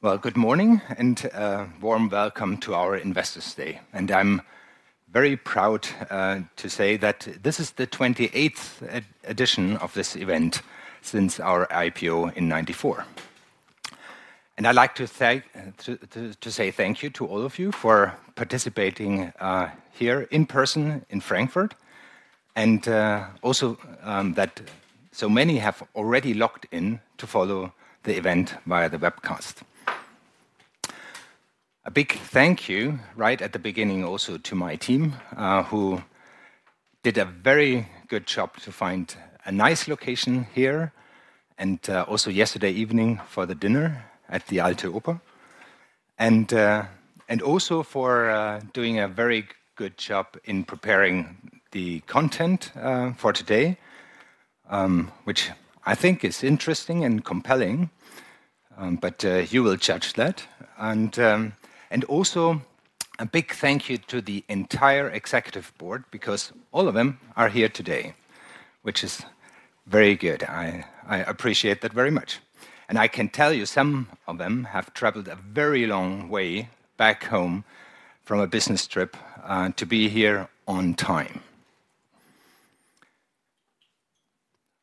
Good morning and a warm welcome to our Investors' Day. I'm very proud to say that this is the 28th edition of this event since our IPO in 1994. I'd like to say thank you to all of you for participating here in person in Frankfurt. Also, that so many have already logged in to follow the event via the webcast. A big thank you right at the beginning also to my team, who did a very good job to find a nice location here. Also, yesterday evening for the dinner at the Alte Oper. Also, for doing a very good job in preparing the content for today, which I think is interesting and compelling, but you will judge that. A big thank you to the entire Executive Board because all of them are here today, which is very good. I appreciate that very much. I can tell you some of them have traveled a very long way back home from a business trip to be here on time.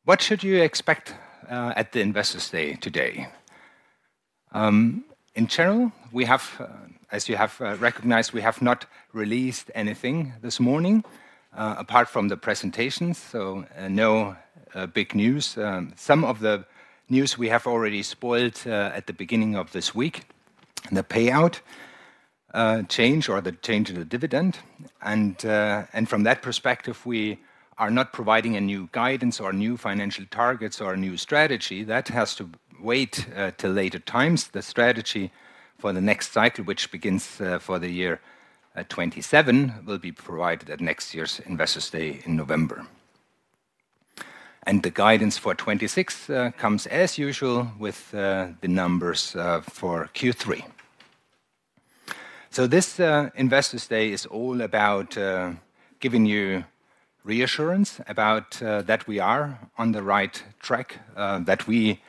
What should you expect at the Investors' Day today? In general, as you have recognized, we have not released anything this morning apart from the presentations, so no big news. Some of the news we have already spoiled at the beginning of this week: the payout change or the change in the dividend. From that perspective, we are not providing a new guidance or new financial targets or a new strategy. That has to wait till later times. The strategy for the next cycle, which begins for the year 2027, will be provided at next year's Investors' Day in November. The guidance for 2026 comes as usual with the numbers for Q3. This Investors' Day is all about giving you reassurance that we are on the right track, that we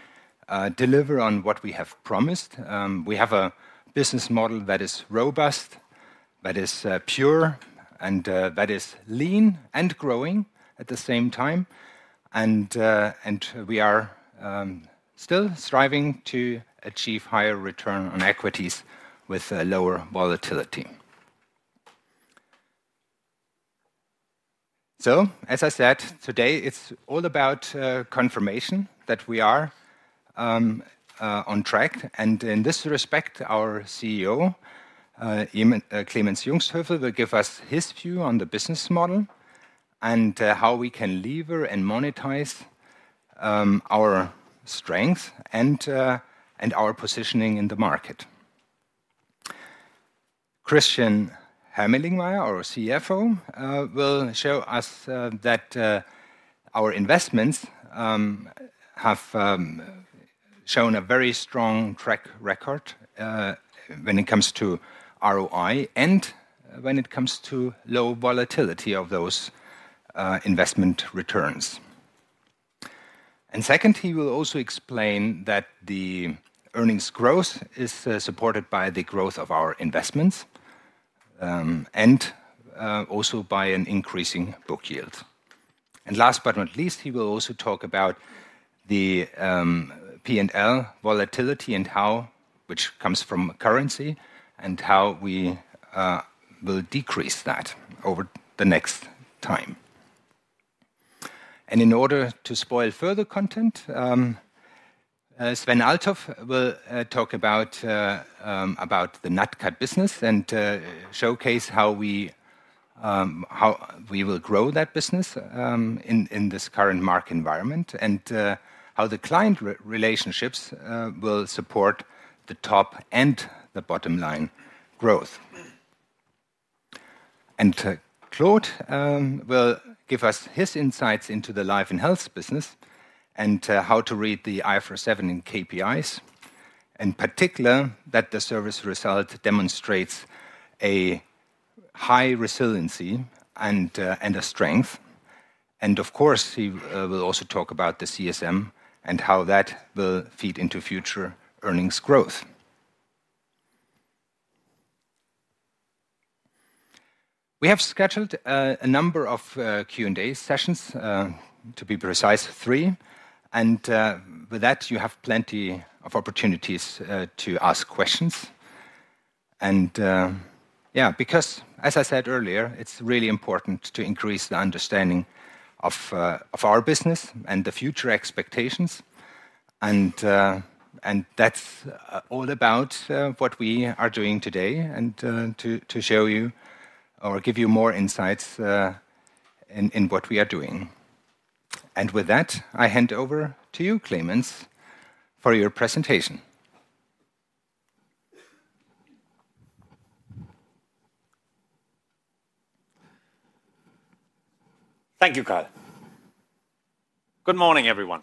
deliver on what we have promised. We have a business model that is robust, that is pure, and that is lean and growing at the same time. We are still striving to achieve higher return on equities with lower volatility. As I said, today it's all about confirmation that we are on track. In this respect, our CEO, Clemens, will give us his view on the business model and how we can lever and monetize our strength and our positioning in the market. Christian Hermelingmeier, our CFO, will show us that our investments have shown a very strong track record when it comes to ROI and when it comes to low volatility of those investment returns. Second, he will also explain that the earnings growth is supported by the growth of our investments and also by an increasing book yield. Last but not least, he will also talk about the P&L volatility, which comes from currency, and how we will decrease that over the next time. In order to spoil further content, Sven Althoff will talk about the NatCat business and showcase how we will grow that business in this current market environment and how the client relationships will support the top and the bottom line growth. Claude will give us his insights into the life and health reinsurance business and how to read the IFRS and KPIs, in particular that the service result demonstrates a high resiliency and a strength. Of course, he will also talk about the CSM and how that will feed into future earnings growth. We have scheduled a number of Q&A sessions, to be precise, three. With that, you have plenty of opportunities to ask questions. As I said earlier, it's really important to increase the understanding of our business and the future expectations. That's all about what we are doing today and to show you or give you more insights in what we are doing. With that, I hand over to you, Clemens, for your presentation. Thank you, Karl. Good morning, everyone,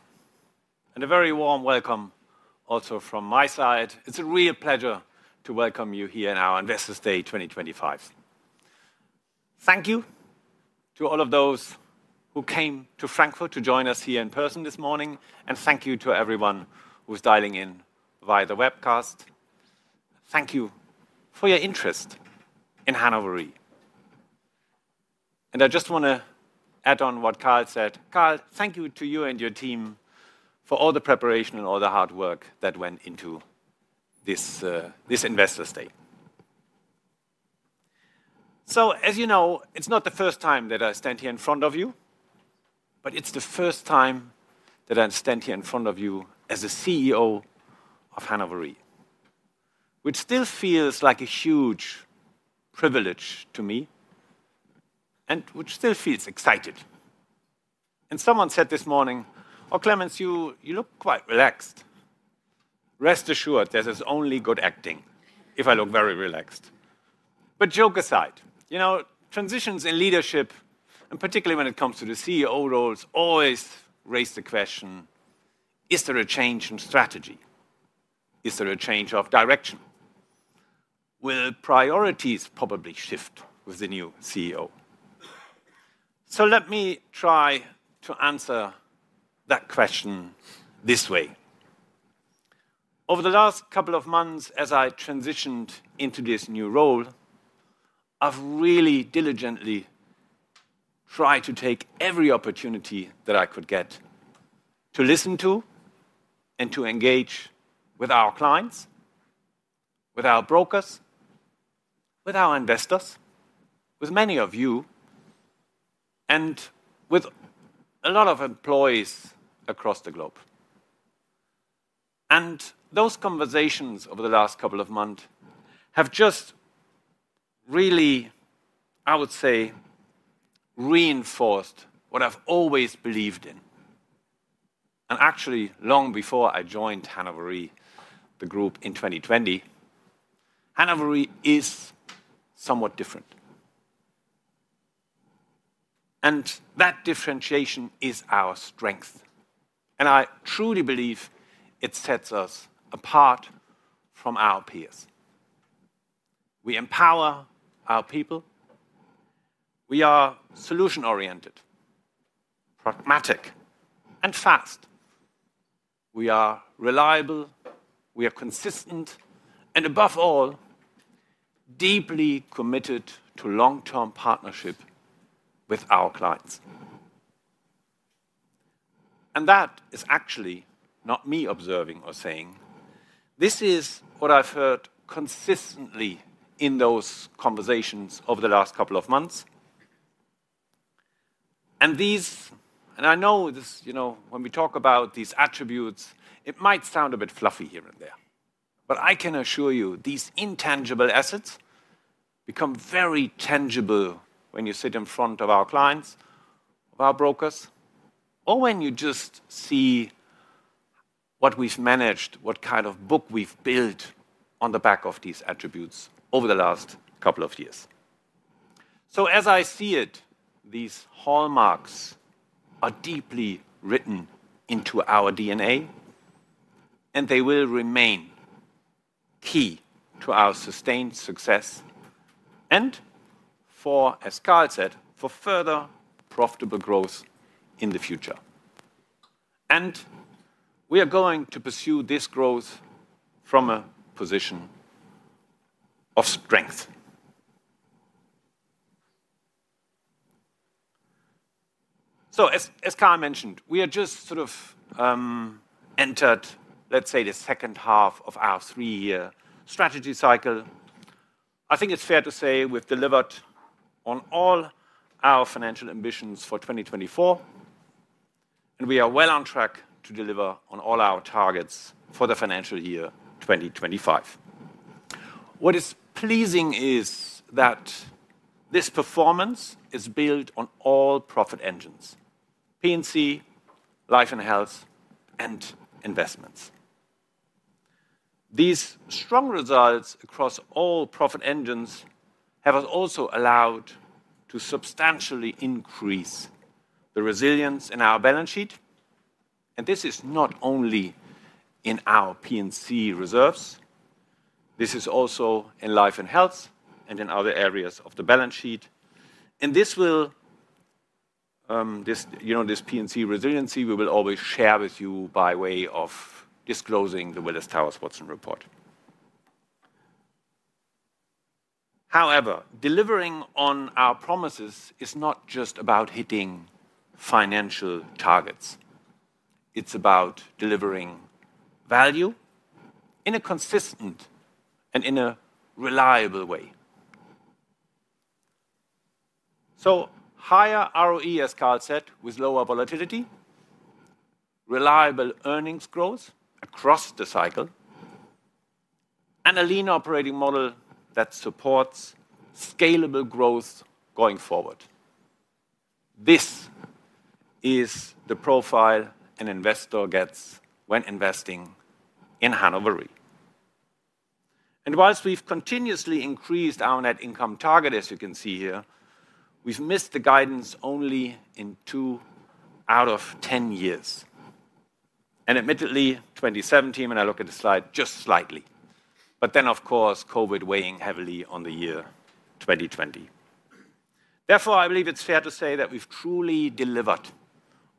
and a very warm welcome also from my side. It's a real pleasure to welcome you here in our Investors' Day 2025. Thank you to all of those who came to Frankfurt to join us here in person this morning, and thank you to everyone who's dialing in via the webcast. Thank you for your interest in Hannover Re. I just want to add on what Karl said. Karl, thank you to you and your team for all the preparation and all the hard work that went into this Investors' Day. As you know, it's not the first time that I stand here in front of you, but it's the first time that I stand here in front of you as CEO of Hannover Re, which still feels like a huge privilege to me and which still feels exciting. Someone said this morning, "Oh, Clemens, you look quite relaxed." Rest assured, this is only good acting if I look very relaxed. Jokes aside, transitions in leadership, and particularly when it comes to the CEO roles, always raise the question, is there a change in strategy? Is there a change of direction? Will priorities probably shift with the new CEO? Let me try to answer that question this way. Over the last couple of months, as I transitioned into this new role, I've really diligently tried to take every opportunity that I could get to listen to and to engage with our clients, with our brokers, with our investors, with many of you, and with a lot of employees across the globe. Those conversations over the last couple of months have just really, I would say, reinforced what I've always believed in. Actually, long before I joined Hannover Re, the group in 2020, Hannover Re is somewhat different. That differentiation is our strength, and I truly believe it sets us apart from our peers. We empower our people. We are solution-oriented, pragmatic, and fast. We are reliable, we are consistent, and above all, deeply committed to long-term partnership with our clients. That is actually not me observing or saying. This is what I've heard consistently in those conversations over the last couple of months. I know this, you know, when we talk about these attributes, it might sound a bit fluffy here and there, but I can assure you these intangible assets become very tangible when you sit in front of our clients, of our brokers, or when you just see what we've managed, what kind of book we've built on the back of these attributes over the last couple of years. As I see it, these hallmarks are deeply written into our DNA, and they will remain key to our sustained success and for, as Karl said, for further profitable growth in the future. We are going to pursue this growth from a position of strength. As Karl mentioned, we are just sort of entered, let's say, the second half of our three-year strategy cycle. I think it's fair to say we've delivered on all our financial ambitions for 2024, and we are well on track to deliver on all our targets for the financial year 2025. What is pleasing is that this performance is built on all profit engines: P&C, life and health, and investments. These strong results across all profit engines have also allowed to substantially increase the resilience in our balance sheet. This is not only in our P&C reserves, this is also in life and health and in other areas of the balance sheet. This P&C resiliency we will always share with you by way of disclosing the Willis Towers Watson report. However, delivering on our promises is not just about hitting financial targets. It's about delivering value in a consistent and in a reliable way. Higher ROE, as Karl said, with lower volatility, reliable earnings growth across the cycle, and a lean operating model that supports scalable growth going forward. This is the profile an investor gets when investing in Hannover Re. Whilst we've continuously increased our net income target, as you can see here, we've missed the guidance only in two out of 10 years. Admittedly, 2017, when I look at the slide, just slightly. Of course, COVID weighing heavily on the year 2020. Therefore, I believe it's fair to say that we've truly delivered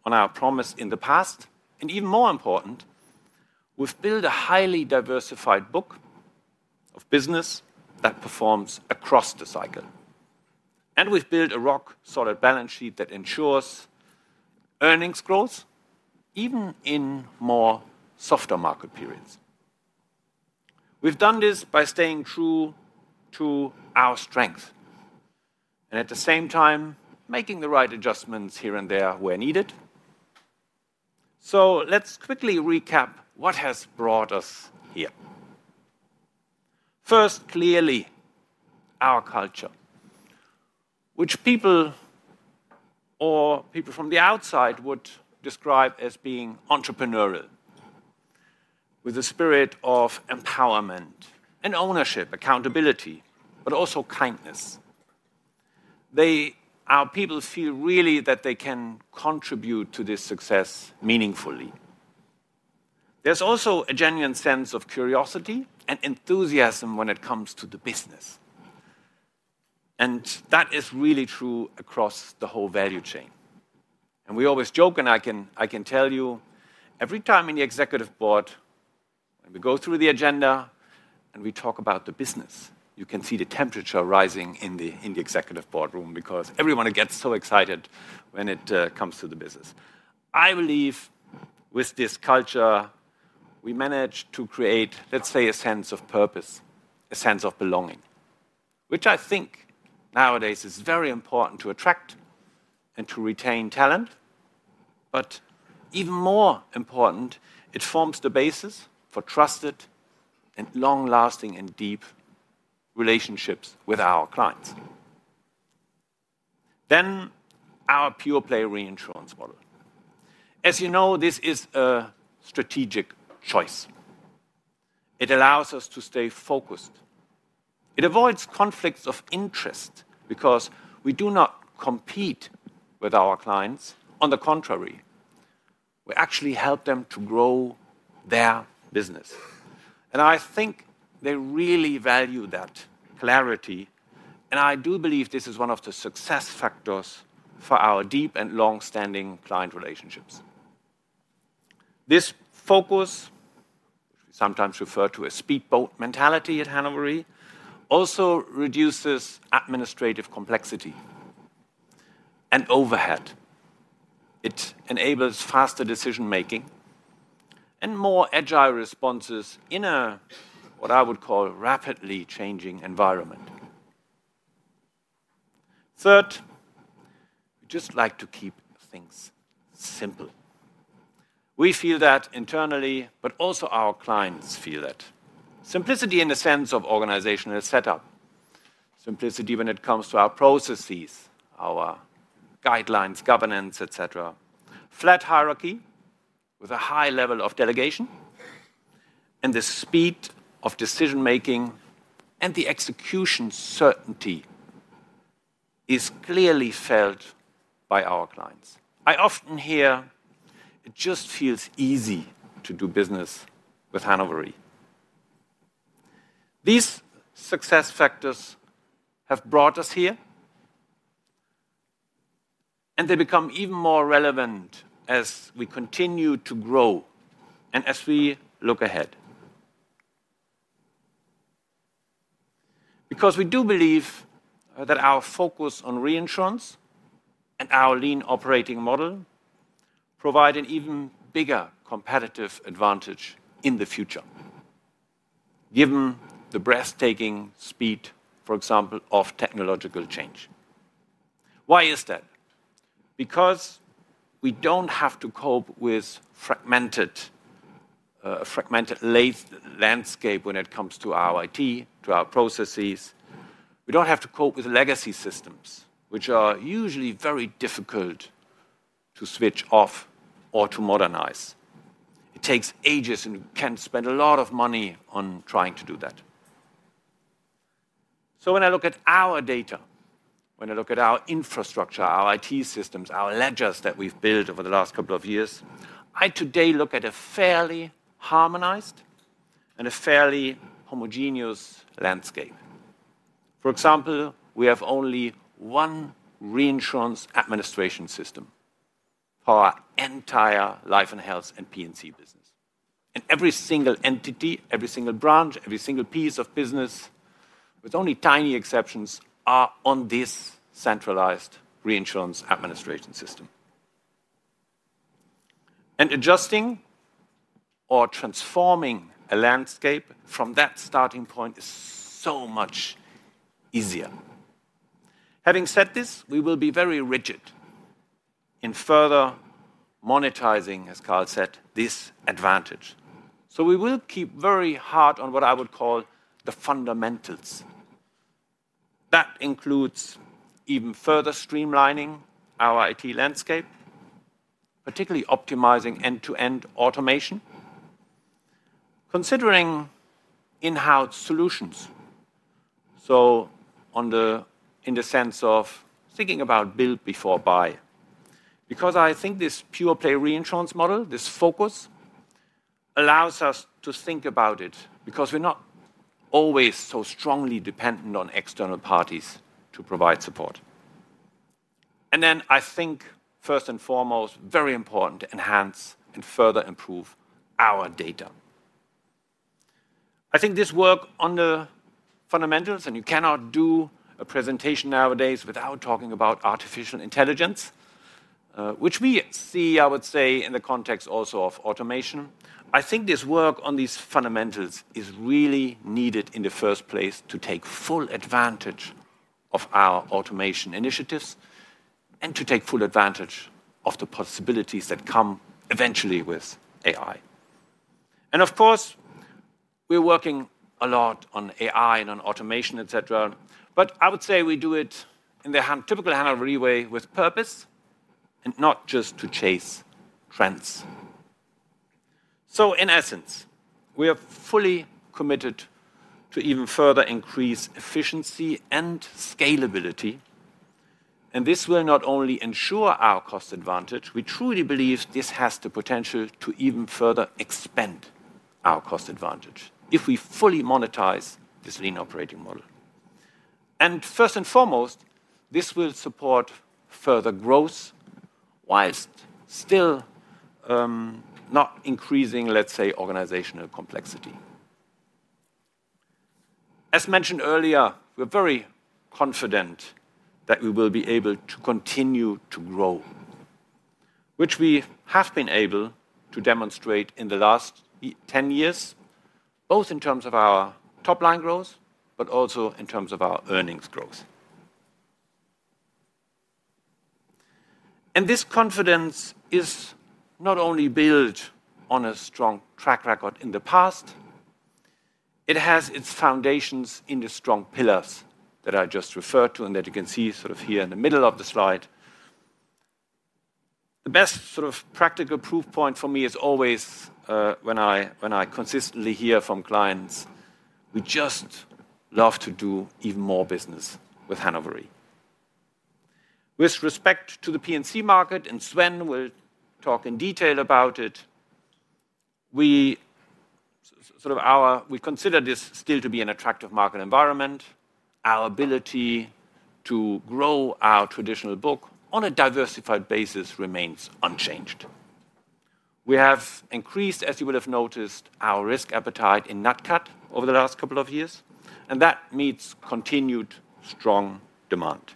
on our promise in the past, and even more important, we've built a highly diversified book of business that performs across the cycle. We've built a rock-solid balance sheet that ensures earnings growth even in more softer market periods. We've done this by staying true to our strength and at the same time, making the right adjustments here and there where needed. Let's quickly recap what has brought us here. First, clearly our culture, which people or people from the outside would describe as being entrepreneurial, with a spirit of empowerment and ownership, accountability, but also kindness. Our people feel really that they can contribute to this success meaningfully. There's also a genuine sense of curiosity and enthusiasm when it comes to the business. That is really true across the whole value chain. We always joke, and I can tell you, every time in the Executive Board, and we go through the agenda and we talk about the business, you can see the temperature rising in the Executive Boardroom because everyone gets so excited when it comes to the business. I believe with this culture, we manage to create, let's say, a sense of purpose, a sense of belonging, which I think nowadays is very important to attract and to retain talent. Even more important, it forms the basis for trusted and long-lasting and deep relationships with our clients. Our pure-play reinsurance model, as you know, is a strategic choice. It allows us to stay focused. It avoids conflicts of interest because we do not compete with our clients; on the contrary, we actually help them to grow their business. I think they really value that clarity, and I do believe this is one of the success factors for our deep and long-standing client relationships. This focus, sometimes referred to as speedboat mentality at Hannover Re, also reduces administrative complexity and overhead. It enables faster decision-making and more agile responses in a, what I would call, rapidly changing environment. Third, we just like to keep things simple. We feel that internally, but also our clients feel that. Simplicity in the sense of organizational setup, simplicity when it comes to our processes, our guidelines, governance, etc. Flat hierarchy with a high level of delegation and the speed of decision-making and the execution certainty is clearly felt by our clients. I often hear, "It just feels easy to do business with Hannover Re. These success factors have brought us here, and they become even more relevant as we continue to grow and as we look ahead. We do believe that our focus on reinsurance and our lean operating model provide an even bigger competitive advantage in the future, given the breathtaking speed, for example, of technological change. Why is that? We do not have to cope with a fragmented landscape when it comes to our IT, to our processes. We do not have to cope with legacy systems, which are usually very difficult to switch off or to modernize. It takes ages, and you can spend a lot of money on trying to do that. When I look at our data, when I look at our infrastructure, our IT systems, our ledgers that we've built over the last couple of years, I today look at a fairly harmonized and a fairly homogeneous landscape. For example, we have only one reinsurance administration system for our entire life and health and P&C business. Every single entity, every single branch, every single piece of business, with only tiny exceptions, are on this centralized reinsurance administration system. Adjusting or transforming a landscape from that starting point is so much easier. Having said this, we will be very rigid in further monetizing, as Karl said, this advantage. We will keep very hard on what I would call the fundamentals. That includes even further streamlining our IT landscape, particularly optimizing end-to-end automation, considering in-house solutions. In the sense of thinking about build before buy, because I think this pure-play reinsurance model, this focus, allows us to think about it because we're not always so strongly dependent on external parties to provide support. I think, first and foremost, very important, enhance and further improve our data. I think this work on the fundamentals, and you cannot do a presentation nowadays without talking about artificial intelligence, which we see, I would say, in the context also of automation. I think this work on these fundamentals is really needed in the first place to take full advantage of our automation initiatives and to take full advantage of the possibilities that come eventually with AI. Of course, we're working a lot on AI and on automation, etc., but I would say we do it in the typical Hannover Re way with purpose and not just to chase trends. In essence, we are fully committed to even further increase efficiency and scalability. This will not only ensure our cost advantage, we truly believe this has the potential to even further expand our cost advantage if we fully monetize this lean operating model. First and foremost, this will support further growth whilst still not increasing, let's say, organizational complexity. As mentioned earlier, we're very confident that we will be able to continue to grow, which we have been able to demonstrate in the last 10 years, both in terms of our top line growth, but also in terms of our earnings growth. This confidence is not only built on a strong track record in the past, it has its foundations in the strong pillars that I just referred to and that you can see here in the middle of the slide. The best practical proof point for me is always when I consistently hear from clients, "We just love to do even more business with Hannover Re." With respect to the P&C market, and Sven will talk in detail about it, we consider this still to be an attractive market environment. Our ability to grow our traditional book on a diversified basis remains unchanged. We have increased, as you would have noticed, our risk appetite in NatCat over the last couple of years, and that meets continued strong demand.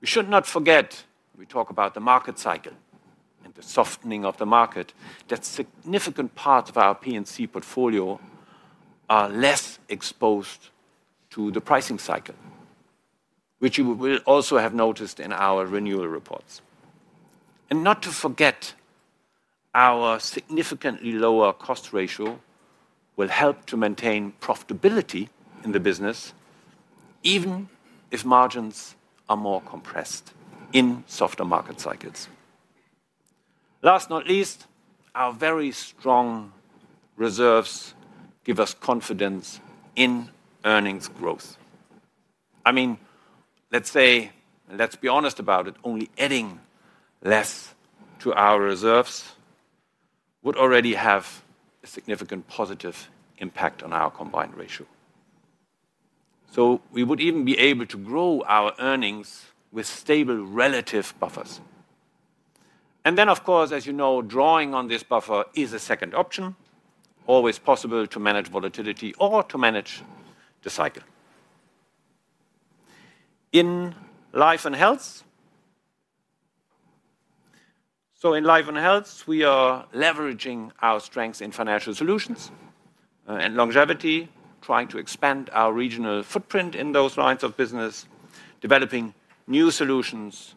We should not forget, we talk about the market cycle and the softening of the market, that significant parts of our P&C portfolio are less exposed to the pricing cycle, which you will also have noticed in our renewal reports. Not to forget, our significantly lower cost ratio will help to maintain profitability in the business, even if margins are more compressed in softer market cycles. Last but not least, our very strong reserves give us confidence in earnings growth. Let's be honest about it, only adding less to our reserves would already have a significant positive impact on our combined ratio. We would even be able to grow our earnings with stable relative buffers. Of course, as you know, drawing on this buffer is a second option, always possible to manage volatility or to manage the cycle. In life and health, we are leveraging our strengths in financial solutions and longevity, trying to expand our regional footprint in those lines of business, developing new solutions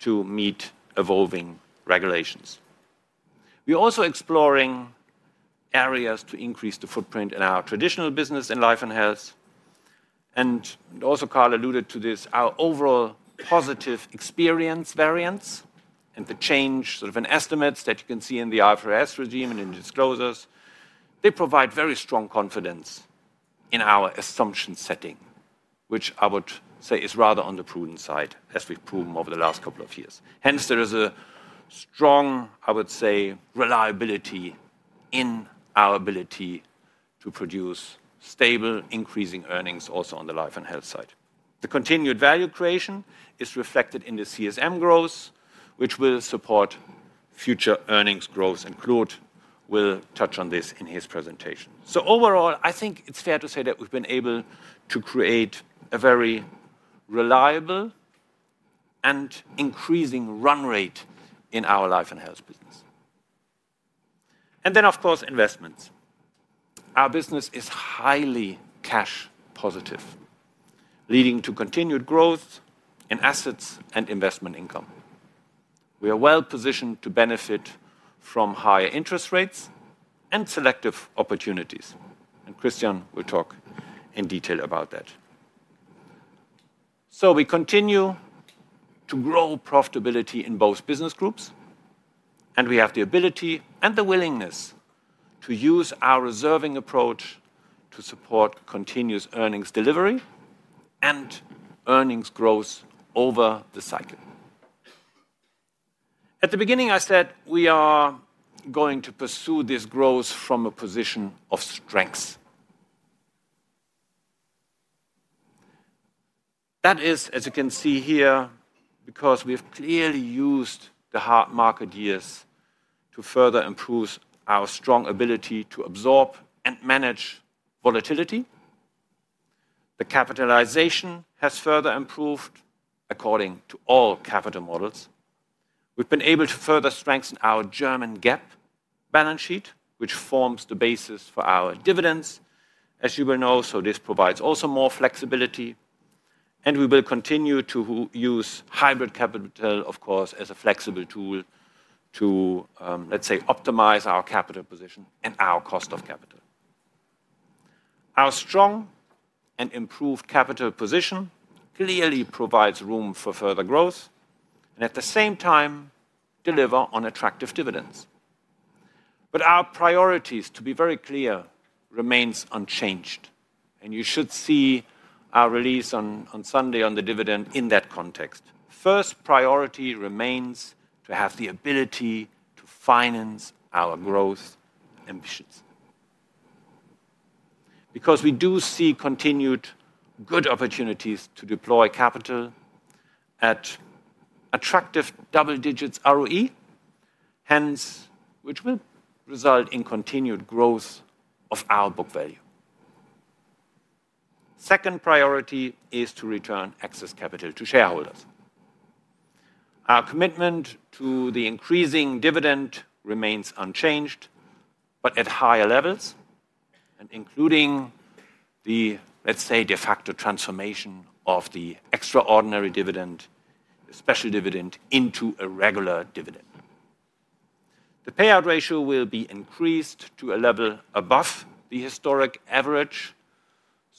to meet evolving regulations. We're also exploring areas to increase the footprint in our traditional business in life and health. Also, Karl alluded to this, our overall positive experience variance and the change in estimates that you can see in the IFRS regime and in disclosures, they provide very strong confidence in our assumption setting, which I would say is rather on the prudent side as we've proven over the last couple of years. Hence, there is a strong reliability in our ability to produce stable increasing earnings also on the life and health side. The continued value creation is reflected in the CSM growth, which will support future earnings growth, and Claude will touch on this in his presentation. Overall, I think it's fair to say that we've been able to create a very reliable and increasing run rate in our life and health business. Of course, investments. Our business is highly cash positive, leading to continued growth in assets and investment income. We are well positioned to benefit from higher interest rates and selective opportunities. Christian will talk in detail about that. We continue to grow profitability in both business groups, and we have the ability and the willingness to use our reserving approach to support continuous earnings delivery and earnings growth over the cycle. At the beginning, I said we are going to pursue this growth from a position of strength. That is, as you can see here, because we've clearly used the hard market years to further improve our strong ability to absorb and manage volatility. The capitalization has further improved according to all capital models. We've been able to further strengthen our German GAAP balance sheet, which forms the basis for our dividends, as you will know. This provides also more flexibility, and we will continue to use hybrid capital, of course, as a flexible tool to, let's say, optimize our capital position and our cost of capital. Our strong and improved capital position clearly provides room for further growth, and at the same time, deliver on attractive dividends. Our priorities, to be very clear, remain unchanged, and you should see our release on Sunday on the dividend in that context. First priority remains to have the ability to finance our growth ambitions. We do see continued good opportunities to deploy capital at attractive double-digit ROE, which will result in continued growth of our book value. Second priority is to return excess capital to shareholders. Our commitment to the increasing dividend remains unchanged, but at higher levels, and including the, let's say, de facto transformation of the extraordinary dividend, the special dividend into a regular dividend. The payout ratio will be increased to a level above the historic average.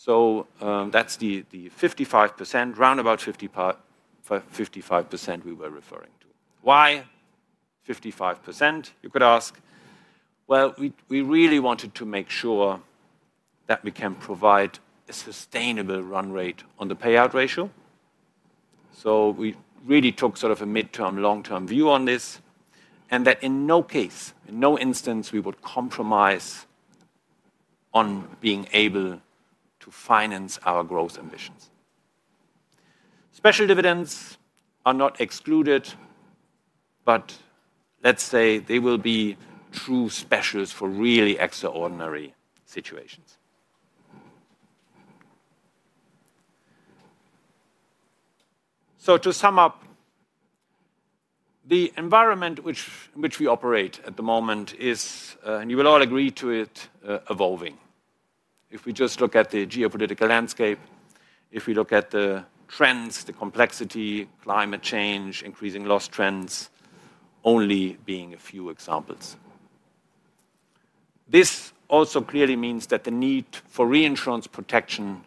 That's the 55%, round about 55% we were referring to. Why 55%, you could ask? We really wanted to make sure that we can provide a sustainable run rate on the payout ratio. We really took sort of a midterm, long-term view on this, and that in no case, in no instance, we would compromise on being able to finance our growth ambitions. Special dividends are not excluded, but let's say they will be true specials for really extraordinary situations. To sum up, the environment in which we operate at the moment is, and you will all agree to it, evolving. If we just look at the geopolitical landscape, if we look at the trends, the complexity, climate change, increasing loss trends, only being a few examples, this also clearly means that the need for reinsurance protection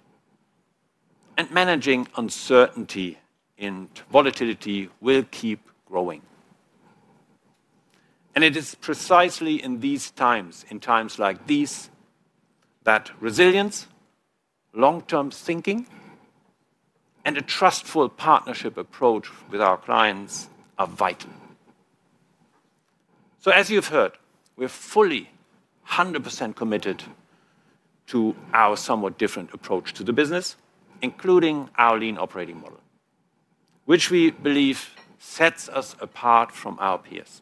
and managing uncertainty and volatility will keep growing. It is precisely in these times, in times like these, that resilience, long-term thinking, and a trustful partnership approach with our clients are vital. As you've heard, we're fully 100% committed to our somewhat different approach to the business, including our lean operating model, which we believe sets us apart from our peers.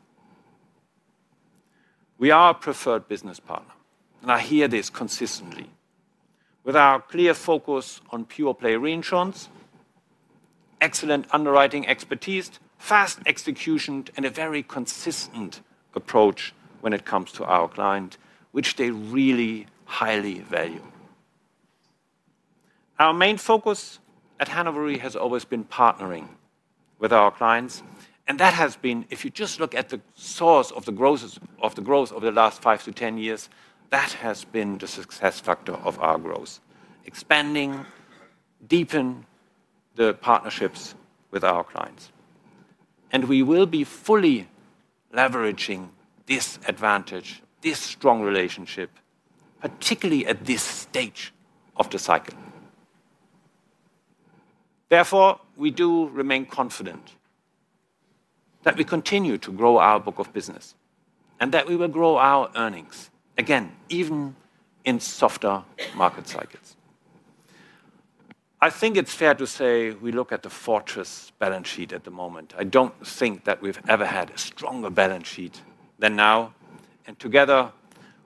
We are a preferred business partner, and I hear this consistently, with our clear focus on pure-play reinsurance, excellent underwriting expertise, fast execution, and a very consistent approach when it comes to our client, which they really highly value. Our main focus at Hannover Re has always been partnering with our clients, and that has been, if you just look at the source of the growth over the last five to 10 years, that has been the success factor of our growth, expanding, deepened the partnerships with our clients. We will be fully leveraging this advantage, this strong relationship, particularly at this stage of the cycle. Therefore, we do remain confident that we continue to grow our book of business and that we will grow our earnings, again, even in softer market cycles. I think it's fair to say we look at the fortress balance sheet at the moment. I don't think that we've ever had a stronger balance sheet than now. Together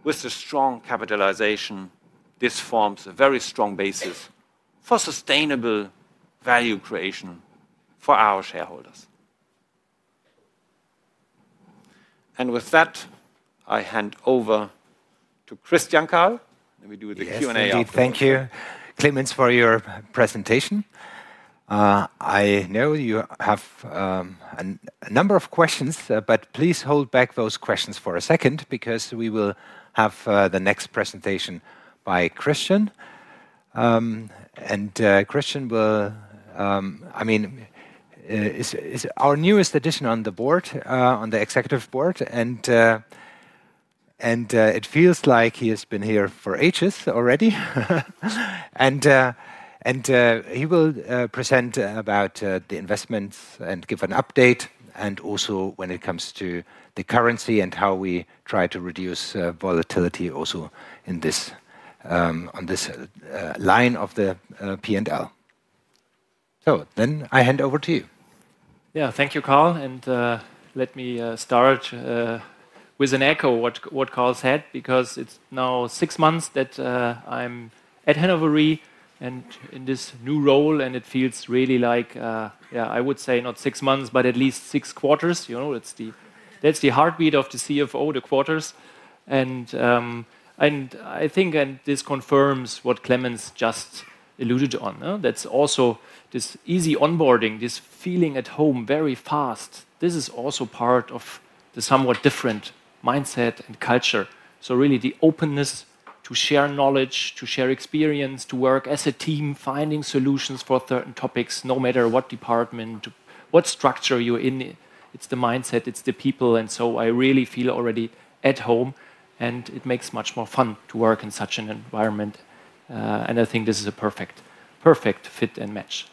with the strong capitalization, this forms a very strong basis for sustainable value creation for our shareholders. With that, I hand over to Christian, Karl. Let me do the Q&A after. Indeed, thank you, Clemens, for your presentation. I know you have a number of questions, but please hold back those questions for a second because we will have the next presentation by Christian. Christian is our newest addition on the Board, on the Executive Board, and it feels like he has been here for ages already. He will present about the investments and give an update, and also when it comes to the currency and how we try to reduce volatility also on this line of the P&L. I hand over to you. Yeah, thank you, Karl. Let me start with an echo of what Karl said because it's now six months that I'm at Hannover Re in this new role, and it feels really like, yeah, I would say not six months, but at least six quarters. You know, that's the heartbeat of the CFO, the quarters. I think this confirms what Clemens just alluded to. That's also this easy onboarding, this feeling at home very fast. This is also part of the somewhat different mindset and culture. Really, the openness to share knowledge, to share experience, to work as a team, finding solutions for certain topics, no matter what department, what structure you're in. It's the mindset, it's the people, and I really feel already at home, and it makes much more fun to work in such an environment. I think this is a perfect fit and match.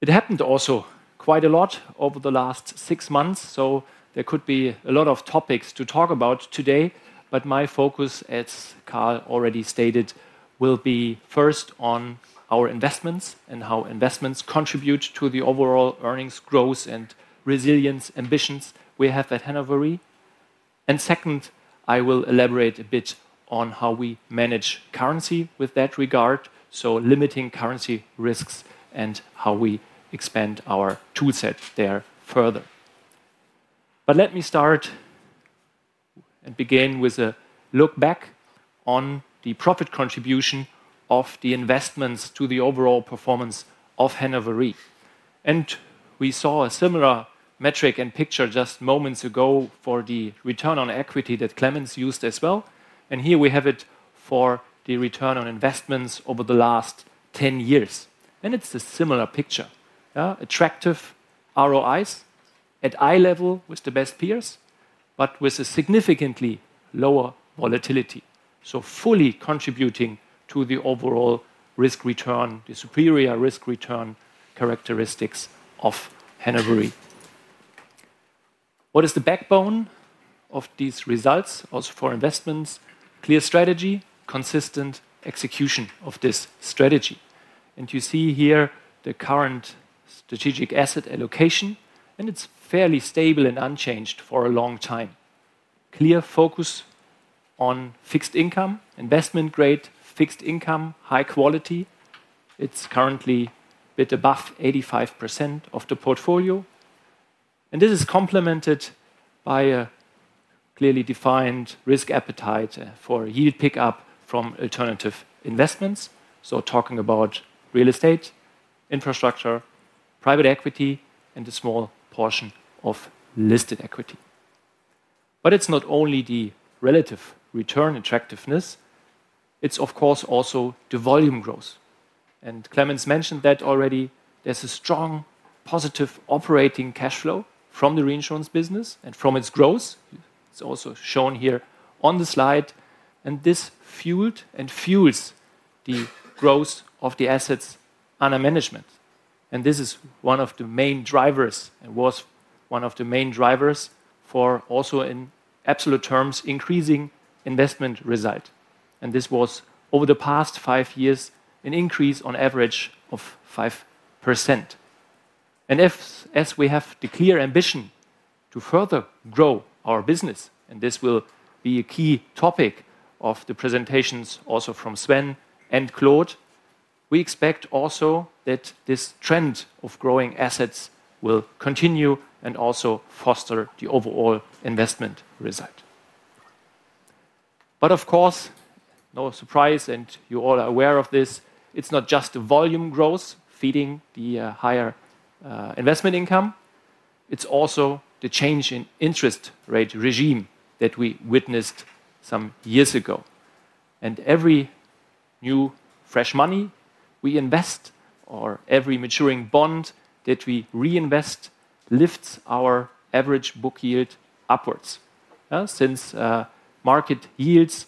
It happened also quite a lot over the last six months, so there could be a lot of topics to talk about today, but my focus, as Karl already stated, will be first on our investments and how investments contribute to the overall earnings growth and resilience ambitions we have at Hannover Re. Second, I will elaborate a bit on how we manage currency with that regard, limiting currency risks and how we expand our toolset there further. Let me start and begin with a look back on the profit contribution of the investments to the overall performance of Hannover Re. We saw a similar metric and picture just moments ago for the return on equity that Clemens used as well, and here we have it for the return on investments over the last 10 years. It's a similar picture. Attractive ROIs at eye level with the best peers, but with a significantly lower volatility, fully contributing to the overall risk return, the superior risk return characteristics of Hannover Re. What is the backbone of these results for investments? Clear strategy, consistent execution of this strategy. You see here the current strategic asset allocation, and it's fairly stable and unchanged for a long time. Clear focus on fixed income, investment-grade fixed income, high quality. It's currently a bit above 85% of the portfolio. This is complemented by a clearly defined risk appetite for yield pickup from alternative investments, talking about real estate, infrastructure, private equity, and a small portion of listed equity. It's not only the relative return attractiveness; it's, of course, also the volume growth. Clemens mentioned that already. There's a strong positive operating cash flow from the reinsurance business and from its growth. It's also shown here on the slide, and this fueled and fuels the growth of the assets under management. This is one of the main drivers and was one of the main drivers for also in absolute terms increasing investment result. This was over the past five years an increase on average of 5%. As we have the clear ambition to further grow our business, and this will be a key topic of the presentations also from Sven and Claude, we expect also that this trend of growing assets will continue and also foster the overall investment result. Of course, no surprise, and you all are aware of this, it's not just the volume growth feeding the higher investment income, it's also the change in interest rate regime that we witnessed some years ago. Every new fresh money we invest or every maturing bond that we reinvest lifts our average book yield upwards. Since market yields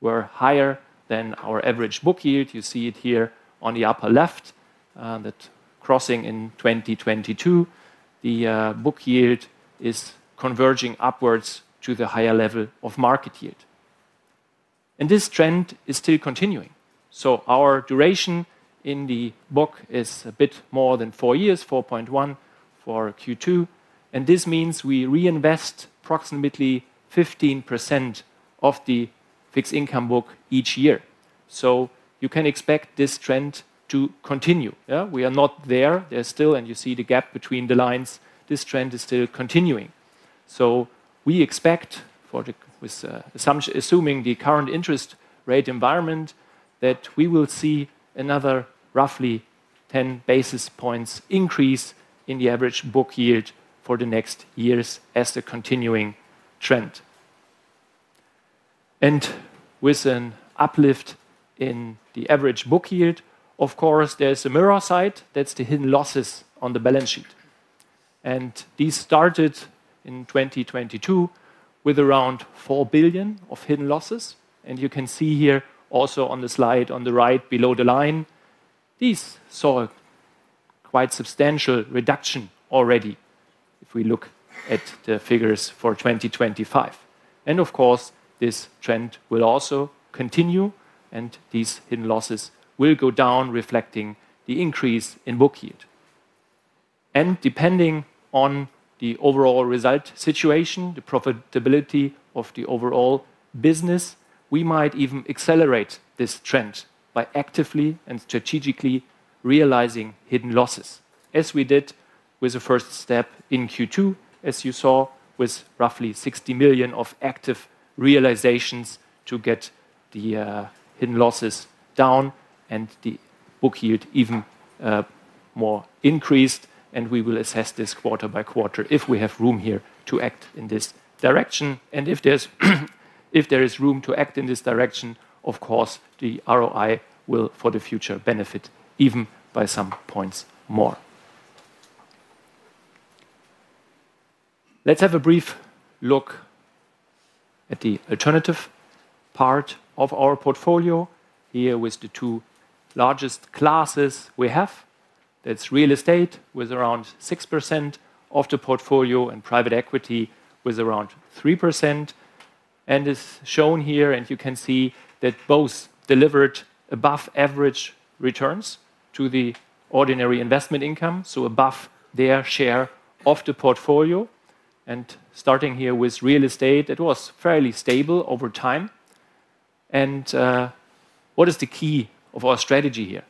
were higher than our average book yield, you see it here on the upper left, that crossing in 2022, the book yield is converging upwards to the higher level of market yield. This trend is still continuing. Our duration in the book is a bit more than four years, 4.1 for Q2. This means we reinvest approximately 15% of the fixed income book each year. You can expect this trend to continue. We are not there, there's still, and you see the gap between the lines. This trend is still continuing. We expect, assuming the current interest rate environment, that we will see another roughly 10 basis points increase in the average book yield for the next years as a continuing trend. With an uplift in the average book yield, of course, there's a mirror side, that's the hidden losses on the balance sheet. These started in 2022 with around 4 billion of hidden losses, and you can see here also on the slide on the right below the line, these saw quite substantial reduction already if we look at the figures for 2025. Of course, this trend will also continue, and these hidden losses will go down, reflecting the increase in book yield. Depending on the overall result situation, the profitability of the overall business, we might even accelerate this trend by actively and strategically realizing hidden losses, as we did with the first step in Q2, as you saw, with roughly 60 million of active realizations to get the hidden losses down and the book yield even more increased. We will assess this quarter by quarter if we have room here to act in this direction. If there is room to act in this direction, of course, the ROI will for the future benefit even by some points more. Let's have a brief look at the alternative part of our portfolio here with the two largest classes we have. That's real estate with around 6% of the portfolio and private equity with around 3%. It's shown here, and you can see that both delivered above average returns to the ordinary investment income, so above their share of the portfolio. Starting here with real estate, it was fairly stable over time. What is the key of our strategy here?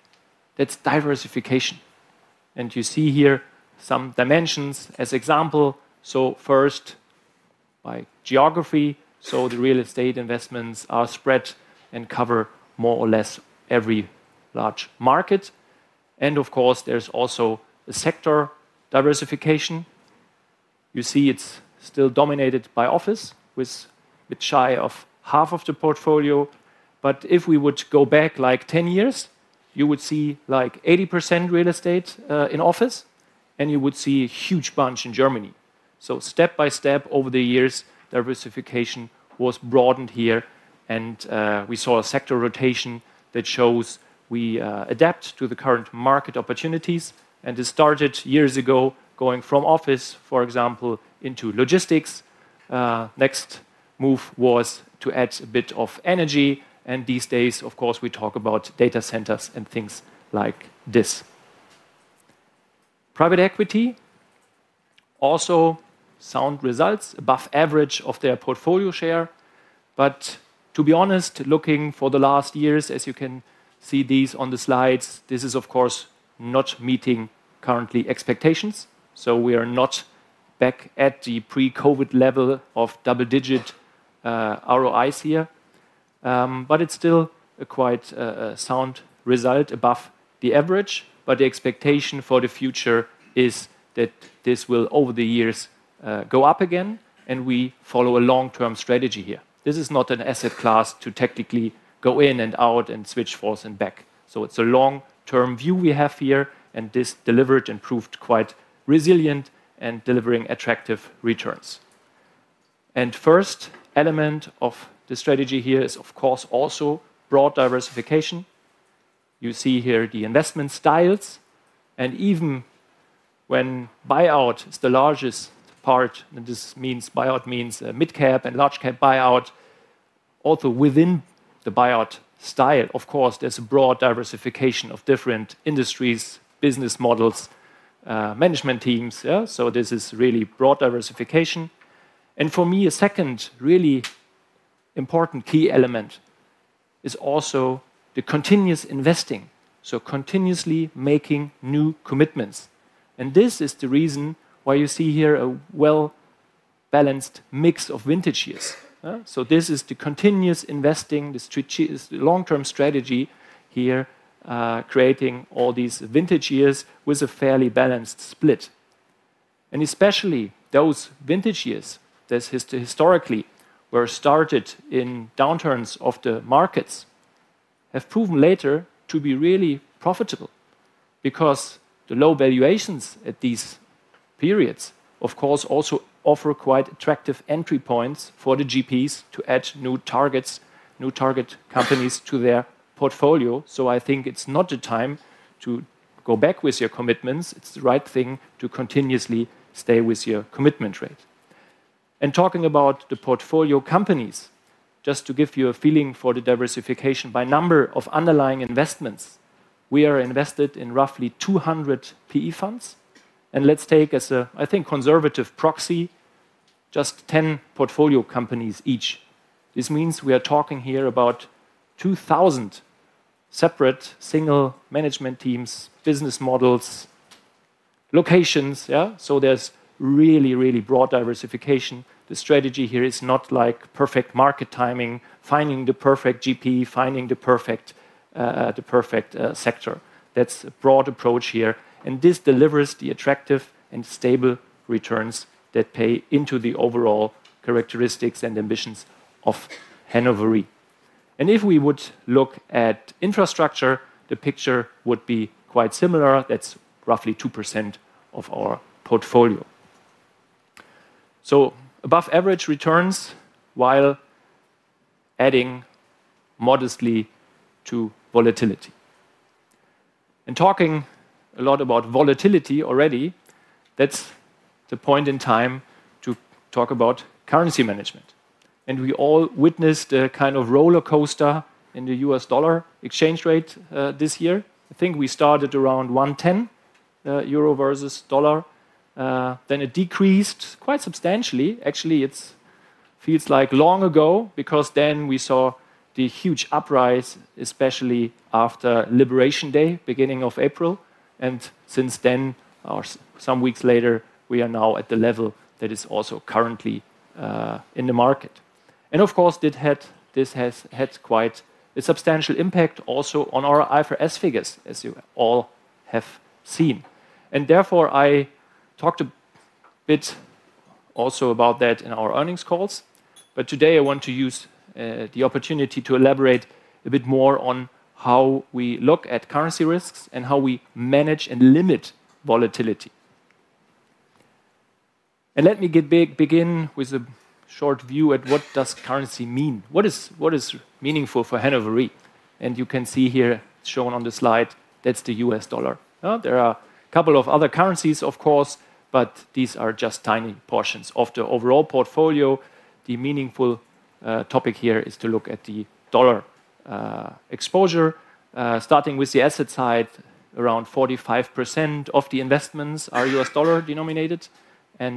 That's diversification. You see here some dimensions as example. First, by geography, so the real estate investments are spread and cover more or less every large market. Of course, there's also the sector diversification. You see it's still dominated by office with a bit shy of half of the portfolio. If we would go back like 10 years, you would see like 80% real estate in office, and you would see a huge bunch in Germany. Step by step over the years, diversification was broadened here, and we saw a sector rotation that shows we adapt to the current market opportunities. This started years ago going from office, for example, into logistics. Next move was to add a bit of energy, and these days, of course, we talk about data centers and things like this. Private equity also sound results, above average of their portfolio share. To be honest, looking for the last years, as you can see these on the slides, this is of course not meeting currently expectations. We are not back at the pre-COVID level of double-digit ROIs here, but it's still a quite sound result above the average. The expectation for the future is that this will over the years go up again, and we follow a long-term strategy here. This is not an asset class to tactically go in and out and switch forth and back. It's a long-term view we have here, and this delivered and proved quite resilient and delivering attractive returns. First element of the strategy here is of course also broad diversification. You see here the investment styles, and even when buyout is the largest part, and this means buyout means a mid-cap and large-cap buyout. Also within the buyout style, of course, there's a broad diversification of different industries, business models, management teams. This is really broad diversification. For me, a second really important key element is also the continuous investing, so continuously making new commitments. This is the reason why you see here a well-balanced mix of vintage years. This is the continuous investing, the long-term strategy here, creating all these vintage years with a fairly balanced split. Especially those vintage years that historically were started in downturns of the markets have proven later to be really profitable because the low valuations at these periods, of course, also offer quite attractive entry points for the GPs to add new target companies to their portfolio. I think it's not the time to go back with your commitments. It's the right thing to continuously stay with your commitment rate. Talking about the portfolio companies, just to give you a feeling for the diversification by number of underlying investments, we are invested in roughly 200 PE funds. Let's take as a, I think, conservative proxy, just 10 portfolio companies each. This means we are talking here about 2,000 separate single management teams, business models, locations. There's really, really broad diversification. The strategy here is not like perfect market timing, finding the perfect GP, finding the perfect sector. That's a broad approach here, and this delivers the attractive and stable returns that pay into the overall characteristics and ambitions of Hannover Re. If we would look at infrastructure, the picture would be quite similar. That's roughly 2% of our portfolio. Above average returns while adding modestly to volatility. Talking a lot about volatility already, that's the point in time to talk about currency management. We all witnessed a kind of roller coaster in the US dollar exchange rate this year. I think we started around 1.10 euro versus dollar. Then it decreased quite substantially. Actually, it feels like long ago because then we saw the huge uprise, especially after Liberation Day, beginning of April. Since then, or some weeks later, we are now at the level that is also currently in the market. Of course, this has had quite a substantial impact also on our IFRS figures, as you all have seen. Therefore, I talked a bit also about that in our earnings calls. Today, I want to use the opportunity to elaborate a bit more on how we look at currency risks and how we manage and limit volatility. Let me begin with a short view at what does currency mean? What is meaningful for Hannover Re? You can see here shown on the slide, that's the US dollar. There are a couple of other currencies, of course, but these are just tiny portions of the overall portfolio. The meaningful topic here is to look at the dollar exposure. Starting with the asset side, around 45% of the investments are US dollar denominated.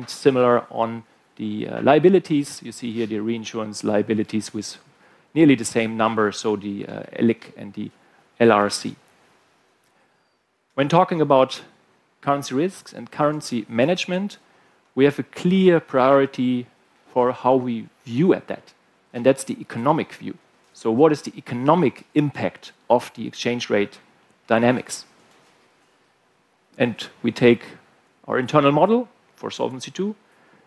Similar on the liabilities, you see here the reinsurance liabilities with nearly the same numbers, so the LIC and the LRC. When talking about currency risks and currency management, we have a clear priority for how we view at that, and that's the economic view. What is the economic impact of the exchange rate dynamics? We take our internal model for Solvency II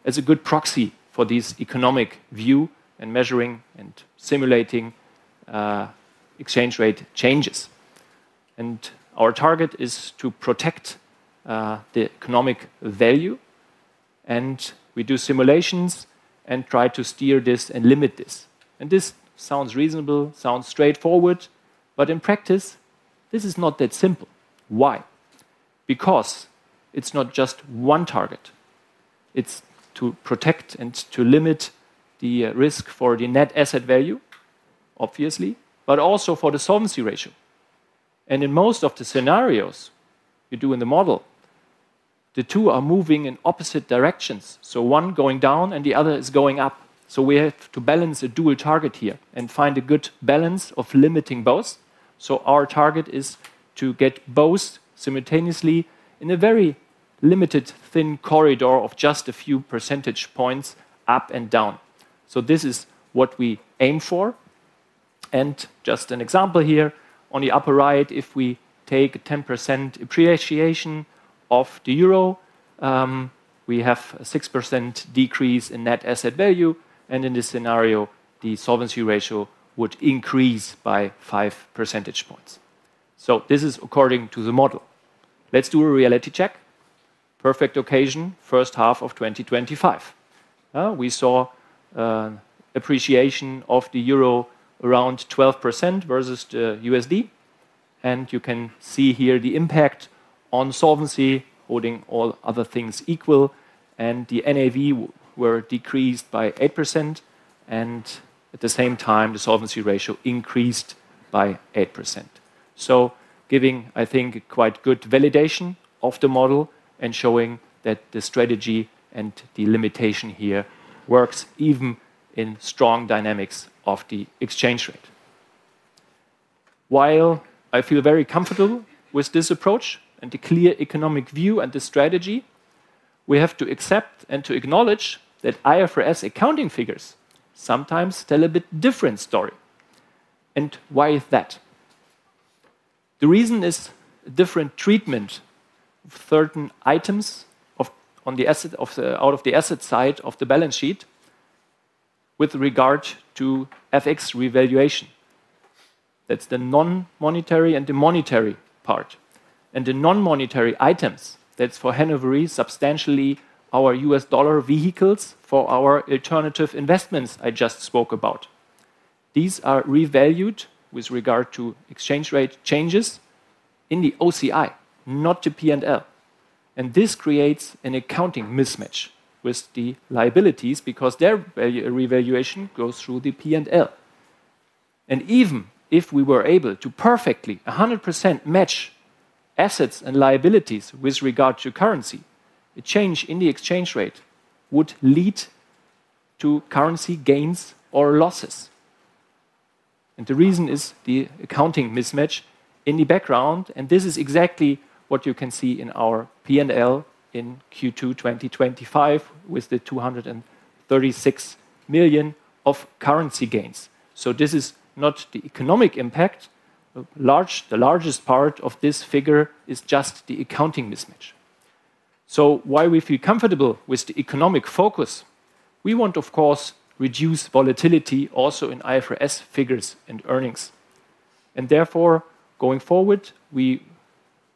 as a good proxy for this economic view and measuring and simulating exchange rate changes. Our target is to protect the economic value, and we do simulations and try to steer this and limit this. This sounds reasonable, sounds straightforward, but in practice, this is not that simple. Why? Because it's not just one target. It's to protect and to limit the risk for the net asset value, obviously, but also for the Solvency ratio. In most of the scenarios we do in the model, the two are moving in opposite directions, so one going down and the other is going up. We have to balance a dual target here and find a good balance of limiting both. Our target is to get both simultaneously in a very limited thin corridor of just a few percentage points up and down. This is what we aim for. Just an example here, on the upper right, if we take a 10% appreciation of the euro, we have a 6% decrease in net asset value. In this scenario, the Solvency ratio would increase by 5 percentage points. This is according to the model. Let's do a reality check. Perfect occasion, first half of 2025. We saw an appreciation of the euro around 12% versus the USD. You can see here the impact on Solvency, holding all other things equal. The NAV were decreased by 8%, and at the same time, the Solvency ratio increased by 8%. Giving, I think, quite good validation of the model and showing that the strategy and the limitation here work even in strong dynamics of the exchange rate. While I feel very comfortable with this approach and the clear economic view and the strategy, we have to accept and to acknowledge that IFRS accounting figures sometimes tell a bit different story. Why is that? The reason is a different treatment of certain items on the asset side of the balance sheet with regard to FX revaluation. That's the non-monetary and the monetary part. The non-monetary items, that's for Hannover Re, substantially our U.S. dollar vehicles for our alternative investments I just spoke about. These are revalued with regard to exchange rate changes in the OCI, not the P&L. This creates an accounting mismatch with the liabilities because their revaluation goes through the P&L. Even if we were able to perfectly 100% match assets and liabilities with regard to currency, a change in the exchange rate would lead to currency gains or losses. The reason is the accounting mismatch in the background, and this is exactly what you can see in our P&L in Q2 2025 with the 236 million of currency gains. This is not the economic impact. The largest part of this figure is just the accounting mismatch. Why we feel comfortable with the economic focus, we want, of course, to reduce volatility also in IFRS figures and earnings. Therefore, going forward, we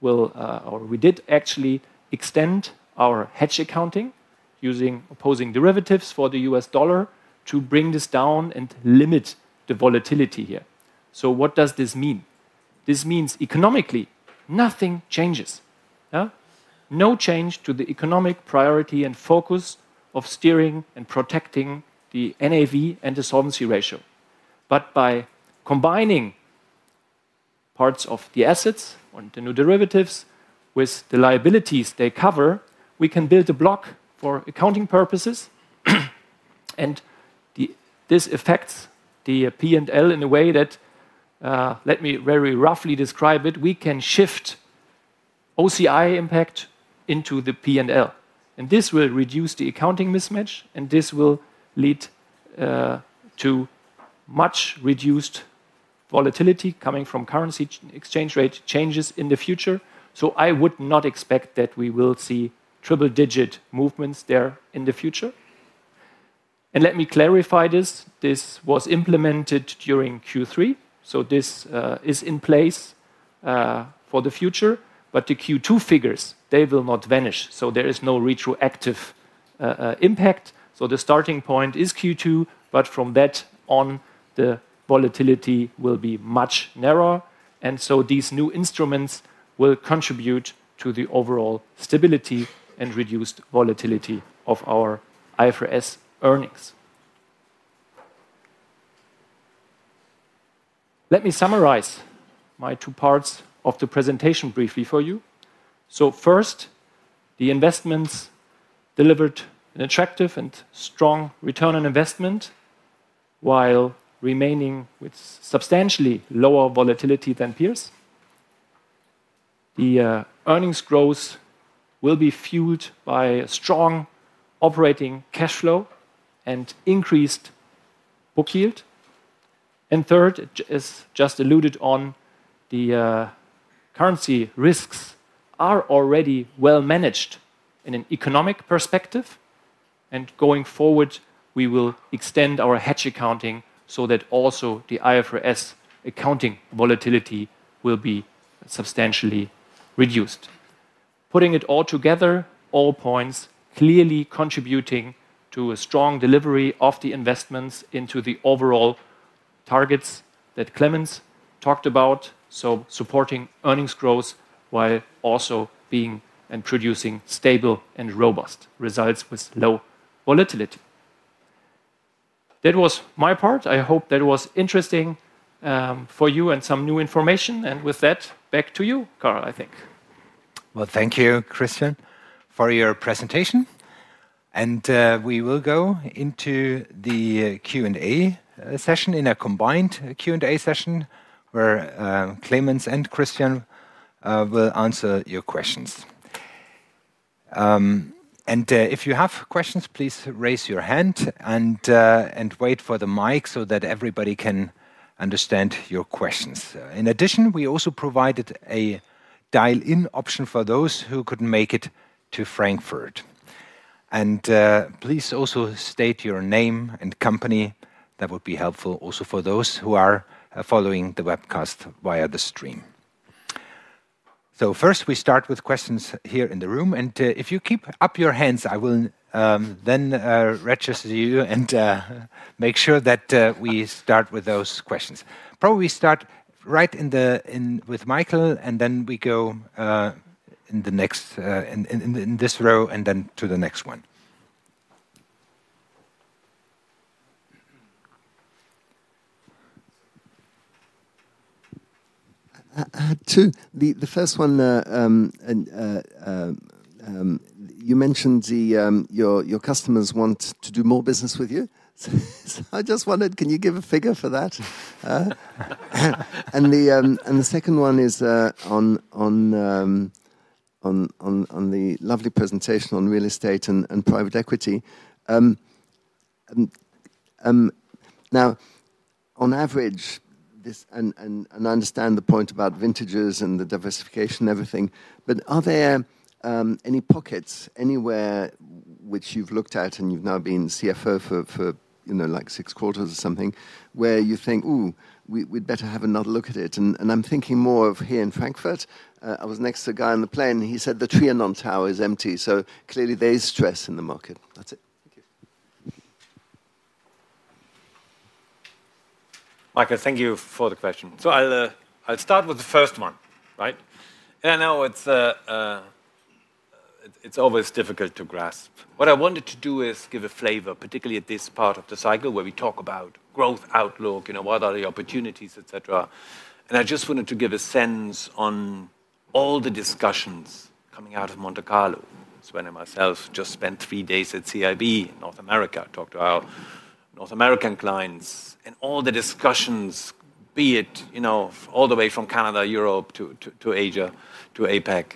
will, or we did actually extend our hedge accounting using opposing derivatives for the US dollar to bring this down and limit the volatility here. What does this mean? This means economically, nothing changes. No change to the economic priority and focus of steering and protecting the NAV and the Solvency ratio. By combining parts of the assets on the new derivatives with the liabilities they cover, we can build a block for accounting purposes. This affects the P&L in a way that, let me very roughly describe it, we can shift OCI impact into the P&L. This will reduce the accounting mismatch, and this will lead to much reduced volatility coming from currency exchange rate changes in the future. I would not expect that we will see triple-digit movements there in the future. Let me clarify this. This was implemented during Q3, so this is in place for the future. The Q2 figures, they will not vanish, so there is no retroactive impact. The starting point is Q2, but from that on, the volatility will be much narrower. These new instruments will contribute to the overall stability and reduced volatility of our IFRS earnings. Let me summarize my two parts of the presentation briefly for you. First, the investments delivered an attractive and strong return on investment while remaining with substantially lower volatility than peers. The earnings growth will be fueled by a strong operating cash flow and increased book yield. Third, as just alluded on, the currency risks are already well managed in an economic perspective. Going forward, we will extend our hedge accounting so that also the IFRS accounting volatility will be substantially reduced. Putting it all together, all points clearly contributing to a strong delivery of the investments into the overall targets that Clemens talked about, supporting earnings growth while also being and producing stable and robust results with low volatility. That was my part. I hope that was interesting for you and some new information. With that, back to you, Karl, I think. Thank you, Christian, for your presentation. We will go into the Q&A session in a combined Q&A session where Clemens and Christian will answer your questions. If you have questions, please raise your hand and wait for the mic so that everybody can understand your questions. In addition, we also provided a dial-in option for those who couldn't make it to Frankfurt. Please also state your name and company. That would be helpful also for those who are following the webcast via the stream. First, we start with questions here in the room. If you keep up your hands, I will then register you and make sure that we start with those questions. Probably we start right in the with Michael, and then we go in this row and then to the next one. The first one, you mentioned your customers want to do more business with you. I just wondered, can you give a figure for that? The second one is on the lovely presentation on real estate and private equity. Now, on average, and I understand the point about vintages and the diversification, everything, but are there any pockets anywhere which you've looked at and you've now been CFO for like six quarters or something where you think, oh, we'd better have another look at it? I'm thinking more of here in Frankfurt. I was next to a guy on the plane, and he said the Trianon Tower is empty, so clearly there is stress in the market. That's it. Michael, thank you for the question. I'll start with the first one. I know it's always difficult to grasp. What I wanted to do is give a flavor, particularly at this part of the cycle where we talk about growth outlook, you know, what are the opportunities, et cetera. I just wanted to give a sense on all the discussions coming out of Monte Carlo. Sven and myself just spent three days at CIB in North America, talked to our North American clients, and all the discussions, be it, you know, all the way from Canada, Europe, to Asia, to APEC.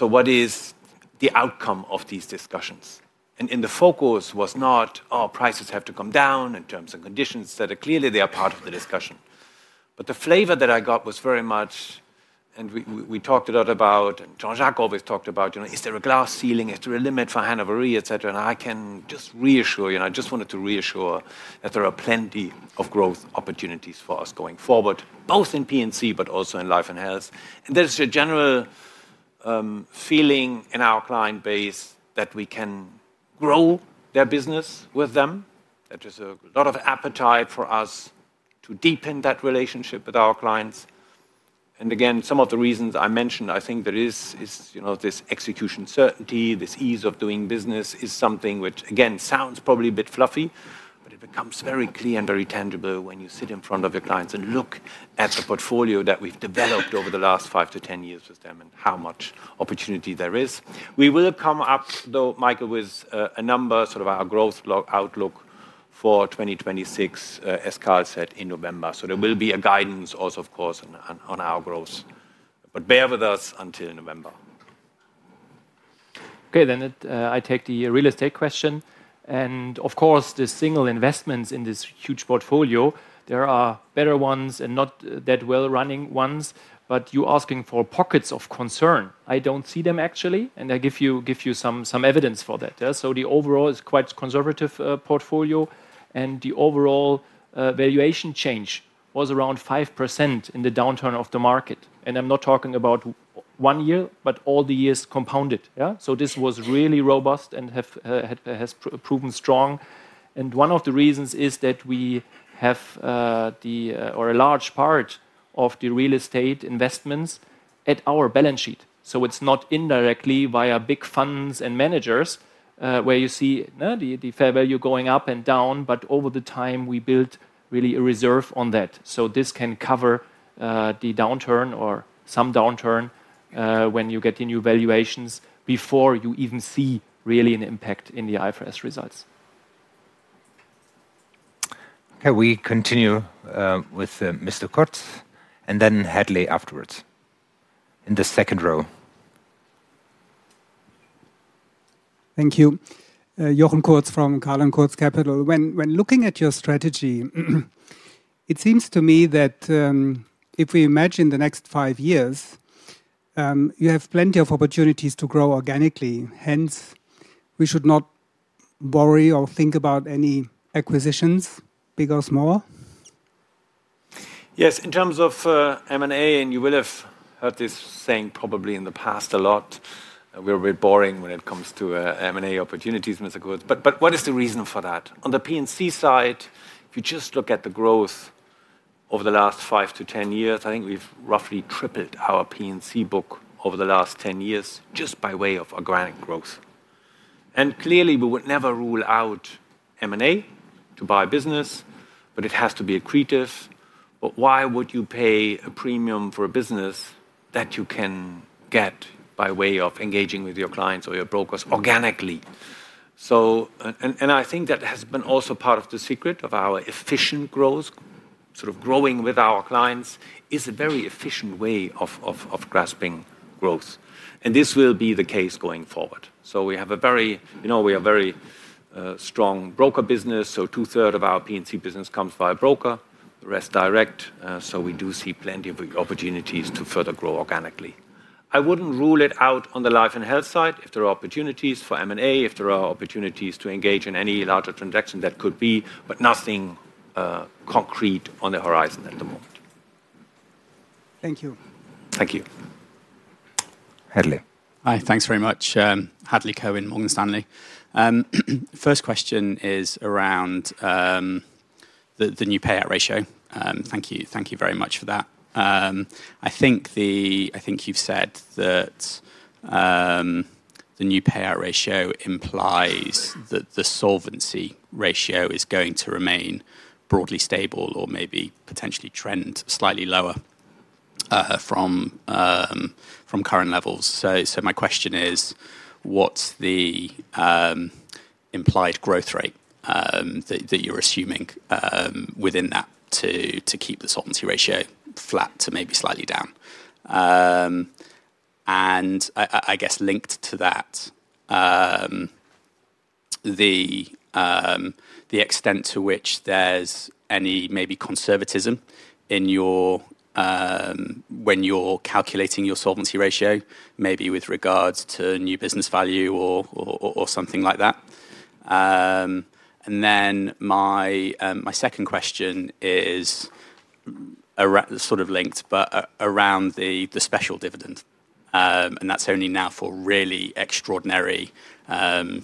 What is the outcome of these discussions? The focus was not, oh, prices have to come down in terms and conditions. Clearly, they are part of the discussion. The flavor that I got was very much, and we talked a lot about, and Jean-Jacques always talked about, you know, is there a glass ceiling, is there a limit for Hannover Re, et cetera. I can just reassure you, and I just wanted to reassure that there are plenty of growth opportunities for us going forward, both in P&C but also in life and health. There's a general feeling in our client base that we can grow their business with them. There's a lot of appetite for us to deepen that relationship with our clients. Again, some of the reasons I mentioned, I think there is, you know, this execution certainty, this ease of doing business is something which, again, sounds probably a bit fluffy, but it becomes very clear and very tangible when you sit in front of your clients and look at the portfolio that we've developed over the last five to 10 years with them and how much opportunity there is. We will come up, though, Michael, with a number, sort of our growth outlook for 2026, as Karl said, in November. There will be a guidance also, of course, on our growth. Bear with us until November. Okay, then I take the real estate question. Of course, the single investments in this huge portfolio, there are better ones and not that well-running ones, but you're asking for pockets of concern. I don't see them actually, and I'll give you some evidence for that. The overall is quite a conservative portfolio, and the overall valuation change was around 5% in the downturn of the market. I'm not talking about one year, but all the years compounded. This was really robust and has proven strong. One of the reasons is that we have a large part of the real estate investments at our balance sheet. It's not indirectly via big funds and managers where you see the fair value going up and down, but over the time, we built really a reserve on that. This can cover the downturn or some downturn when you get the new valuations before you even see really an impact in the IFRS results. Okay, we continue with Mr. Kotz and then Hadley afterwards in the second row. Thank you. Jochen Kotz from Karl & Kotz Capital. When looking at your strategy, it seems to me that if we imagine the next five years, you have plenty of opportunities to grow organically. Hence, we should not worry or think about any acquisitions. Because more? Yes, in terms of M&A, and you will have heard this saying probably in the past a lot, we're a bit boring when it comes to M&A opportunities, Mr. Kotz. What is the reason for that? On the P&C side, if you just look at the growth over the last five to 10 years, I think we've roughly tripled our P&C book over the last 10 years just by way of organic growth. Clearly, we would never rule out M&A to buy a business, but it has to be accretive. Why would you pay a premium for a business that you can get by way of engaging with your clients or your brokers organically? I think that has been also part of the secret of our efficient growth. Growing with our clients is a very efficient way of grasping growth. This will be the case going forward. We have a very strong broker business, so two-thirds of our P&C business comes via broker, the rest direct. We do see plenty of opportunities to further grow organically. I wouldn't rule it out on the life and health side if there are opportunities for M&A, if there are opportunities to engage in any larger transaction that could be, but nothing concrete on the horizon at the moment. Thank you. Thank you. Hadley. Hi, thanks very much. Hadley Cohen, Morgan Stanley. First question is around the new payout ratio. Thank you very much for that. I think you've said that the new payout ratio implies that the Solvency ratio is going to remain broadly stable or maybe potentially trend slightly lower from current levels. My question is, what's the implied growth rate that you're assuming within that to keep the Solvency ratio flat to maybe slightly down? I guess linked to that, the extent to which there's any maybe conservatism when you're calculating your Solvency ratio, maybe with regards to new business value or something like that. Then my second question is sort of linked, but around the special dividend, and that's only now for really extraordinary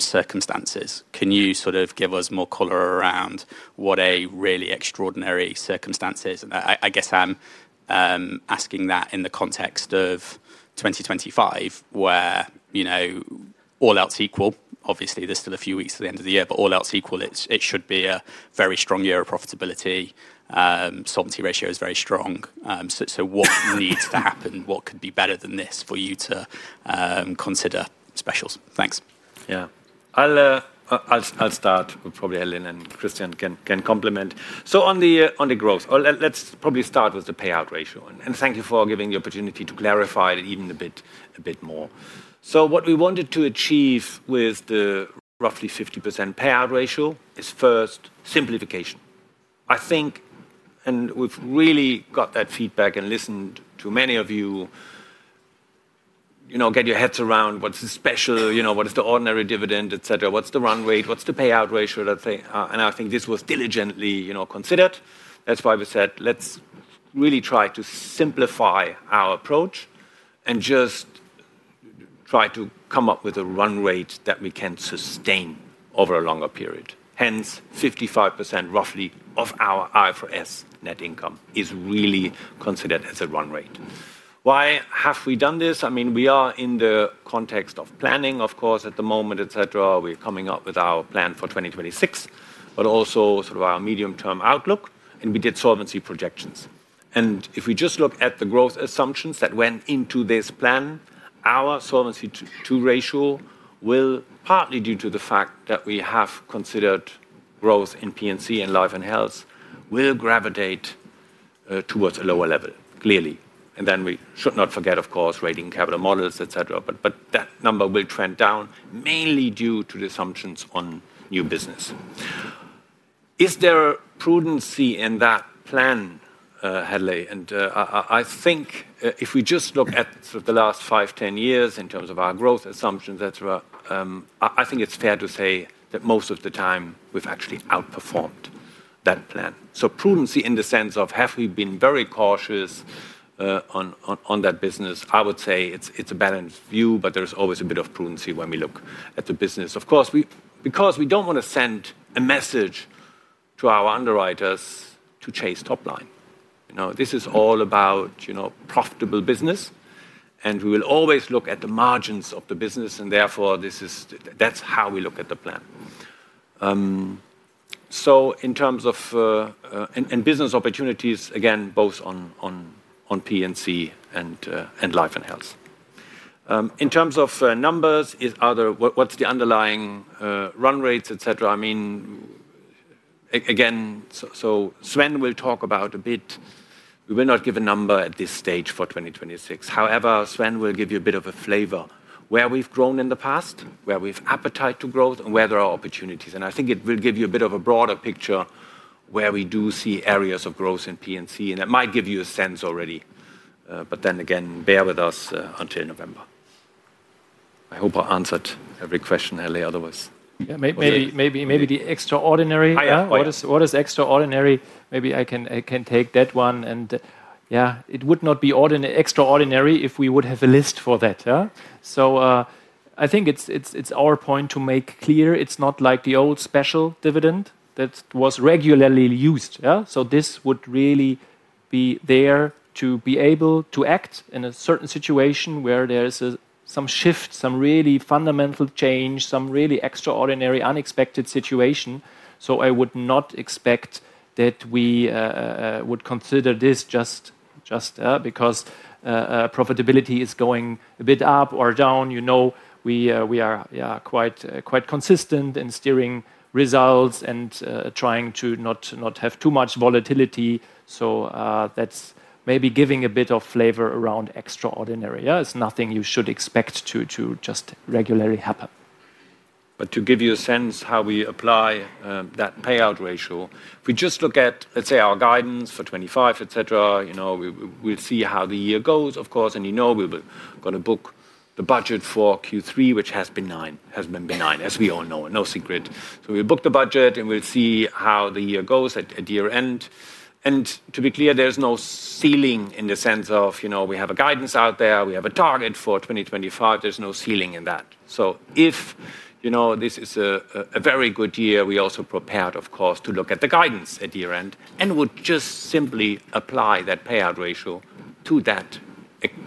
circumstances. Can you sort of give us more color around what a really extraordinary circumstance is? I guess I'm asking that in the context of 2025 where, you know, all else equal, obviously there's still a few weeks to the end of the year, but all else equal, it should be a very strong year of profitability. Solvency ratio is very strong. What needs to happen? What could be better than this for you to consider specials? Thanks. Yeah, I'll start. Probably Hadley and Christian can complement. On the growth, let's probably start with the payout ratio, and thank you for giving the opportunity to clarify it even a bit more. What we wanted to achieve with the roughly 50% payout ratio is first simplification. I think, and we've really got that feedback and listened to many of you, you know, get your heads around what's the special, you know, what is the ordinary dividend, et cetera, what's the run rate, what's the payout ratio? I think this was diligently, you know, considered. That's why we said let's really try to simplify our approach and just try to come up with a run rate that we can sustain over a longer period. Hence, 55% roughly of our IFRS net income is really considered as a run rate. Why have we done this? I mean, we are in the context of planning, of course, at the moment, et cetera. We're coming up with our plan for 2026, but also sort of our medium-term outlook, and we did Solvency projections. If we just look at the growth assumptions that went into this plan, our Solvency II ratio will partly due to the fact that we have considered growth in P&C and life and health will gravitate towards a lower level, clearly. We should not forget, of course, rating capital models, et cetera, but that number will trend down mainly due to the assumptions on new business. Is there a prudency in that plan, Hadley? I think if we just look at the last five, 10 years in terms of our growth assumptions, et cetera, I think it's fair to say that most of the time we've actually outperformed that plan. Prudency in the sense of have we been very cautious on that business? I would say it's a balanced view, but there's always a bit of prudency when we look at the business. Of course, because we don't want to send a message to our underwriters to chase top line. This is all about profitable business, and we will always look at the margins of the business, and therefore that's how we look at the plan. In terms of business opportunities, again, both on P&C and life and health. In terms of numbers, what's the underlying run rates, et cetera? Again, so Sven will talk about a bit. We will not give a number at this stage for 2026. However, Sven will give you a bit of a flavor where we've grown in the past, where we have appetite to growth, and where there are opportunities. I think it will give you a bit of a broader picture where we do see areas of growth in P&C, and it might give you a sense already. Bear with us. Until November. I hope I answered every question earlier. Otherwise. maybe the extraordinary. What is extraordinary? Maybe I can take that one. It would not be ordinary extraordinary if we would have a list for that. I think it's our point to make clear it's not like the old special dividend that was regularly used. This would really be there to be able to act in a certain situation where there's some shift, some really fundamental change, some really extraordinary, unexpected situation. I would not expect that we would consider this just because profitability is going a bit up or down. We are quite consistent in steering results and trying to not have too much volatility. That's maybe giving a bit of flavor around extraordinary. It's nothing you should expect to just regularly happen. To give you a sense of how we apply that payout ratio, if we just look at, let's say, our guidance for 2025, et cetera, you know, we'll see how the year goes, of course. We've got to book the budget for Q3, which has been benign, as we all know, no secret. We book the budget and we'll see how the year goes at year end. To be clear, there's no ceiling in the sense of, you know, we have a guidance out there. We have a target for 2025. There's no ceiling in that. If this is a very good year, we are also prepared, of course, to look at the guidance at year end and would just simply apply that payout ratio to that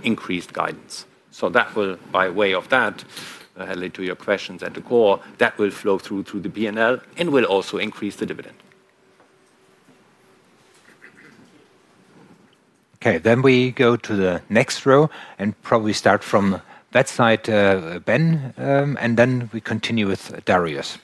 increased guidance. By way of that, I'll lead to your questions at the core. That will flow through the P&L and will also increase the dividend. We go to the next row and probably start from that side, Ben, and then we continue with Darius.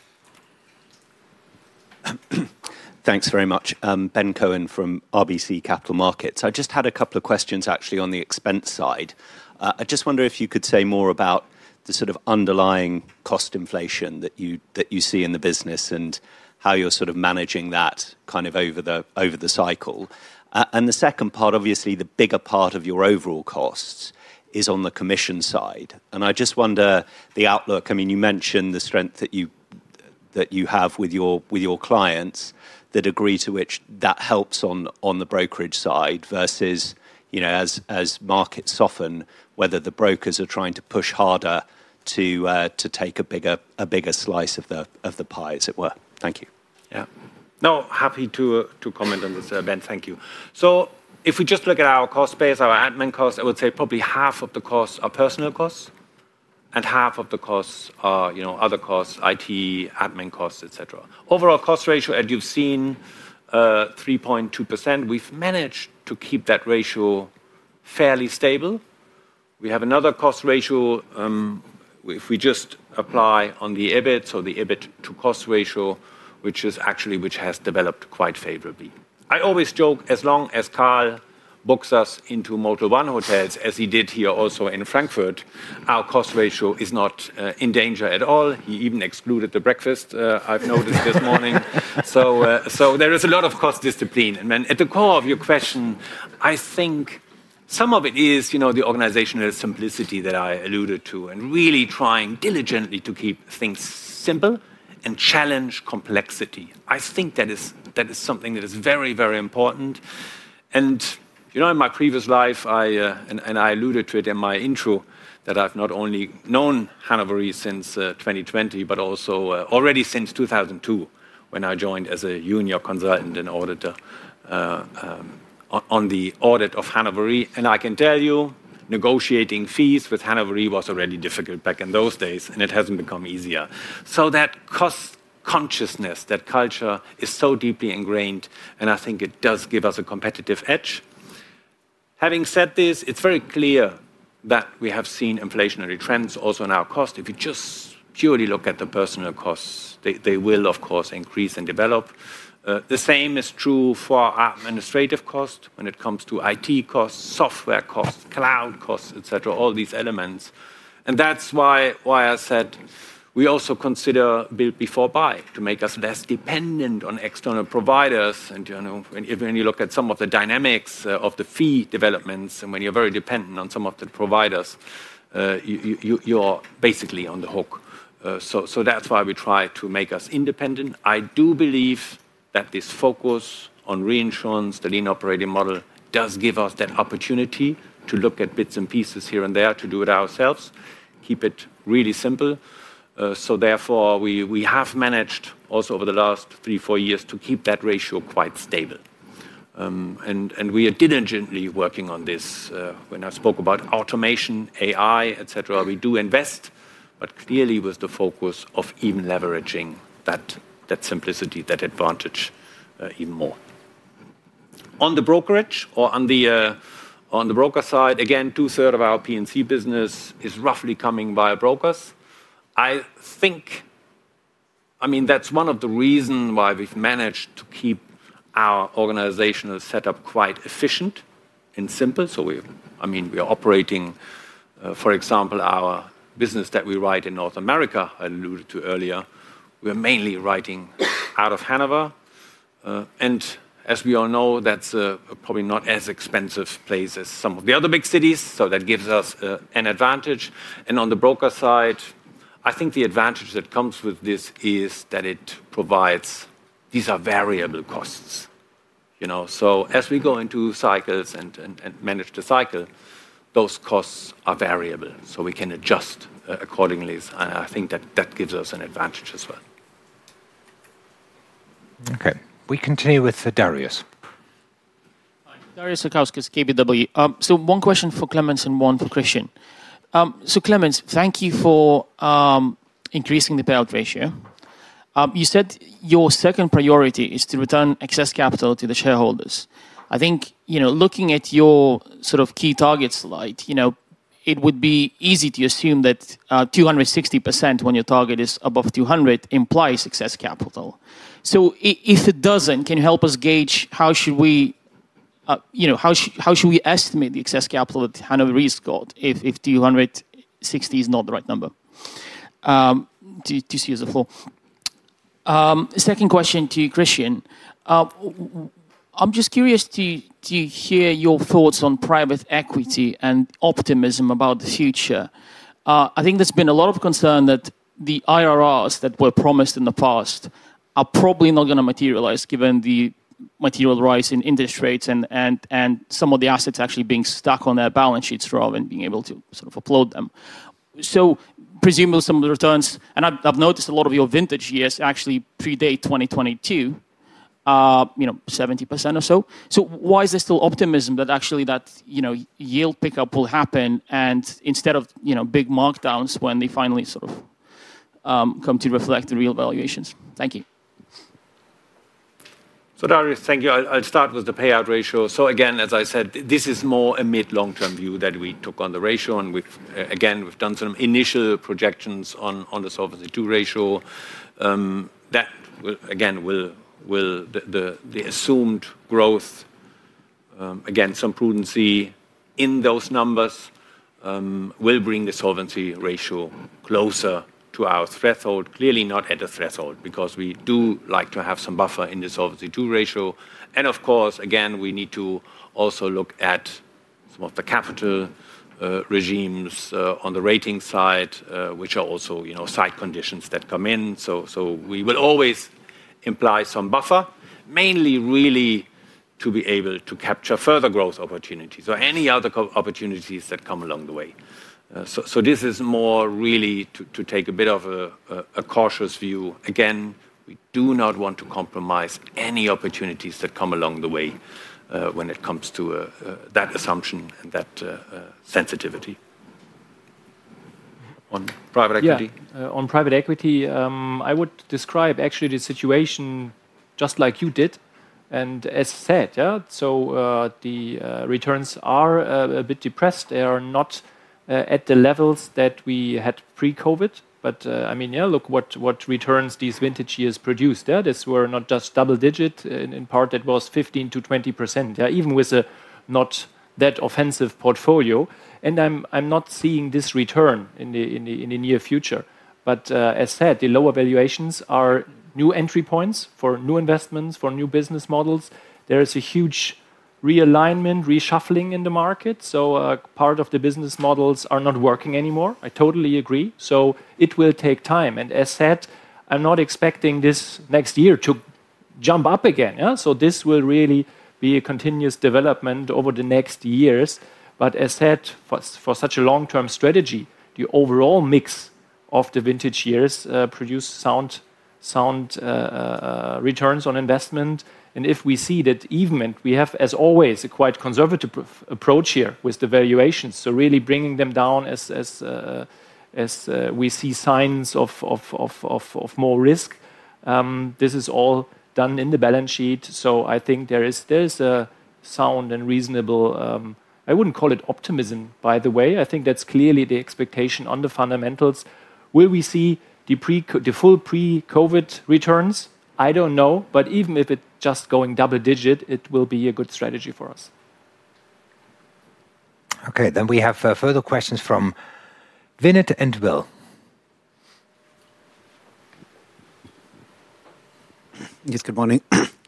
Thanks very much. Ben Cohen from RBC Capital Markets. I just had a couple of questions actually on the expense side. I just wonder if you could say more about the sort of underlying cost inflation that you see in the business and how you're sort of managing that kind of over the cycle. The second part, obviously, the bigger part of your overall costs is on the commission side. I just wonder the outlook. I mean, you mentioned the strength that you have with your clients, the degree to which that helps on the brokerage side versus, you know, as markets soften, whether the brokers are trying to push harder to take a bigger slice of the pie as it were. Thank you. Yeah. No, happy to comment on this, Ben. Thank you. If we just look at our cost base, our admin costs, I would say probably half of the costs are personnel costs and half of the costs are, you know, other costs, IT, admin costs, etc. Overall cost ratio, as you've seen, 3.2%. We've managed to keep that ratio fairly stable. We have another cost ratio, if we just apply on the EBIT, so the EBIT to cost ratio, which has developed quite favorably. I always joke, as long as Karl books us into multiple one hotels, as he did here also in Frankfurt, our cost ratio is not in danger at all. He even excluded the breakfast I noticed this morning. There is a lot of cost discipline. At the core of your question, I think some of it is the organizational simplicity that I alluded to and really trying diligently to keep things simple and challenge complexity. I think that is something that is very, very important. In my previous life, I, and I alluded to it in my intro that I've not only known Hannover Re since 2020, but also already since 2002, when I joined as a junior consultant and auditor on the audit of Hannover Re. I can tell you, negotiating fees with Hannover Re was already difficult back in those days, and it hasn't become easier. That cost consciousness, that culture is so deeply ingrained, and I think it does give us a competitive edge. Having said this, it's very clear that we have seen inflationary trends also in our cost. If you just purely look at the personnel costs, they will, of course, increase and develop. The same is true for our administrative costs when it comes to IT costs, software costs, cloud costs, etc., all these elements. That's why I said we also consider build before buy to make us less dependent on external providers. When you look at some of the dynamics of the fee developments, and when you're very dependent on some of the providers, you are basically on the hook. That's why we try to make us independent. I do believe that this focus on reinsurance, the lean operating model does give us that opportunity to look at bits and pieces here and there, to do it ourselves, keep it really simple. Therefore, we have managed also over the last three, four years to keep that ratio quite stable. We are diligently working on this. When I spoke about automation, AI, et cetera, we do invest, but clearly with the focus of even leveraging that simplicity, that advantage even more. On the brokerage or on the broker side, again, two-thirds of our P&C reinsurance business is roughly coming via brokers. I think that's one of the reasons why we've managed to keep our organizational setup quite efficient and simple. We are operating, for example, our business that we write in North America, I alluded to earlier, we are mainly writing out of Hannover. As we all know, that's probably not as expensive a place as some of the other big cities. That gives us an advantage. On the broker side, I think the advantage that comes with this is that it provides, these are variable costs. As we go into cycles and manage the cycle, those costs are variable. We can adjust accordingly. I think that gives us an advantage as well. Okay, we continue with Darius. Darius Zakowski, SKBW. One question for Clemens and one for Christian. Clemens, thank you for increasing the payout ratio. You said your second priority is to return excess capital to the shareholders. Looking at your sort of key targets, it would be easy to assume that 260% when your target is above 200% implies excess capital. If it doesn't, can you help us gauge how should we estimate the excess capital that Hannover Re has got if 260% is not the right number? Two C's of four. Second question to Christian. I'm curious to hear your thoughts on private equity and optimism about the future. There has been a lot of concern that the IRRs that were promised in the past are probably not going to materialize given the material rise in interest rates and some of the assets actually being stuck on their balance sheets rather than being able to upload them. Presumably some of the returns, and I've noticed a lot of your vintage years actually predate 2022, you know, 70% or so. Why is there still optimism that yield pickup will happen, instead of big markdowns when they finally come to reflect the real valuations? Thank you. Thank you. I'll start with the payout ratio. As I said, this is more a mid-long-term view that we took on the ratio. We've done some initial projections on the solvency II ratio. With the assumed growth, and some prudency in those numbers, this will bring the solvency ratio closer to our threshold. Clearly not at a threshold because we do like to have some buffer in the solvency II ratio. Of course, we need to also look at some of the capital regimes on the rating side, which are also site conditions that come in. We will always imply some buffer, mainly really to be able to capture further growth opportunities or any other opportunities that come along the way. This is more really to take a bit of a cautious view. We do not want to compromise any opportunities that come along the way when it comes to that assumption and that sensitivity. On private equity? On private equity, I would describe actually the situation just like you did. As said, the returns are a bit depressed. They are not at the levels that we had pre-COVID, but, I mean, look what returns these vintage years produced. These were not just double digit; in part, that was 15%-20%. Even with a not that offensive portfolio. I'm not seeing this return in the near future. As said, the lower valuations are new entry points for new investments, for new business models. There is a huge realignment, reshuffling in the market. Part of the business models are not working anymore. I totally agree. It will take time. As said, I'm not expecting this next year to jump up again. This will really be a continuous development over the next years. As said, for such a long-term strategy, the overall mix of the vintage years produce sound returns on investment. If we see that evenment, we have, as always, a quite conservative approach here with the valuations, really bringing them down as we see signs of more risk. This is all done in the balance sheet. I think there is a sound and reasonable, I wouldn't call it optimism, by the way. I think that's clearly the expectation on the fundamentals. Will we see the full pre-COVID returns? I don't know. Even if it's just going double digit, it will be a good strategy for us. Okay. We have further questions from Vinit and Will.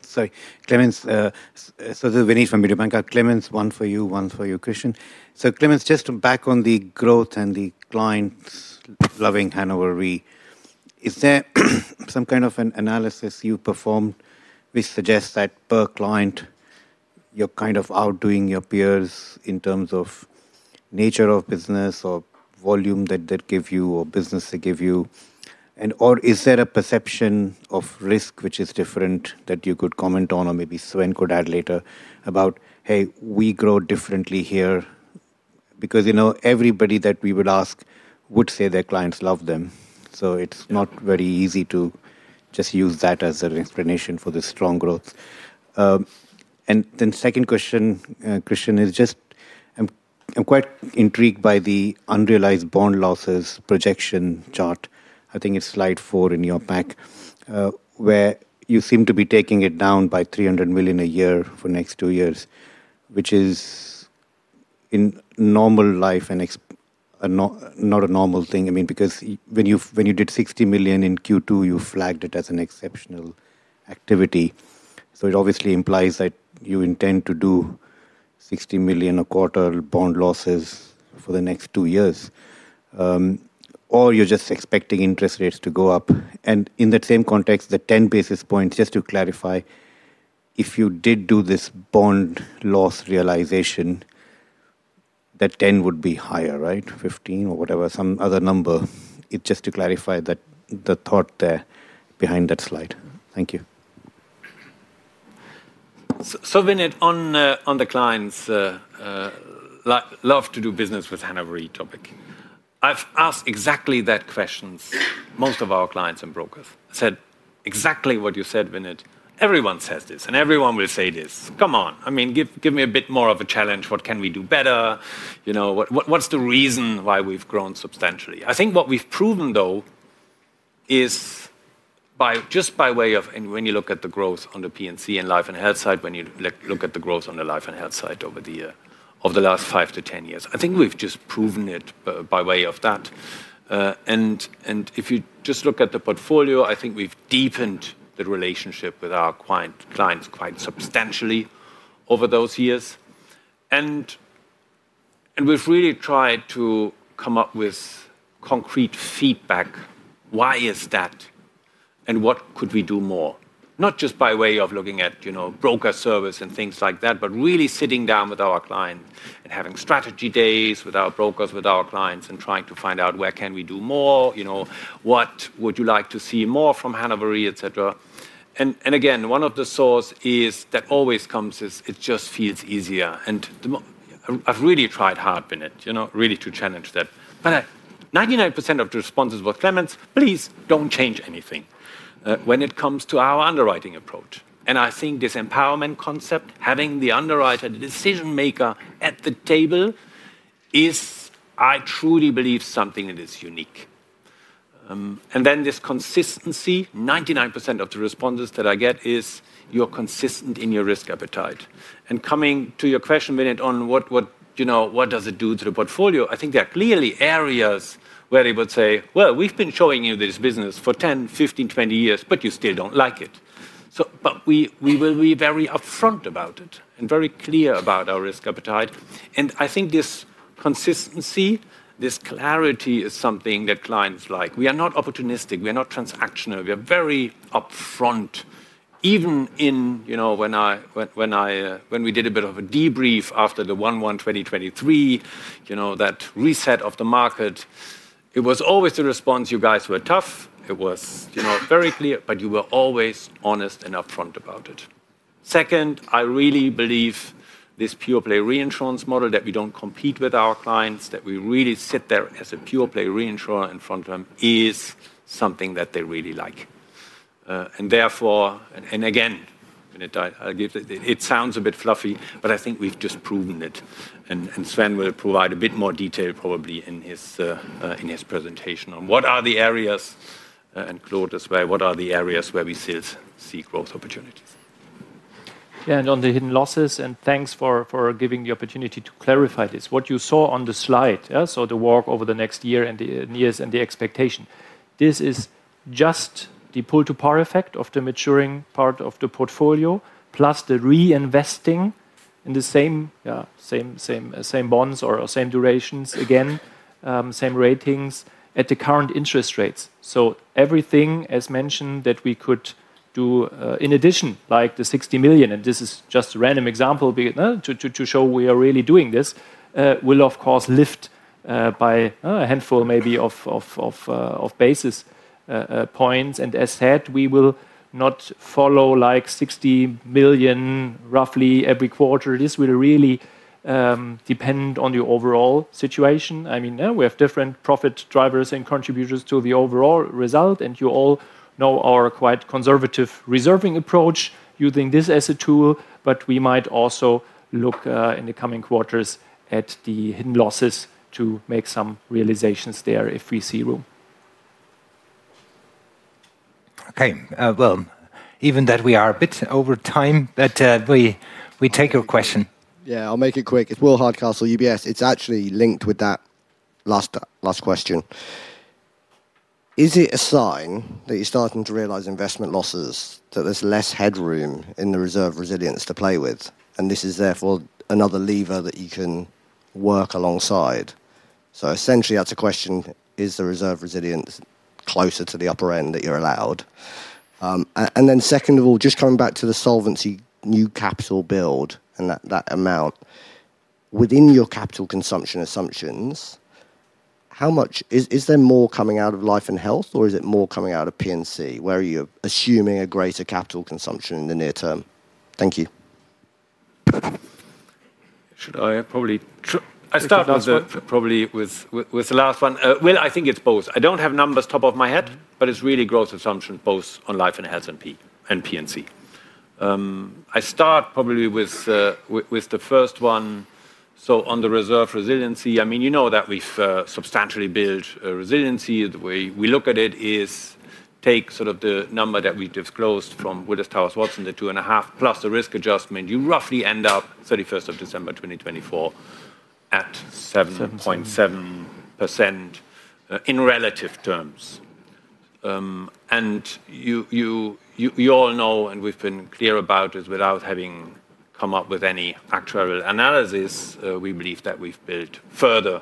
Sorry, Clemens, so Vinit from Mediobanca. Clemens, one for you, one for you, Christian. So Clemens, just to back on the growth and the clients loving Hannover Re, is there some kind of an analysis you performed which suggests that per client, you're kind of outdoing your peers in terms of nature of business or volume that they give you or business they give you? Is there a perception of risk which is different that you could comment on or maybe Sven could add later about, hey, we grow differently here because you know everybody that we would ask would say their clients love them. It's not very easy to just use that as an explanation for the strong growth. The second question, Christian, is just I'm quite intrigued by the unrealized bond losses projection chart. I think it's slide four in your pack where you seem to be taking it down by 300 million a year for the next two years, which is in normal life and not a normal thing. I mean, because when you did 60 million in Q2, you flagged it as an exceptional activity. It obviously implies that you intend to do 60 million a quarter bond losses for the next two years, or you're just expecting interest rates to go up. In that same context, the 10 basis points, just to clarify, if you did do this bond loss realization, that 10 would be higher, right? 15 or whatever, some other number. It's just to clarify that the thought there behind that slide. Thank you. Vinit, on the clients love to do business with Hannover topic, I've asked exactly that question to most of our clients and brokers. I said exactly what you said, Vinit. Everyone says this and everyone will say this. Come on. I mean, give me a bit more of a challenge. What can we do better? You know, what's the reason why we've grown substantially? I think what we've proven though is just by way of, and when you look at the growth on the P&C and life and health side, when you look at the growth on the life and health side over the year of the last five to 10 years, I think we've just proven it by way of that. If you just look at the portfolio, I think we've deepened the relationship with our clients quite substantially over those years. We've really tried to come up with concrete feedback. Why is that? What could we do more? Not just by way of looking at, you know, broker service and things like that, but really sitting down with our client and having strategy days with our brokers, with our clients, and trying to find out where can we do more, you know, what would you like to see more from Hannover Re, et cetera. Again, one of the sources that always comes is it just feels easier. I've really tried hard, Vinit, you know, really to challenge that. 99% of the responses were Clemens, please don't change anything when it comes to our underwriting approach. I think this empowerment concept, having the underwriter, the decision maker at the table is, I truly believe, something that is unique. This consistency, 99% of the responses that I get is you're consistent in your risk appetite. Coming to your question, Vinit, on what does it do to the portfolio, I think there are clearly areas where they would say, we've been showing you this business for 10, 15, 20 years, but you still don't like it. We will be very upfront about it and very clear about our risk appetite. I think this consistency, this clarity is something that clients like. We are not opportunistic. We are not transactional. We are very upfront. Even in, you know, when we did a bit of a debrief after the 1/1/2023, that reset of the market, it was always the response, you guys were tough. It was very clear, but you were always honest and upfront about it. Second, I really believe this pure-play reinsurance model, that we don't compete with our clients, that we really sit there as a pure-play reinsurer in front of them, is something that they really like. Therefore, I think we've just proven it. Sven will provide a bit more detail probably in his presentation on what are the areas, and Claude as well, what are the areas where we still see growth opportunities. Yeah, and on the hidden losses, and thanks for giving the opportunity to clarify this, what you saw on the slide, yeah, the walk over the next year and the years and the expectation, this is just the pull-to-par effect of the maturing part of the portfolio, plus the reinvesting in the same, yeah, same bonds or same durations again, same ratings at the current interest rates. Everything, as mentioned, that we could do in addition, like the 60 million, and this is just a random example to show we are really doing this, will of course lift by a handful maybe of basis points. As said, we will not follow like 60 million roughly every quarter. This will really depend on the overall situation. I mean, we have different profit drivers and contributors to the overall result. You all know our quite conservative reserving approach using this as a tool, but we might also look in the coming quarters at the hidden losses to make some realizations there if we see room. Okay. Even that we are a bit over time, we take your question. Yeah, I'll make it quick. It's Will Hardcastle, UBS. It's actually linked with that last question. Is it a sign that you're starting to realize investment losses, that there's less headroom in the reserve resilience to play with? Is this therefore another lever that you can work alongside? Essentially, that's a question, is the reserve resilience closer to the upper end that you're allowed? Second of all, just coming back to the solvency new capital build and that amount within your capital consumption assumptions, how much is there more coming out of life and health, or is it more coming out of P&C? Where are you assuming a greater capital consumption in the near term? Thank you. Should I probably, I started probably with the last one. I think it's both. I don't have numbers top of my head, but it's really growth assumption both on life and health and P&C. I start probably with the first one. On the reserve resiliency, you know that we've substantially built resiliency. The way we look at it is take sort of the number that we disclosed from Willis Towers Watson, the 2.5+ the risk adjustment, you roughly end up 31st of December 2024 at 7.7% in relative terms. You all know, and we've been clear about it without having come up with any actual analysis. We believe that we've built further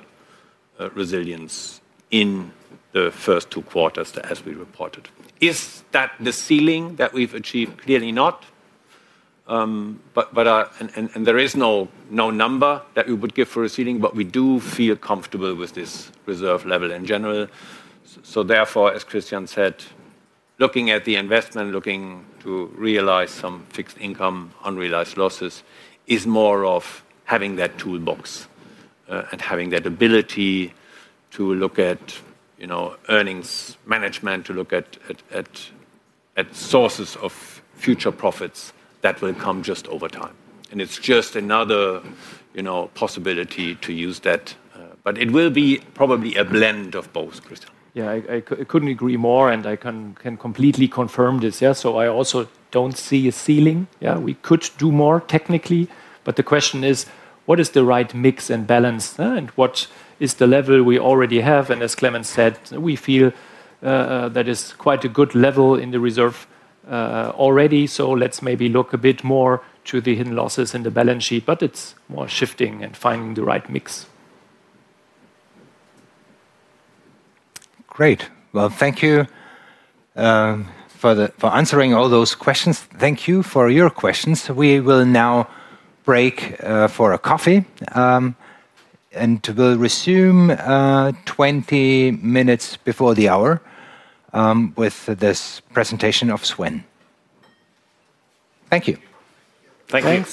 resilience in the first two quarters as we reported. Is that the ceiling that we've achieved? Clearly not. There is no number that we would give for a ceiling, but we do feel comfortable with this reserve level in general. Therefore, as Christian said, looking at the investment, looking to realize some fixed income unrealized losses is more of having that toolbox and having that ability to look at, you know, earnings management, to look at sources of future profits that will come just over time. It's just another, you know, possibility to use that. It will be probably a blend of both, Christian. I couldn't agree more, and I can completely confirm this. I also don't see a ceiling. We could do more technically, but the question is, what is the right mix and balance? What is the level we already have? As Clemens said, we feel that is quite a good level in the reserve already. Let's maybe look a bit more to the hidden losses in the balance sheet, but it's more shifting and finding the right mix. Great. Thank you for answering all those questions. Thank you for your questions. We will now break for a coffee, and we'll resume 20 minutes before the hour with the presentation of Sven. Thank you. Thank you.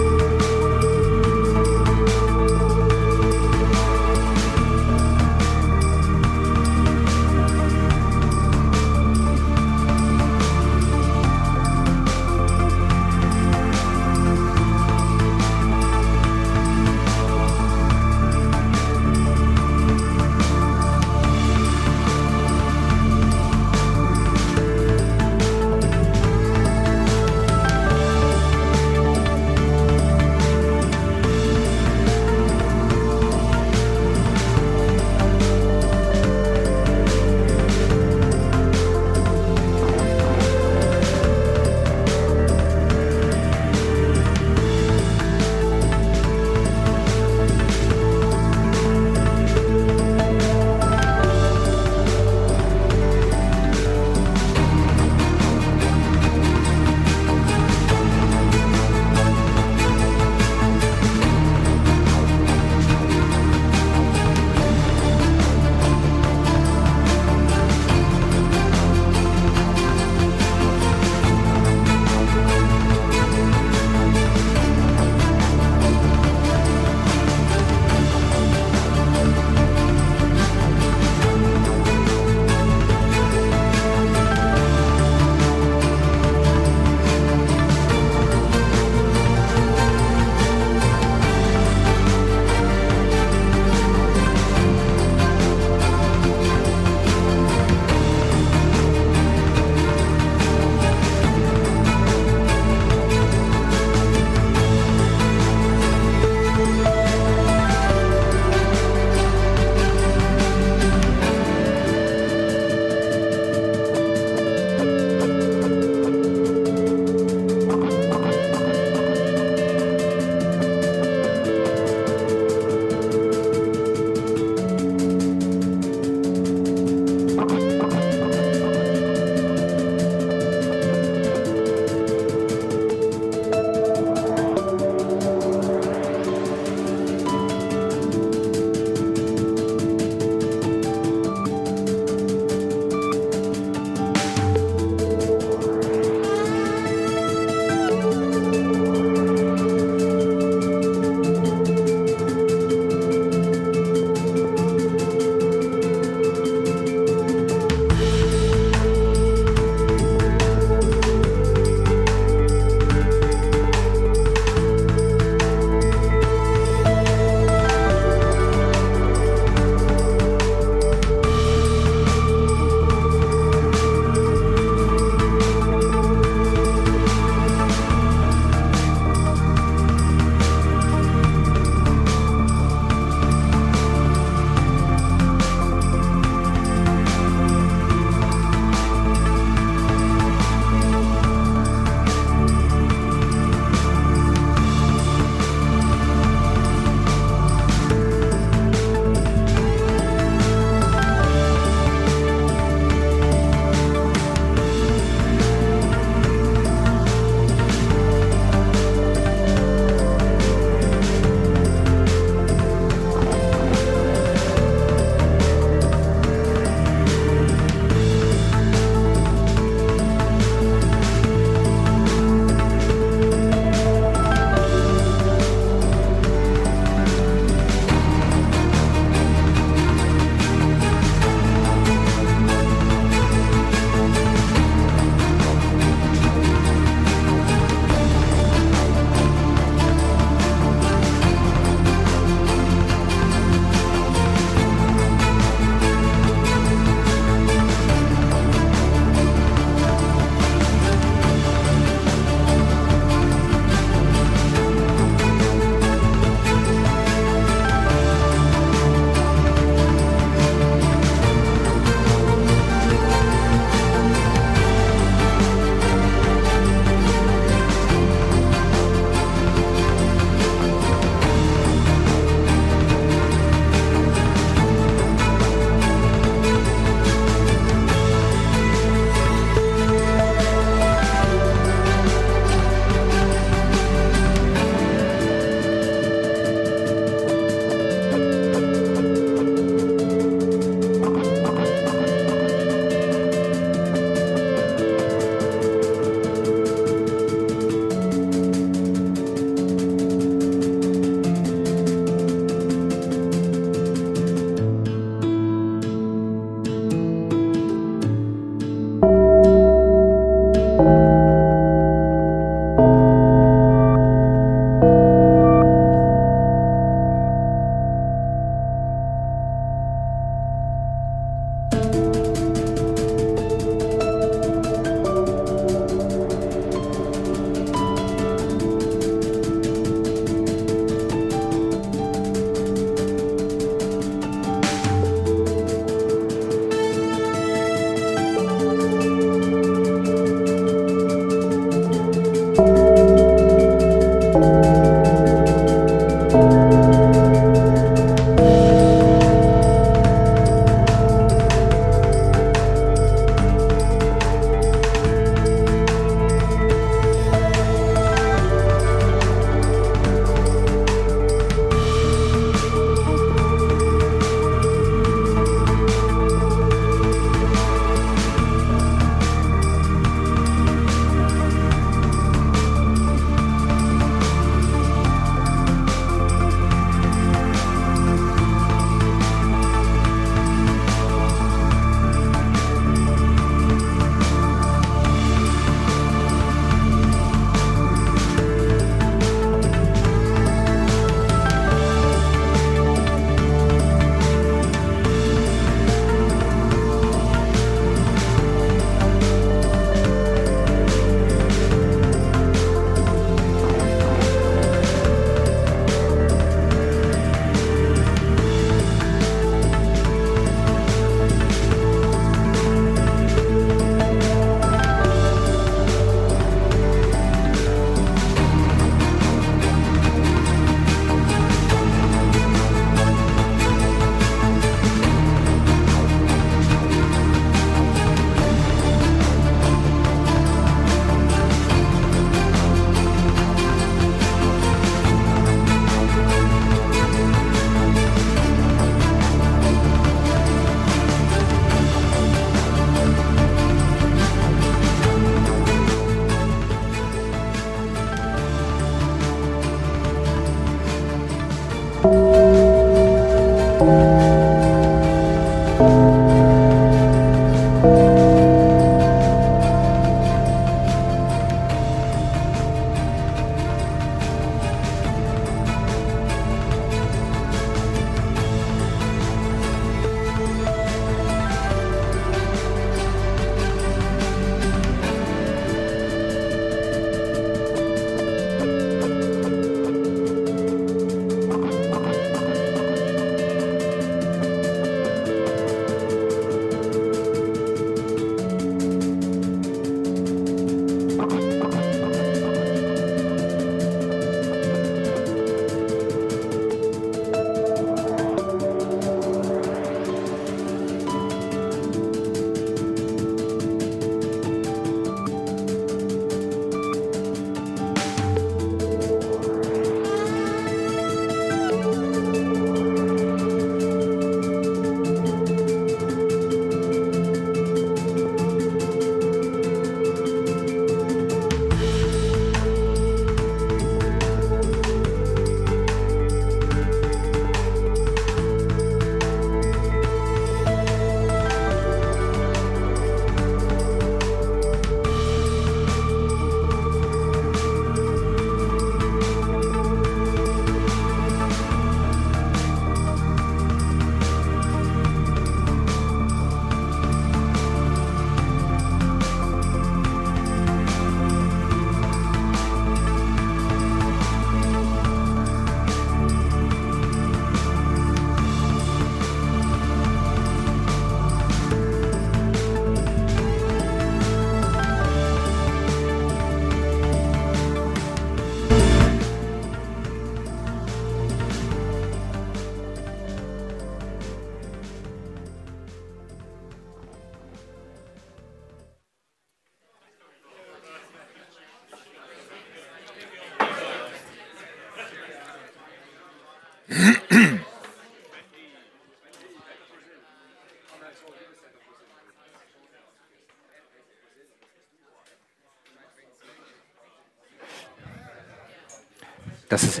Thanks.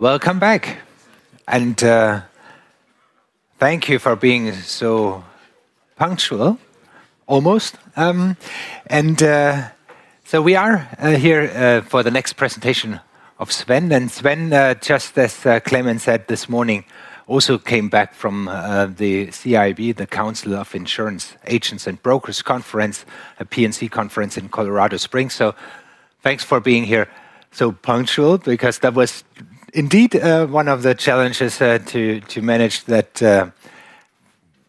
Welcome back. Thank you for being so punctual, almost. We are here for the next presentation of Sven. Sven, just as Clemens said this morning, also came back from the CIB, the Council of Insurance Agents and Brokers Conference, a P&C conference in Colorado Springs. Thank you for being here so punctual because that was indeed one of the challenges to manage, that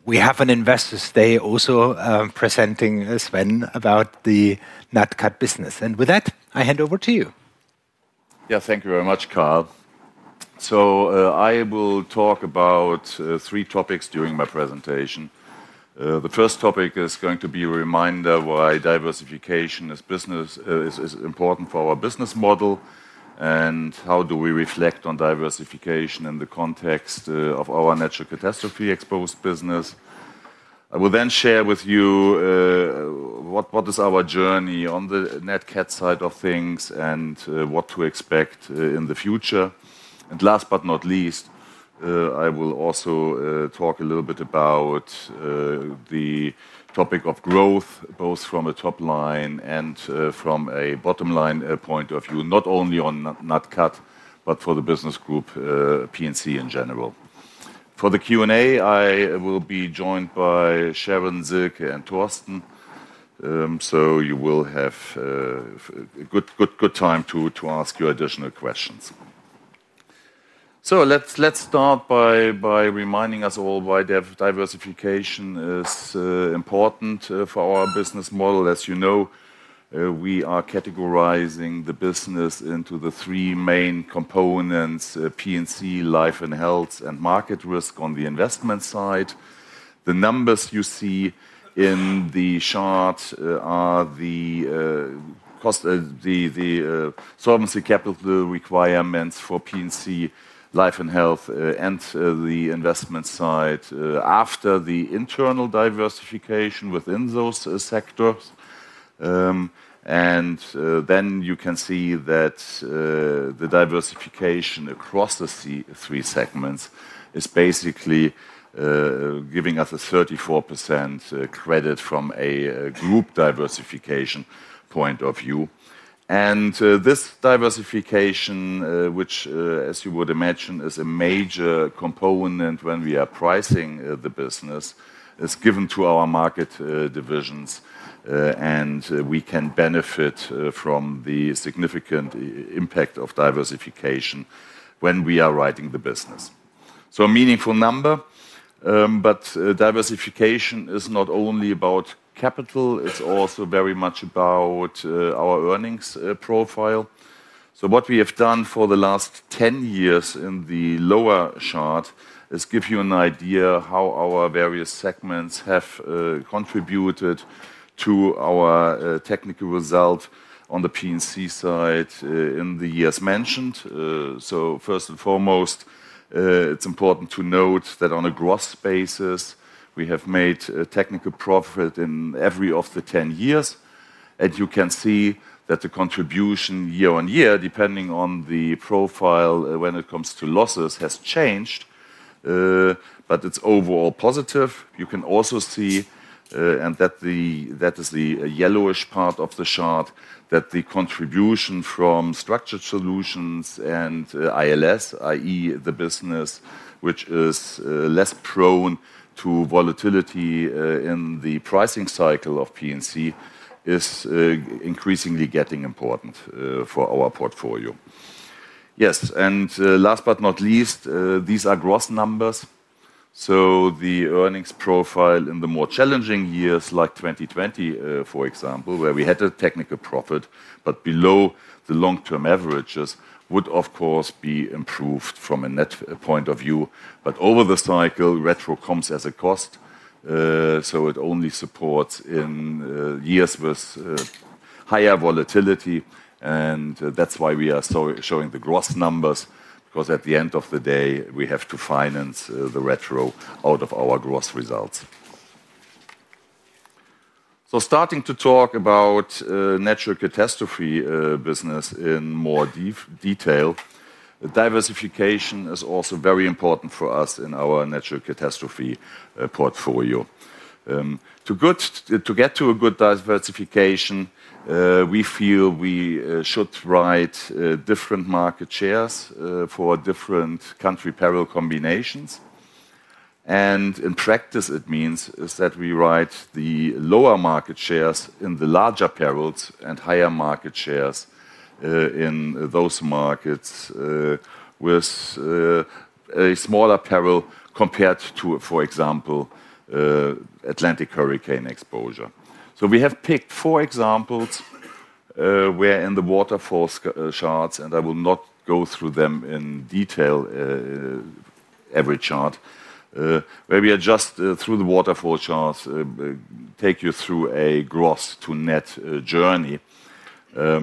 we have an Investors' Day also presenting Sven about the NatCat business. With that, I hand over to you. Thank you very much, Carl. I will talk about three topics during my presentation. The first topic is going to be a reminder why diversification is important for our business model and how we reflect on diversification in the context of our natural catastrophe-exposed business. I will then share with you what is our journey on the NatCat side of things and what to expect in the future. Last but not least, I will also talk a little bit about the topic of growth, both from a top line and from a bottom line point of view, not only on NatCat, but for the business group P&C in general. For the Q&A, I will be joined by Sharon-and Torsten. You will have a good time to ask your additional questions. Let's start by reminding us all why diversification is important for our business model. As you know, we are categorizing the business into the three main components: P&C, life and health, and market risk on the investment side. The numbers you see in the chart are the solvency capital requirements for P&C, life and health, and the investment side after the internal diversification within those sectors. You can see that the diversification across the three segments is basically giving us a 34% credit from a group diversification point of view. This diversification, which as you would imagine is a major component when we are pricing the business, is given to our market divisions. We can benefit from the significant impact of diversification when we are writing the business. It is a meaningful number. Diversification is not only about capital, it's also very much about our earnings profile. What we have done for the last 10 years in the lower chart is give you an idea of how our various segments have contributed to our technical result on the P&C side in the years mentioned. First and foremost, it's important to note that on a gross basis, we have made a technical profit in every one of the 10 years. You can see that the contribution year-on-year, depending on the profile when it comes to losses, has changed, but it's overall positive. You can also see, and that is the yellowish part of the chart, that the contribution from structured solutions and ILS, i.e. the business which is less prone to volatility in the pricing cycle of P&C, is increasingly getting important for our portfolio. Yes, and last but not least, these are gross numbers. The earnings profile in the more challenging years, like 2020, for example, where we had a technical profit, but below the long-term averages, would of course be improved from a net point of view. Over the cycle, retro comes as a cost. It only supports in years with higher volatility. That is why we are showing the gross numbers, because at the end of the day, we have to finance the retro out of our gross results. Starting to talk about natural catastrophe business in more detail, diversification is also very important for us in our natural catastrophe portfolio. To get to a good diversification, we feel we should write different market shares for different country parallel combinations. In practice, it means that we write the lower market shares in the larger parallels and higher market shares in those markets with a smaller parallel compared to, for example, Atlantic hurricane exposure. We have picked four examples where, in the waterfall charts, and I will not go through them in detail, every chart where we adjust through the waterfall charts, take you through a gross to net journey.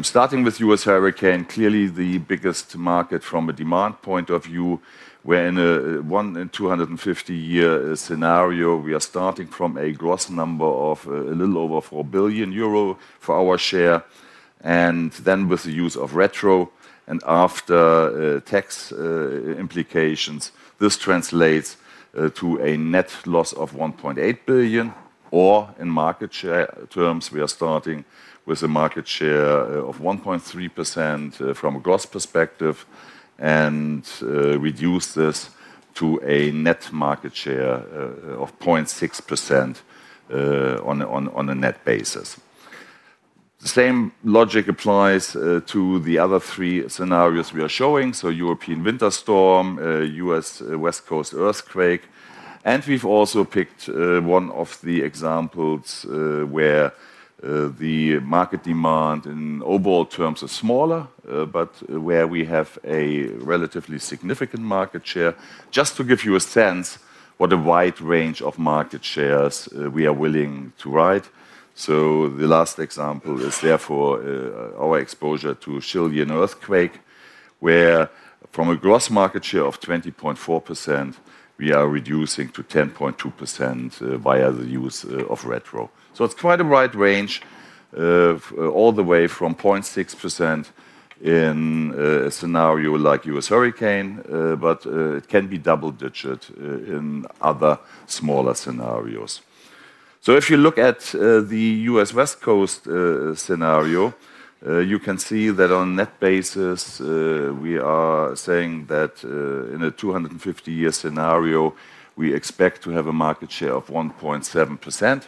Starting with U.S. hurricane, clearly the biggest market from a demand point of view, where in a one in 250-year scenario, we are starting from a gross number of a little over 4 billion euro for our share. With the use of retro and after tax implications, this translates to a net loss of 1.8 billion, or in market share terms, we are starting with a market share of 1.3% from a gross perspective and reduce this to a net market share of 0.6% on a net basis. The same logic applies to the other three scenarios we are showing: European winter storm, U.S. West Coast earthquake, and we have also picked one of the examples where the market demand in overall terms is smaller, but where we have a relatively significant market share, just to give you a sense of what a wide range of market shares we are willing to write. The last example is therefore our exposure to Chilean earthquake, where from a gross market share of 20.4%, we are reducing to 10.2% via the use of retro. It is quite a wide range, all the way from 0.6% in a scenario like U.S. hurricane, but it can be double-digit in other smaller scenarios. If you look at the U.S. West Coast scenario, you can see that on a net basis, we are saying that in a 250-year scenario, we expect to have a market share of 1.7%.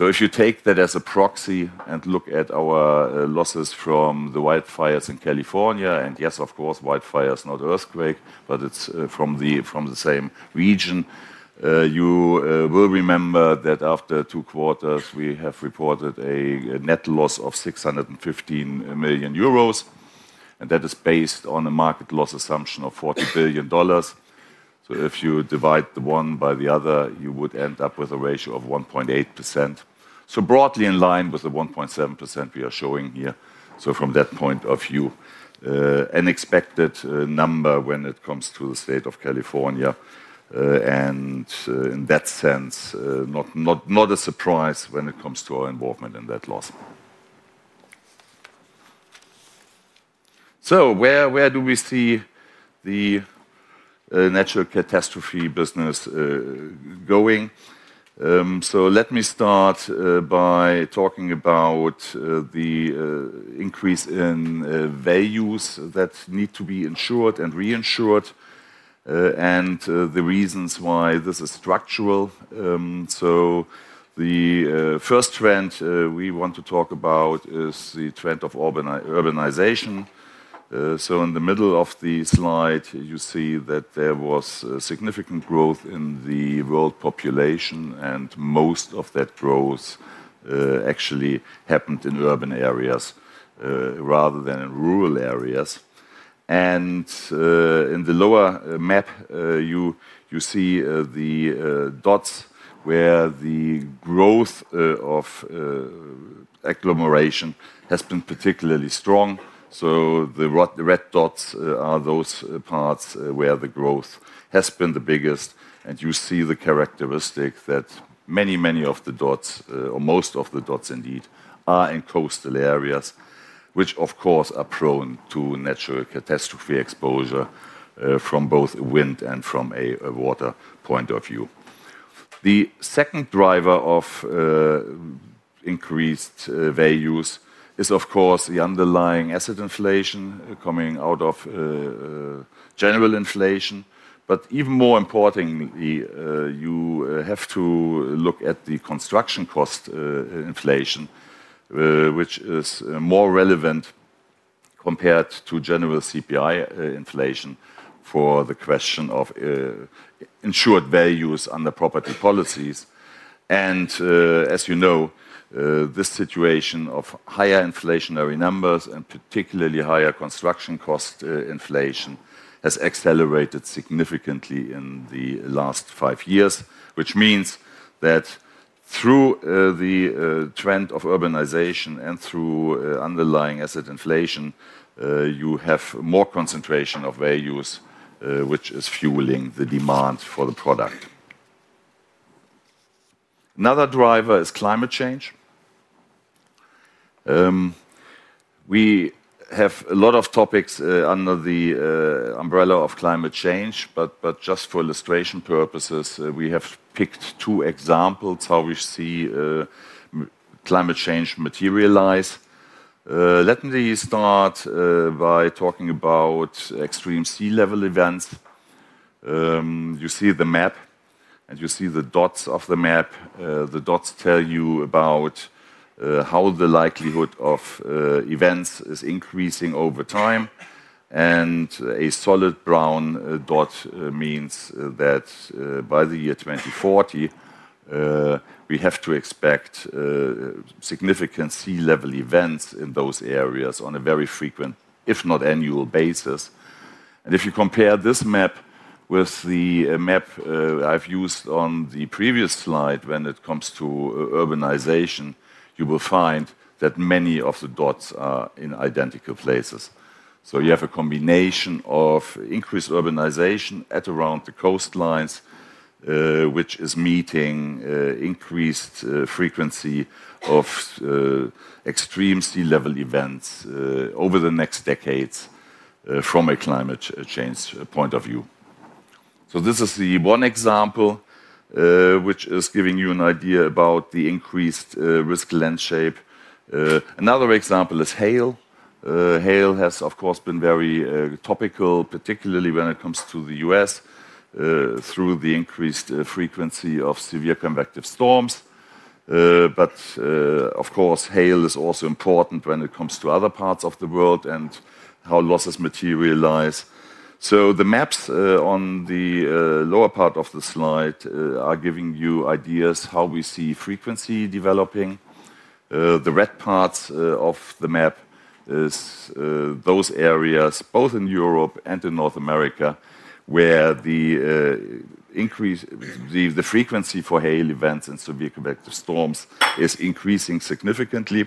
If you take that as a proxy and look at our losses from the wildfires in California, and yes, of course, wildfires are not earthquakes, but it's from the same region, you will remember that after two quarters, we have reported a net loss of 615 million euros. That is based on a market loss assumption of $40 billion. If you divide the one by the other, you would end up with a ratio of 1.8%. Broadly in line with the 1.7% we are showing here. From that point of view, an expected number when it comes to the state of California. In that sense, not a surprise when it comes to our involvement in that loss. Where do we see the natural catastrophe business going? Let me start by talking about the increase in values that need to be insured and reinsured and the reasons why this is structural. The first trend we want to talk about is the trend of urbanization. In the middle of the slide, you see that there was significant growth in the world population, and most of that growth actually happened in urban areas rather than in rural areas. In the lower map, you see the dots where the growth of agglomeration has been particularly strong. The red dots are those parts where the growth has been the biggest. You see the characteristic that many, many of the dots, or most of the dots indeed, are in coastal areas, which of course are prone to natural catastrophe exposure from both a wind and from a water point of view. The second driver of increased values is of course the underlying asset inflation coming out of general inflation. Even more importantly, you have to look at the construction cost inflation, which is more relevant compared to general CPI inflation for the question of insured values under property policies. As you know, this situation of higher inflationary numbers and particularly higher construction cost inflation has accelerated significantly in the last five years, which means that through the trend of urbanization and through underlying asset inflation, you have more concentration of values, which is fueling the demand for the product. Another driver is climate change. We have a lot of topics under the umbrella of climate change, but just for illustration purposes, we have picked two examples how we see climate change materialize. Let me start by talking about extreme sea level events. You see the map and you see the dots of the map. The dots tell you about how the likelihood of events is increasing over time. A solid brown dot means that by the year 2040, we have to expect significant sea level events in those areas on a very frequent, if not annual, basis. If you compare this map with the map I've used on the previous slide when it comes to urbanization, you will find that many of the dots are in identical places. You have a combination of increased urbanization at around the coastlines, which is meeting increased frequency of extreme sea level events over the next decades from a climate change point of view. This is the one example, which is giving you an idea about the increased risk landscape. Another example is hail. Hail has of course been very topical, particularly when it comes to the U.S. through the increased frequency of severe convective storms. Hail is also important when it comes to other parts of the world and how losses materialize. The maps on the lower part of the slide are giving you ideas how we see frequency developing. The red parts of the map are those areas both in Europe and in North America where the frequency for hail events and severe convective storms is increasing significantly.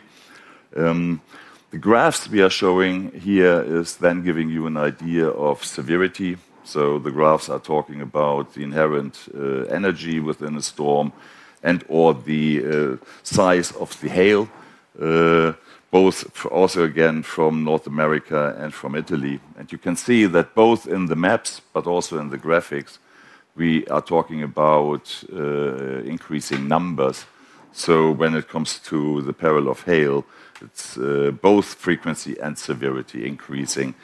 The graphs we are showing here are then giving you an idea of severity. The graphs are talking about the inherent energy within a storm and/or the size of the hail, both also again from North America and from Italy. You can see that both in the maps, but also in the graphics, we are talking about increasing numbers. When it comes to the peril of hail, it's both frequency and severity increasing.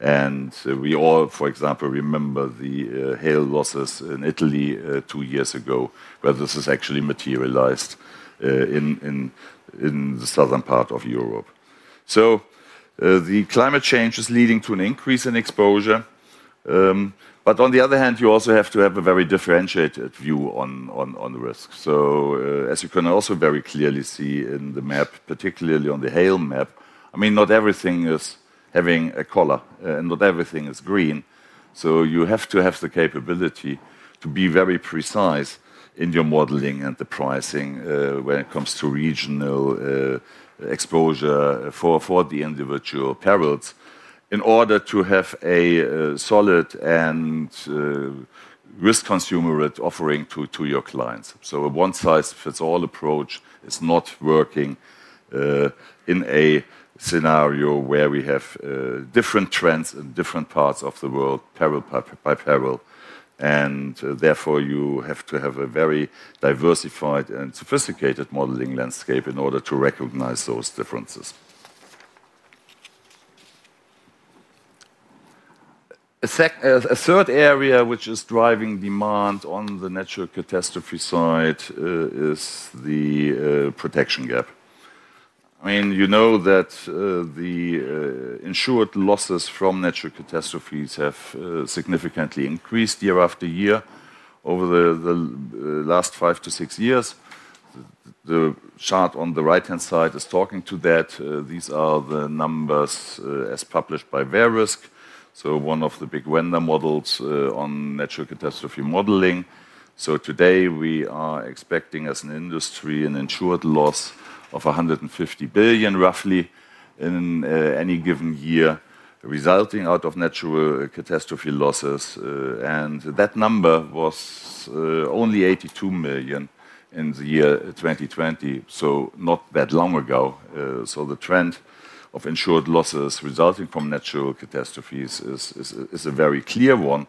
We all, for example, remember the hail losses in Italy two years ago, where this has actually materialized in the southern part of Europe. Climate change is leading to an increase in exposure. On the other hand, you also have to have a very differentiated view on risk. As you can also very clearly see in the map, particularly on the hail map, not everything is having a color and not everything is green. You have to have the capability to be very precise in your modeling and the pricing when it comes to regional exposure for the individual perils in order to have a solid and risk-consumerate offering to your clients. A one-size-fits-all approach is not working in a scenario where we have different trends in different parts of the world, peril by peril. Therefore, you have to have a very diversified and sophisticated modeling landscape in order to recognize those differences. A third area which is driving demand on the natural catastrophe side is the protection gap. You know that the insured losses from natural catastrophes have significantly increased year after year over the last five to six years. The chart on the right-hand side is talking to that. These are the numbers as published by Verisk, one of the big vendor models on natural catastrophe modeling. Today, we are expecting as an industry an insured loss of 150 billion roughly in any given year resulting out of natural catastrophe losses. That number was only 82 million in the year 2020, not that long ago. The trend of insured losses resulting from natural catastrophes is a very clear one.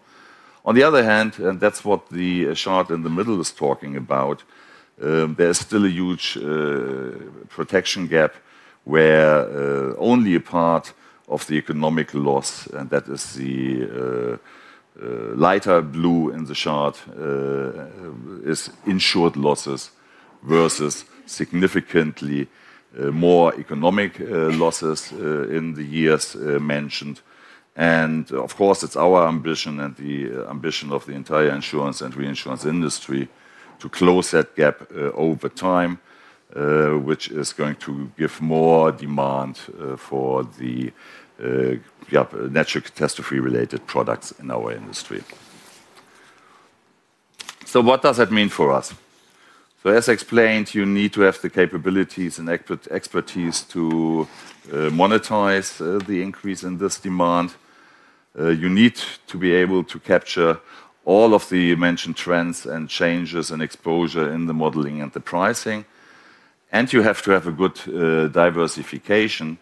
On the other hand, and that's what the chart in the middle is talking about, there is still a huge protection gap where only a part of the economic loss, and that is the lighter blue in the chart, is insured losses versus significantly more economic losses in the years mentioned. Of course, it's our ambition and the ambition of the entire insurance and reinsurance industry to close that gap over time, which is going to give more demand for the natural catastrophe-related products in our industry. What does that mean for us? As I explained, you need to have the capabilities and expertise to monetize the increase in this demand. You need to be able to capture all of the mentioned trends and changes and exposure in the modeling and the pricing. You have to have a good diversification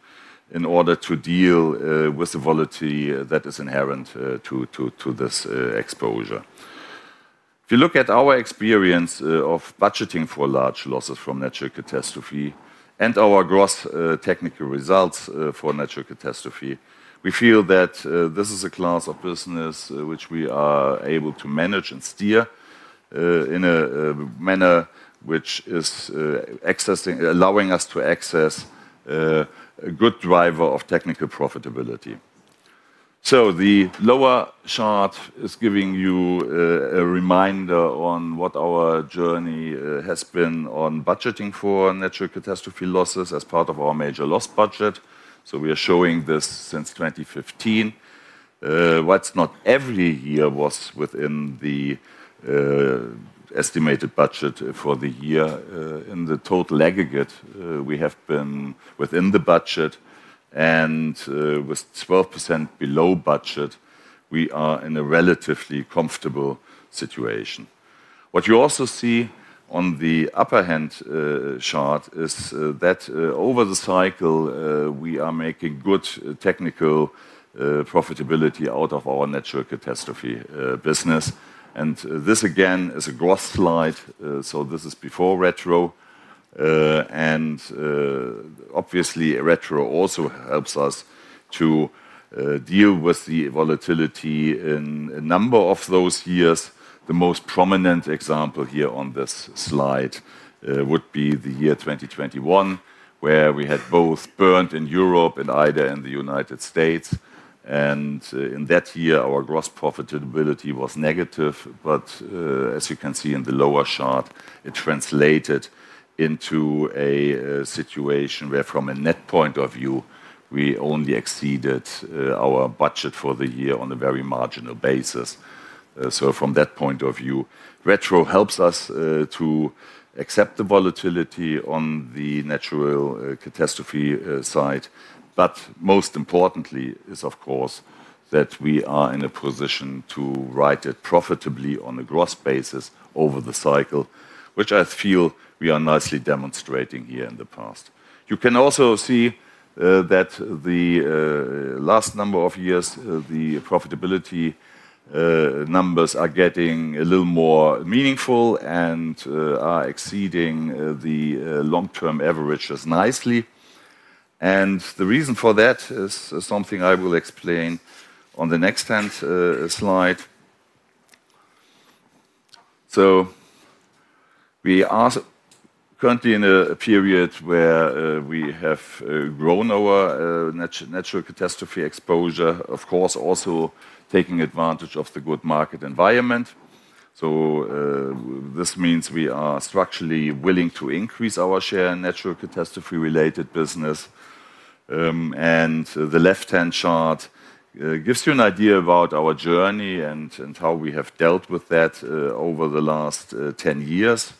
in order to deal with the volatility that is inherent to this exposure. If you look at our experience of budgeting for large losses from natural catastrophe and our gross technical results for natural catastrophe, we feel that this is a class of business which we are able to manage and steer in a manner which is allowing us to access a good driver of technical profitability. The lower chart is giving you a reminder on what our journey has been on budgeting for natural catastrophe losses as part of our major loss budget. We are showing this since 2015. Not every year was within the estimated budget for the year. In the total aggregate, we have been within the budget. With 12% below budget, we are in a relatively comfortable situation. What you also see on the upper hand chart is that over the cycle, we are making good technical profitability out of our natural catastrophe business. This again is a gross slide, so this is before retro. Obviously, retro also helps us to deal with the volatility in a number of those years. The most prominent example here on this slide would be the year 2021, where we had both Bernd in Europe and IDA in the United States. In that year, our gross profitability was negative. As you can see in the lower chart, it translated into a situation where from a net point of view, we only exceeded our budget for the year on a very marginal basis. From that point of view, retro helps us to accept the volatility on the natural catastrophe side. Most importantly, of course, is that we are in a position to write it profitably on a gross basis over the cycle, which I feel we are nicely demonstrating here in the past. You can also see that the last number of years, the profitability numbers are getting a little more meaningful and are exceeding the long-term averages nicely. The reason for that is something I will explain on the next slide. We are currently in a period where we have grown our natural catastrophe exposure, of course, also taking advantage of the good market environment. This means we are structurally willing to increase our share in natural catastrophe-related business. The left-hand chart gives you an idea about our journey and how we have dealt with that over the last 10 years.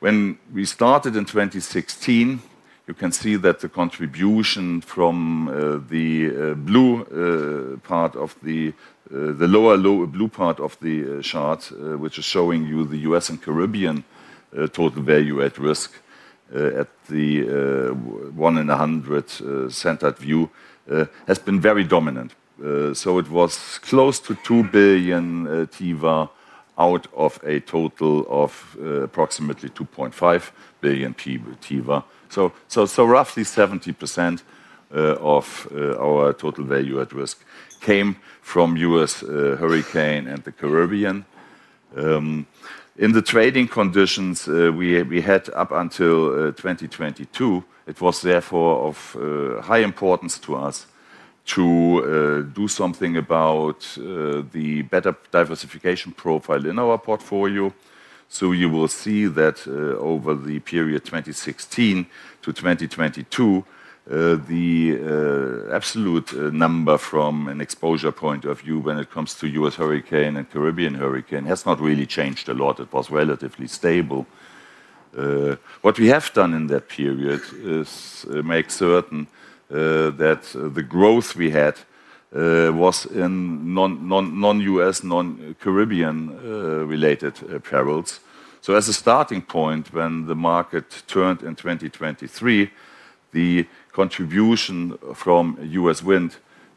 When we started in 2016, you can see that the contribution from the blue part of the lower blue part of the chart, which is showing you the U.S. and Caribbean total value at risk at the one in 100 centered view, has been very dominant. It was close to 2 billion TEVA out of a total of approximately 2.5 billion TEVA. Roughly 70% of our total value at risk came from U.S. hurricane and the Caribbean. In the trading conditions we had up until 2022, it was therefore of high importance to us to do something about the better diversification profile in our portfolio. You will see that over the period 2016-2022, the absolute number from an exposure point of view when it comes to U.S. hurricane and Caribbean hurricane has not really changed a lot. It was relatively stable. What we have done in that period is make certain that the growth we had was in non-U.S., non-Caribbean related parallels. As a starting point, when the market turned in 2023, the contribution from U.S. wind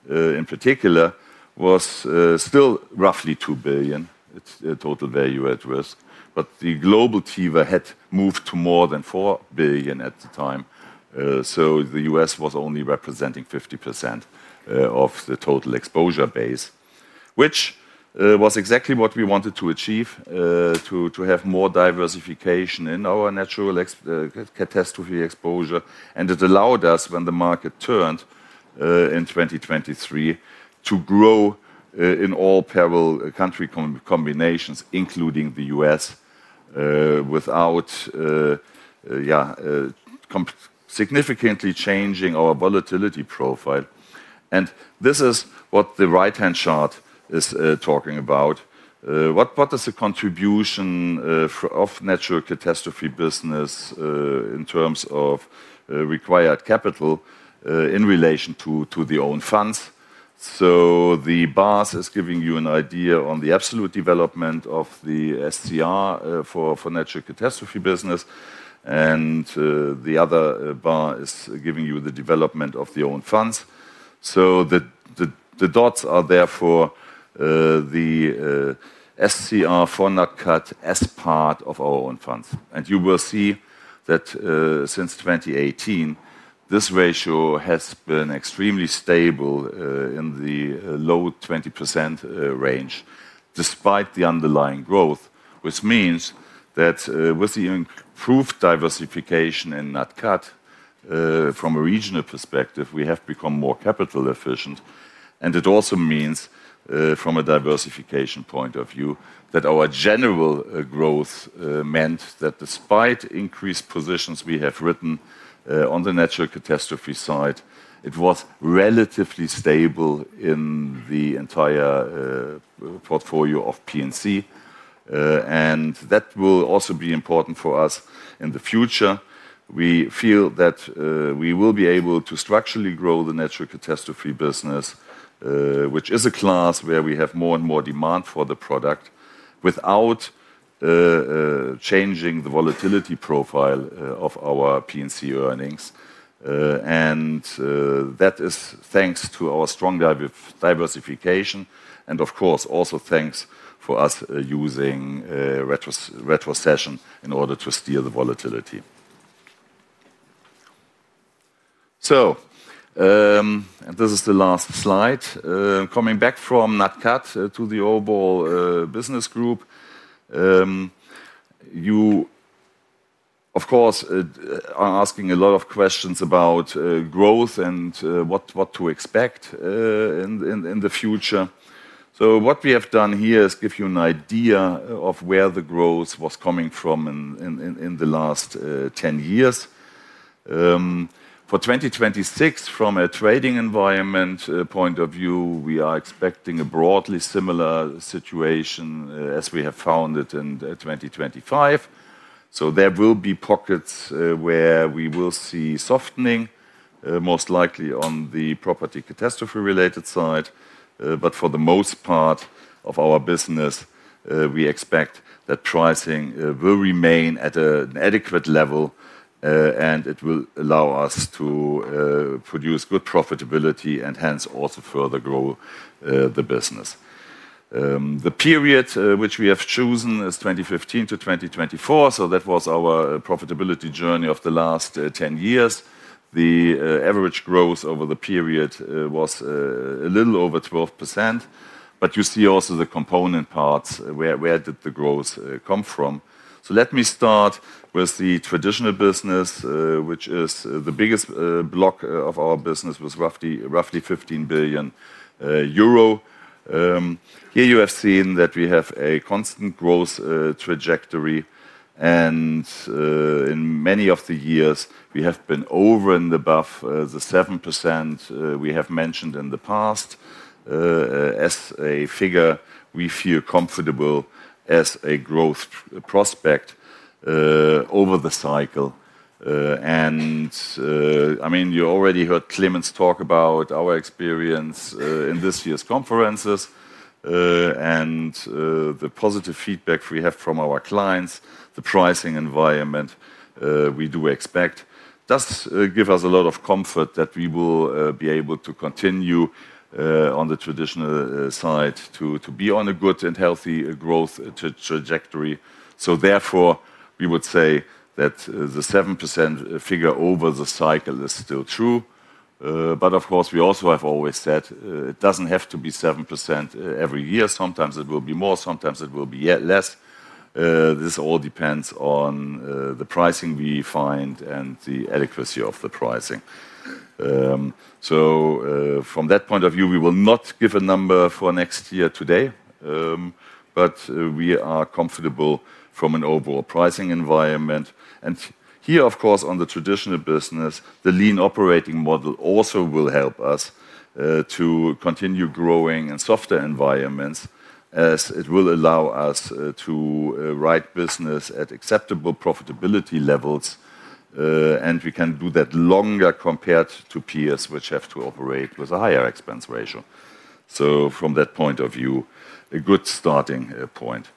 in particular was still roughly 2 billion total value at risk. The global TEVA had moved to more than 4 billion at the time. The U.S. was only representing 50% of the total exposure base, which was exactly what we wanted to achieve, to have more diversification in our natural catastrophe exposure. It allowed us, when the market turned in 2023, to grow in all parallel country combinations, including the U.S., without significantly changing our volatility profile. This is what the right-hand chart is talking about. What is the contribution of natural catastrophe business in terms of required capital in relation to the own funds? The bar is giving you an idea on the absolute development of the SCR for natural catastrophe business. The other bar is giving you the development of the own funds. The dots are there for the SCR for natural catastrophe as part of our own funds. You will see that since 2018, this ratio has been extremely stable in the low 20% range, despite the underlying growth, which means that with the improved diversification in NatCat, from a regional perspective, we have become more capital efficient. It also means, from a diversification point of view, that our general growth meant that despite increased positions we have written on the natural catastrophe side, it was relatively stable in the entire portfolio of P&C. That will also be important for us in the future. We feel that we will be able to structurally grow the natural catastrophe business, which is a class where we have more and more demand for the product without changing the volatility profile of our P&C earnings. That is thanks to our strong diversification and also thanks to us using retrocession in order to steer the volatility. This is the last slide. Coming back from NatCat to the overall business group, you, of course, are asking a lot of questions about growth and what to expect in the future. What we have done here is give you an idea of where the growth was coming from in the last 10 years. For 2026, from a trading environment point of view, we are expecting a broadly similar situation as we have found it in 2025. There will be pockets where we will see softening, most likely on the property catastrophe-related side. For the most part of our business, we expect that pricing will remain at an adequate level, and it will allow us to produce good profitability and hence also further grow the business. The period which we have chosen is 2015-2024. That was our profitability journey of the last 10 years. Average growth over the period was a little over 12%, but you see also the component parts where did the growth come from. Let me start with the traditional business, which is the biggest block of our business, was roughly 15 billion euro. Here you have seen that we have a constant growth trajectory, and in many of the years, we have been over and above the 7% we have mentioned in the past. As a figure, we feel comfortable as a growth prospect over the cycle. I mean, you already heard Clemens talk about our experience in this year's conferences and the positive feedback we have from our clients, the pricing environment we do expect. This gives us a lot of comfort that we will be able to continue on the traditional side to be on a good and healthy growth trajectory. Therefore, we would say that the 7% figure over the cycle is still true, but of course, we also have always said it doesn't have to be 7% every year. Sometimes it will be more, sometimes it will be less. This all depends on the pricing we find and the adequacy of the pricing. From that point of view, we will not give a number for next year today, but we are comfortable from an overall pricing environment. Here, of course, on the traditional business, the lean operating model also will help us to continue growing in softer environments as it will allow us to write business at acceptable profitability levels, and we can do that longer compared to peers which have to operate with a higher expense ratio. From that point of view, a good starting point.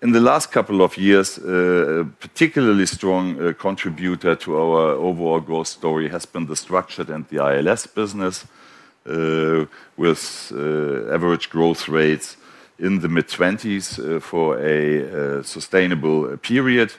In the last couple of years, a particularly strong contributor to our overall growth story has been the structured and the ILS business with average growth rates in the mid-20s for a sustainable period.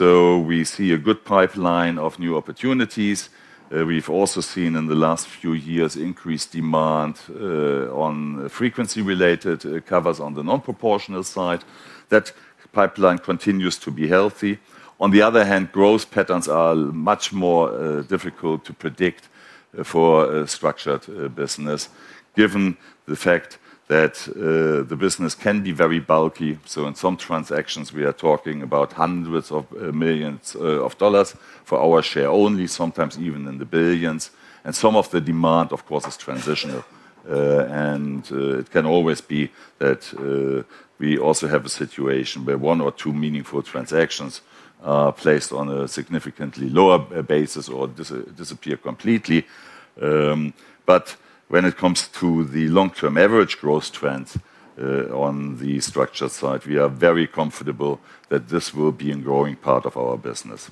We see a good pipeline of new opportunities. We've also seen in the last few years increased demand on frequency-related covers on the non-proportional side. That pipeline continues to be healthy. On the other hand, growth patterns are much more difficult to predict for a structured business given the fact that the business can be very bulky. In some transactions, we are talking about hundreds of millions of dollars for our share only, sometimes even in the billions, and some of the demand, of course, is transitional. It can always be that we also have a situation where one or two meaningful transactions are placed on a significantly lower basis or disappear completely. When it comes to the long-term average growth trends on the structured side, we are very comfortable that this will be a growing part of our business.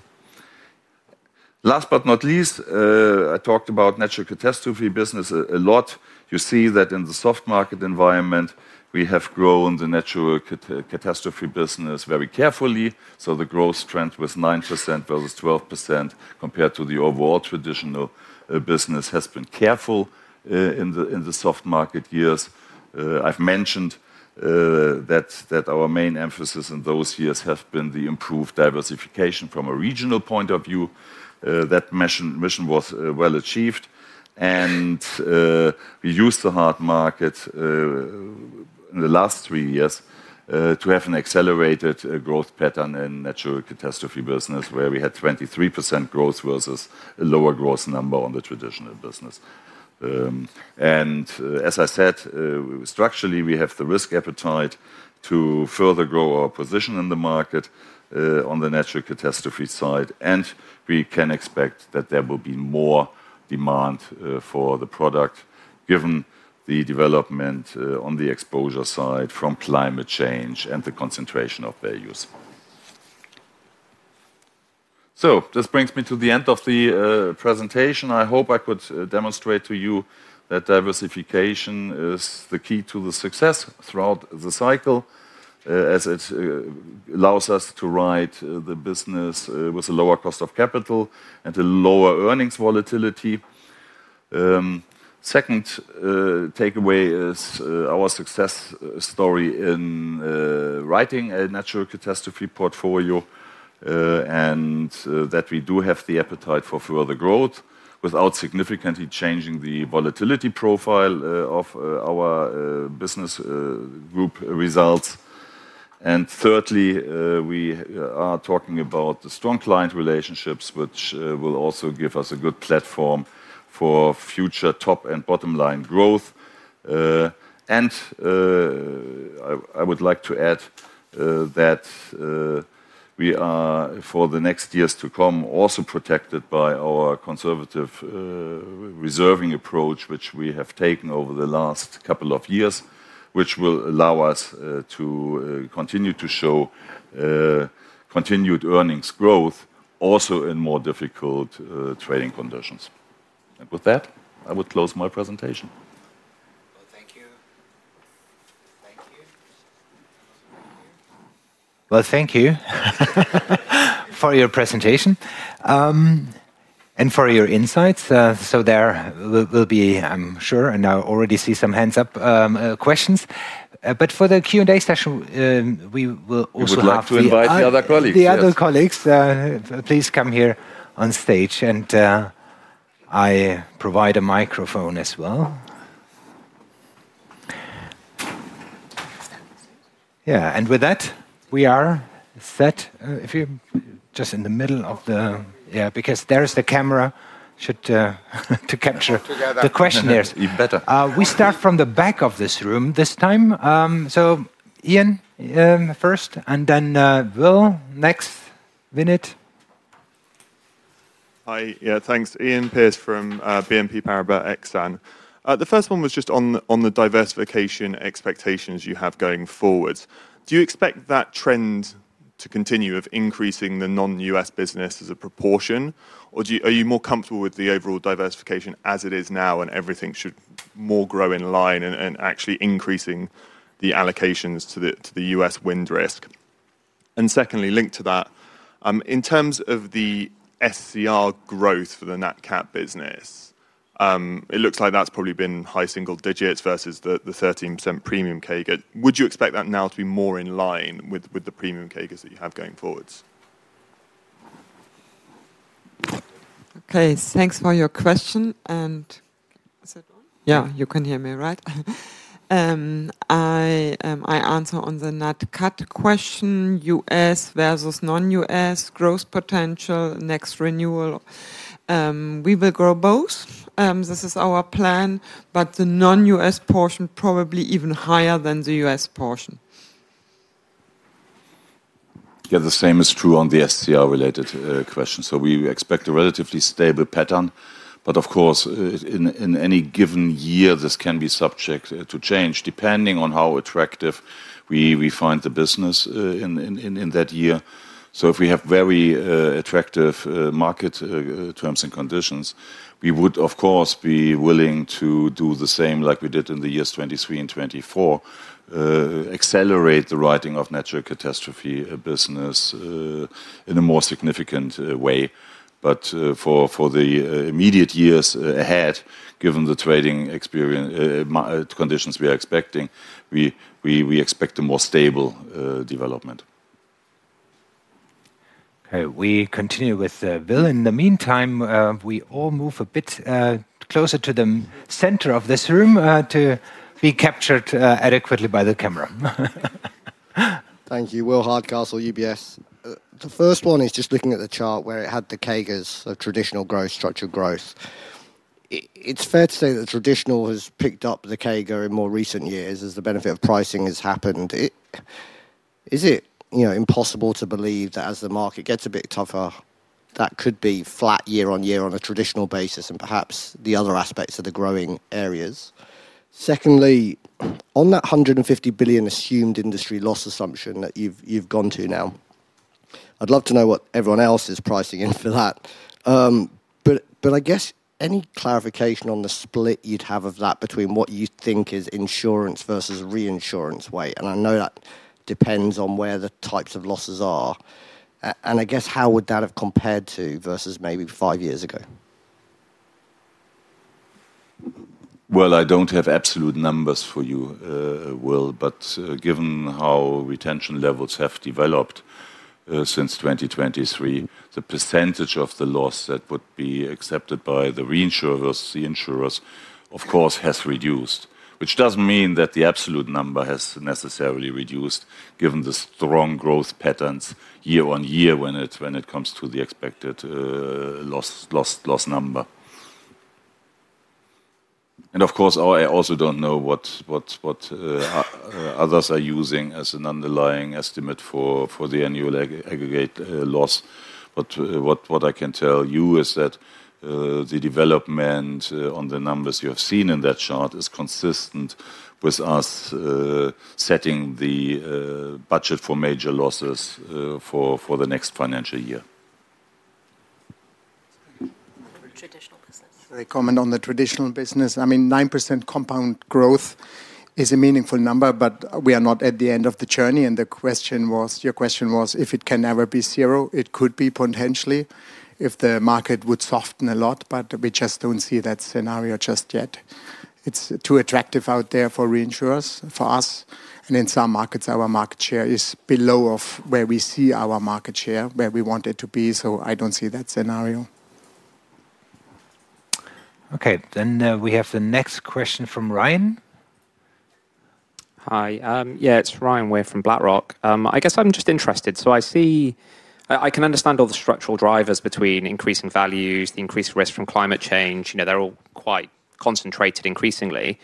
Last but not least, I talked about natural catastrophe business a lot. You see that in the soft market environment, we have grown the natural catastrophe business very carefully. The growth trend was 9% versus 12% compared to the overall traditional business, which has been careful in the soft market years. I've mentioned that our main emphasis in those years has been the improved diversification from a regional point of view. That mission was well achieved, and we used the hard market in the last three years to have an accelerated growth pattern in natural catastrophe business where we had 23% growth versus a lower growth number on the traditional business. Structurally, we have the risk appetite to further grow our position in the market on the natural catastrophe side, and we can expect that there will be more demand for the product given the development on the exposure side from climate change and the concentration of values. This brings me to the end of the presentation. I hope I could demonstrate to you that diversification is the key to the success throughout the cycle as it allows us to write the business with a lower cost of capital and a lower earnings volatility. The second takeaway is our success story in writing a natural catastrophe portfolio and that we do have the appetite for further growth without significantly changing the volatility profile of our business group results. Thirdly, we are talking about the strong client relationships, which will also give us a good platform for future top and bottom line growth. I would like to add that we are, for the next years to come, also protected by our conservative reserving approach, which we have taken over the last couple of years, which will allow us to continue to show continued earnings growth also in more difficult trading conditions. With that, I would close my presentation. Thank you for your presentation and for your insights. There will be, I'm sure, and I already see some hands up, questions. For the Q&A session, we will also have to invite the other colleagues. Please come here on stage, and I provide a microphone as well. With that, we are set. If you're just in the middle of the... Yeah, because there's the camera to capture the questionnaires. We start from the back of this room this time. Ian first, and then Will next, Vinit. Hi, yeah, thanks. Iain Pearce from BNP Paribas Exane. The first one was just on the diversification expectations you have going forward. Do you expect that trend to continue of increasing the non-U.S. business as a proportion, or are you more comfortable with the overall diversification as it is now and everything should more grow in line, actually increasing the allocations to the U.S. wind risk? Secondly, linked to that, in terms of the SCR growth for the natural catastrophe portfolio, it looks like that's probably been high single digits versus the 13% premium CAGR. Would you expect that now to be more in line with the premium CAGR that you have going forwards? Okay, thanks for your question. Is it on? Yeah, you can hear me, right? I answer on the NatCat question, U.S. versus non-U.S. growth potential, next renewal. We will grow both. This is our plan, but the non-U.S. portion probably even higher than the U.S. portion. Again, the same is true on the SCR-related question. We expect a relatively stable pattern, but of course, in any given year, this can be subject to change depending on how attractive we find the business in that year. If we have very attractive market terms and conditions, we would, of course, be willing to do the same like we did in the years 2023 and 2024, accelerate the writing of natural catastrophe business in a more significant way. For the immediate years ahead, given the trading experience conditions we are expecting, we expect a more stable development. We continue with Will. In the meantime, we all move a bit closer to the center of this room to be captured adequately by the camera. Thank you. William Hardcastle, UBS. The first one is just looking at the chart where it had the CAGRs, traditional growth, structured growth. It's fair to say that the traditional has picked up the CAGR in more recent years as the benefit of pricing has happened. Is it impossible to believe that as the market gets a bit tougher, that could be flat year-on-year on a traditional basis and perhaps the other aspects of the growing areas? Secondly, on that 150 billion assumed industry loss assumption that you've gone to now, I'd love to know what everyone else is pricing in for that. I guess any clarification on the split you'd have of that between what you think is insurance versus reinsurance weight? I know that depends on where the types of losses are. I guess how would that have compared to versus maybe five years ago? I don't have absolute numbers for you, Will, but given how retention levels have developed since 2023, the percentange of the loss that would be accepted by the reinsurers, the insurers, of course, has reduced, which doesn't mean that the absolute number has necessarily reduced given the strong growth patterns year-on-year when it comes to the expected loss number. I also don't know what others are using as an underlying estimate for the annual aggregate loss. What I can tell you is that the development on the numbers you have seen in that chart is consistent with us setting the budget for major losses for the next financial year. The traditional business. A comment on the traditional business. I mean, 9% compound growth is a meaningful number, but we are not at the end of the journey. The question was if it can ever be zero. It could be potentially if the market would soften a lot, but we just don't see that scenario just yet. It's too attractive out there for reinsurers, for us. In some markets, our market share is below where we see our market share, where we want it to be. I don't see that scenario. Okay, then we have the next question from Ryan. Hi, yeah, it's Ryan. We're from BlackRock. I guess I'm just interested. I see, I can understand all the structural drivers between increasing values, the increased risk from climate change. You know, they're all quite concentrated increasingly.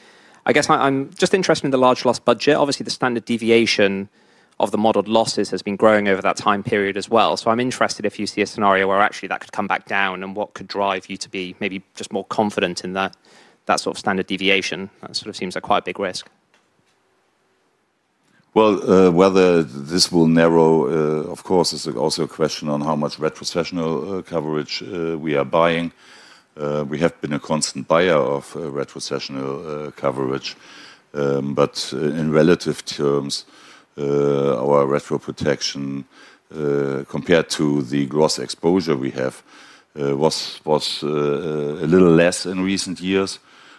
I guess I'm just interested in the large loss budget. Obviously, the standard deviation of the modeled losses has been growing over that time period as well. I'm interested if you see a scenario where actually that could come back down and what could drive you to be maybe just more confident in that sort of standard deviation. That sort of seems like quite a big risk. Whether this will narrow, of course, is also a question on how much retrocessional coverage we are buying. We have been a constant buyer of retrocessional coverage. In relative terms, our retro protection compared to the gross exposure we have was a little less in recent years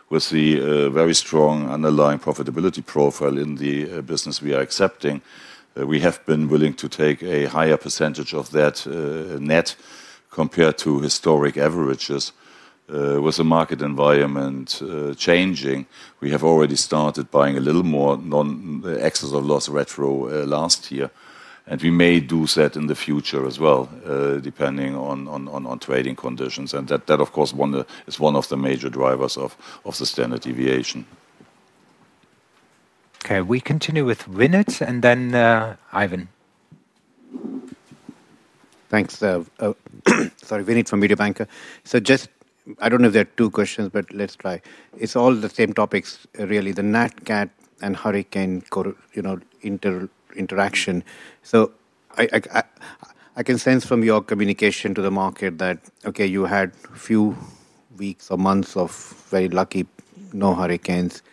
with the very strong underlying profitability profile in the business we are accepting. We have been willing to take a higher percentage of that net compared to historic averages. With the market environment changing, we have already started buying a little more non-excessive loss retro last year. We may do that in the future as well, depending on trading conditions. That, of course, is one of the major drivers of the standard deviation. Okay, we continue with Vinit and then Ivan. Thanks. Sorry, Vinit from Mediobanca. I don't know if there are two questions, but let's try. It's all the same topics, really, the NatCat and hurricane interaction. I can sense from your communication to the market that, okay, you had a few weeks or months of very lucky no hurricanes,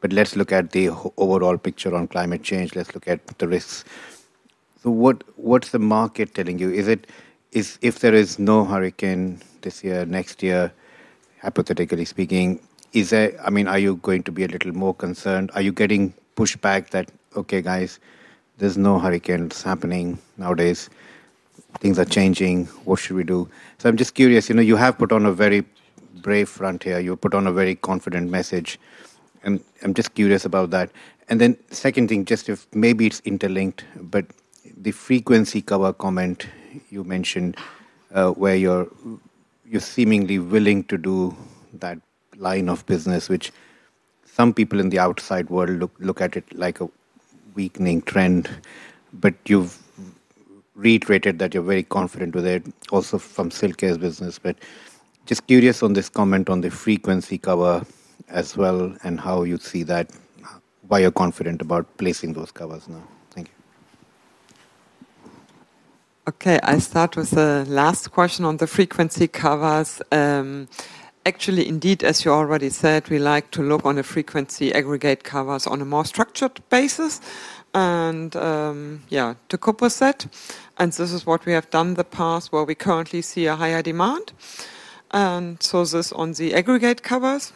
but let's look at the overall picture on climate change. Let's look at the risks. What's the market telling you? If there is no hurricane this year, next year, hypothetically speaking, is there, I mean, are you going to be a little more concerned? Are you getting pushback that, okay, guys, there's no hurricanes happening nowadays? Things are changing. What should we do? I'm just curious, you have put on a very brave front here. You put on a very confident message. I'm just curious about that. The second thing, maybe it's interlinked, the frequency cover comment you mentioned, where you're seemingly willing to do that line of business, which some people in the outside world look at like a weakening trend, but you've reiterated that you're very confident with it also from Silk Air business. Just curious on this comment on the frequency cover as well and how you see that, why you're confident about placing those covers now. Thank you. Okay, I start with the last question on the frequency covers. Actually, indeed, as you already said, we like to look on the frequency aggregate covers on a more structured basis. Yeah, to cope with that. This is what we have done in the past where we currently see a higher demand. This is on the aggregate covers.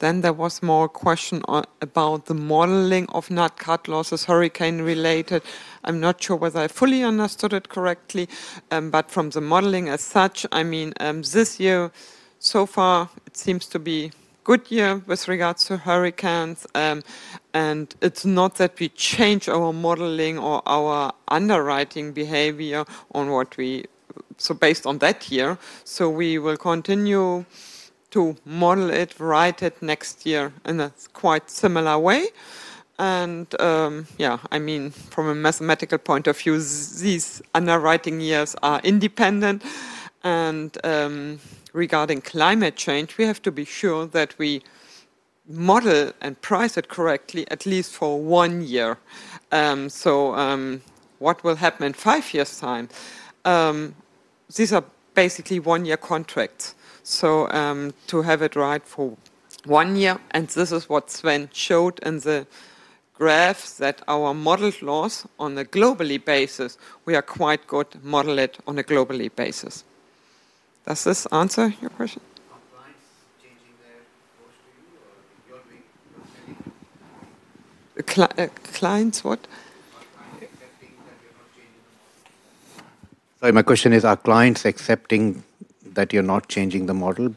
There was more question about the modeling of NatCat losses hurricane-related. I'm not sure whether I fully understood it correctly. From the modeling as such, I mean, this year so far seems to be a good year with regards to hurricanes. It's not that we change our modeling or our underwriting behavior on what we, so based on that year. We will continue to model it, write it next year in a quite similar way. I mean, from a mathematical point of view, these underwriting years are independent. Regarding climate change, we have to be sure that we model and price it correctly at least for one year. What will happen in five years' time? These are basically one-year contracts. To have it right for one year, and this is what Sven showed in the graphs that our modeled loss on a global basis, we are quite good to model it on a global basis. Does this answer your question? Clients, what? Sorry, my question is, are clients accepting that you're not changing the model?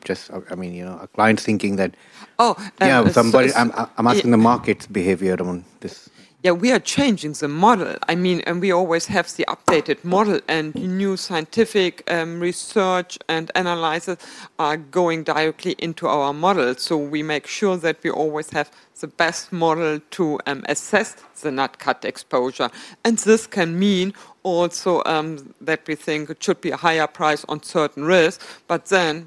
I mean, are clients thinking that, oh, yeah, somebody, I'm asking the market's behavior on this. Yeah, we are changing the model. I mean, we always have the updated model, and new scientific research and analysis are going directly into our model. We make sure that we always have the best model to assess the NatCat exposure. This can mean also that we think it should be a higher price on certain risks.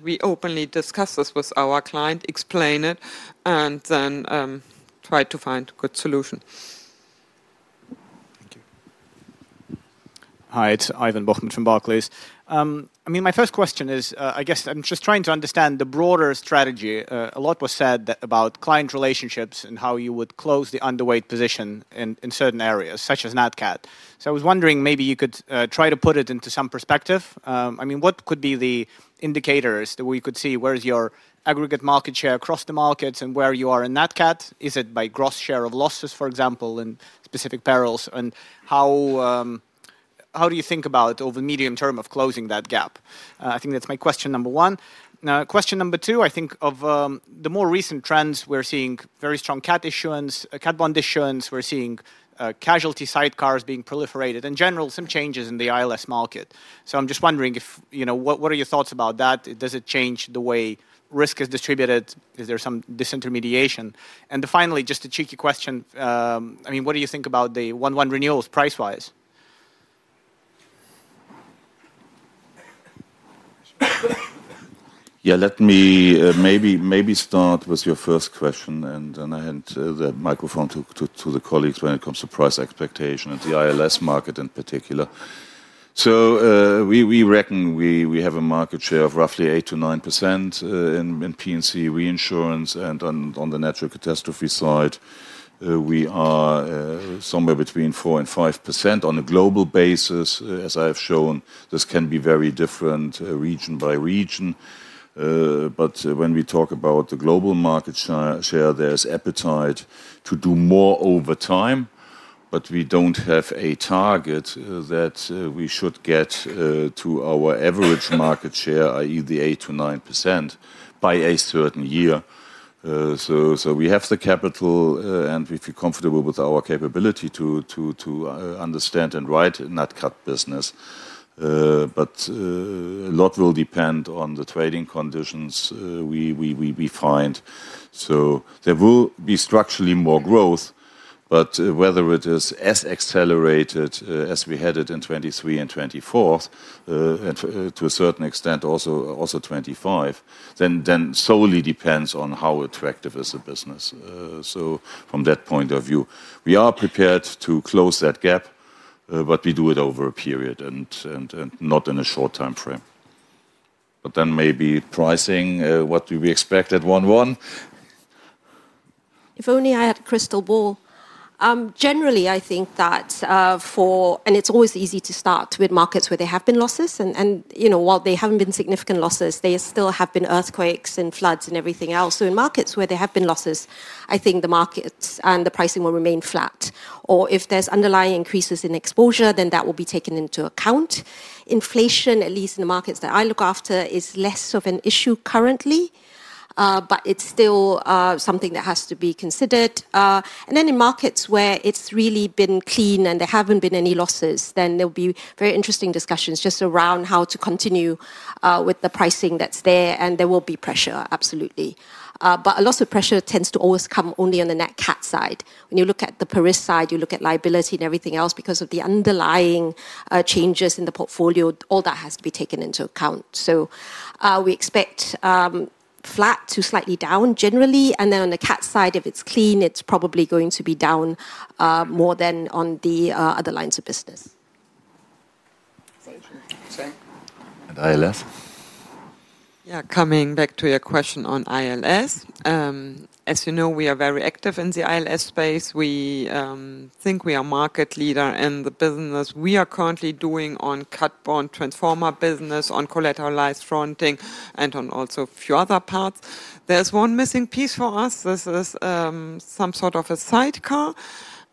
We openly discuss this with our client, explain it, and try to find a good solution. Hi, it's Ivan Bokhmat from Barclays. My first question is, I guess I'm just trying to understand the broader strategy. A lot was said about client relationships and how you would close the underweight position in certain areas such as NatCat portfolio. I was wondering if you could try to put it into some perspective. What could be the indicators that we could see? Where's your aggregate market share across the markets and where you are in NatCat? Is it by gross share of losses, for example, and specific perils? How do you think about over the medium term of closing that gap? I think that's my question number one. Now, question number two, I think of the more recent trends we're seeing, very strong cat bond issuance. We're seeing casualty sidecars being proliferated. In general, some changes in the ILS market. I'm just wondering, what are your thoughts about that? Does it change the way risk is distributed? Is there some disintermediation? Finally, just a cheeky question. What do you think about the one-one renewals price-wise? Yeah, let me maybe start with your first question and then I hand the microphone to the colleagues when it comes to price expectation in the ILS market in particular. We reckon we have a market share of roughly 8%-9% in P&C reinsurance and on the natural catastrophe side. We are somewhere between 4% and 5% on a global basis. As I have shown, this can be very different region by region. When we talk about the global market share, there's appetite to do more over time. We don't have a target that we should get to our average market share, i.e., the 8%-9% by a certain year. We have the capital and we feel comfortable with our capability to understand and write natural catastrophe business. A lot will depend on the trading conditions we find. There will be structurally more growth. Whether it is as accelerated as we had it in 2023 and 2024, and to a certain extent also 2025, solely depends on how attractive is the business. From that point of view, we are prepared to close that gap, but we do it over a period and not in a short time frame. Maybe pricing, what do we expect at one-one? If only I had a crystal ball. Generally, I think that for, and it's always easy to start with markets where there have been losses. While there haven't been significant losses, there still have been earthquakes and floods and everything else. In markets where there have been losses, I think the markets and the pricing will remain flat. If there's underlying increases in exposure, then that will be taken into account. Inflation, at least in the markets that I look after, is less of an issue currently. It's still something that has to be considered. In markets where it's really been clean and there haven't been any losses, there will be very interesting discussions just around how to continue with the pricing that's there. There will be pressure, absolutely. A lot of pressure tends to always come only on the natural catastrophe portfolio side. When you look at the property and casualty reinsurance side, you look at liability and everything else because of the underlying changes in the portfolio, all that has to be taken into account. We expect flat to slightly down generally. On the natural catastrophe portfolio side, if it's clean, it's probably going to be down more than on the other lines of business. And ILS. Yeah, coming back to your question on ILS. As you know, we are very active in the ILS space. We think we are a market leader in the business. We are currently doing on cat bond transformer business, on collateralized fronting, and on also a few other parts. There's one missing piece for us. This is some sort of a sidecar.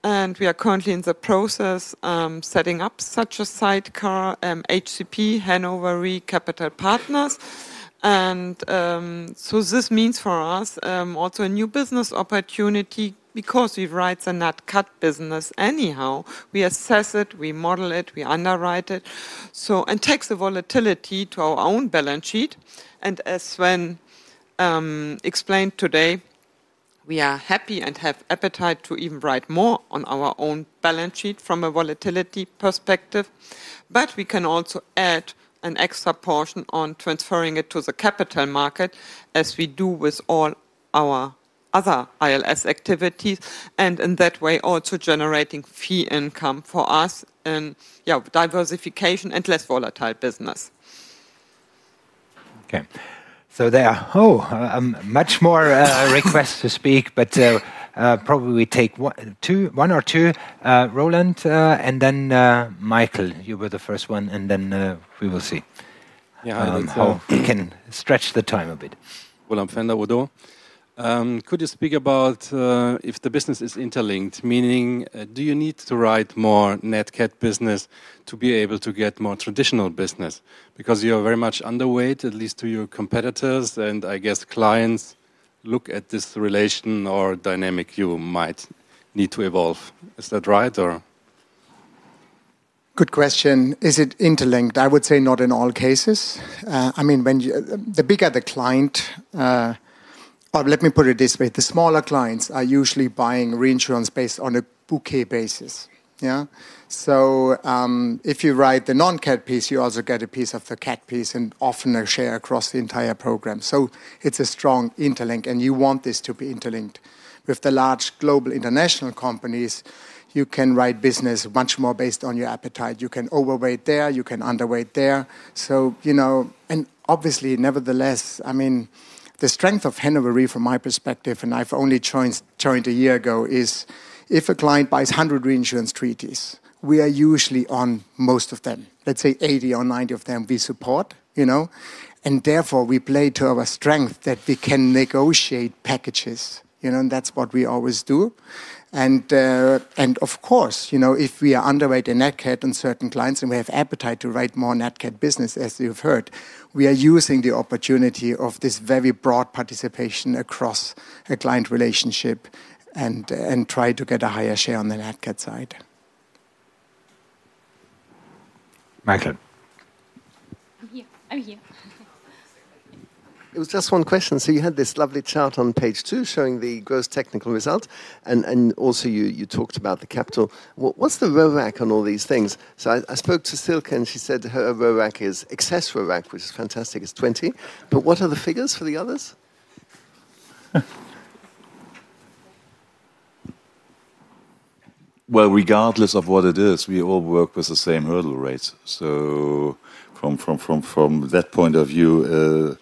We are currently in the process of setting up such a sidecar, HCP, Hannover Re Capital Partners. This means for us also a new business opportunity because we write the NatCat business anyhow. We assess it, we model it, we underwrite it. It takes a volatility to our own balance sheet. As Sven explained today, we are happy and have appetite to even write more on our own balance sheet from a volatility perspective. We can also add an extra portion on transferring it to the capital market as we do with all our other ILS activities. In that way, also generating fee income for us in diversification and less volatile business. Okay, so there are much more requests to speak, but probably we take one or two, Roland, and then Michael, you were the first one, and then we will see how we can stretch the time a bit. Could you speak about if the business is interlinked, meaning do you need to write more NatCat business to be able to get more traditional business? Because you are very much underweight, at least to your competitors, and I guess clients look at this relation or dynamic you might need to evolve. Is that right? Good question. Is it interlinked? I would say not in all cases. I mean, when the bigger the client, or let me put it this way, the smaller clients are usually buying reinsurance based on a bouquet basis. Yeah, so if you write the non-CAT piece, you also get a piece of the CAT piece and often a share across the entire program. It's a strong interlink, and you want this to be interlinked. With the large global international companies, you can write business much more based on your appetite. You can overweight there, you can underweight there. Obviously, nevertheless, I mean, the strength of Hannover Re, from my perspective, and I've only joined a year ago, is if a client buys 100 reinsurance treaties, we are usually on most of them. Let's say 80 or 90 of them we support, you know, and therefore we play to our strength that they can negotiate packages, you know, and that's what we always do. Of course, if we are underweight in NatCat on certain clients and we have appetite to write more NatCat business, as you've heard, we are using the opportunity of this very broad participation across a client relationship and try to get a higher share on the NatCat side. Michael. I'm here. It was just one question. You had this lovely chart on page two showing the gross technical result, and also you talked about the capital. What's the ROAC on all these things? I spoke to Silke, and she said her ROAC is excess ROAC, which is fantastic. It's 20%. What are the figures for the others? Regardless of what it is, we all work with the same hurdle rate. From that point of view,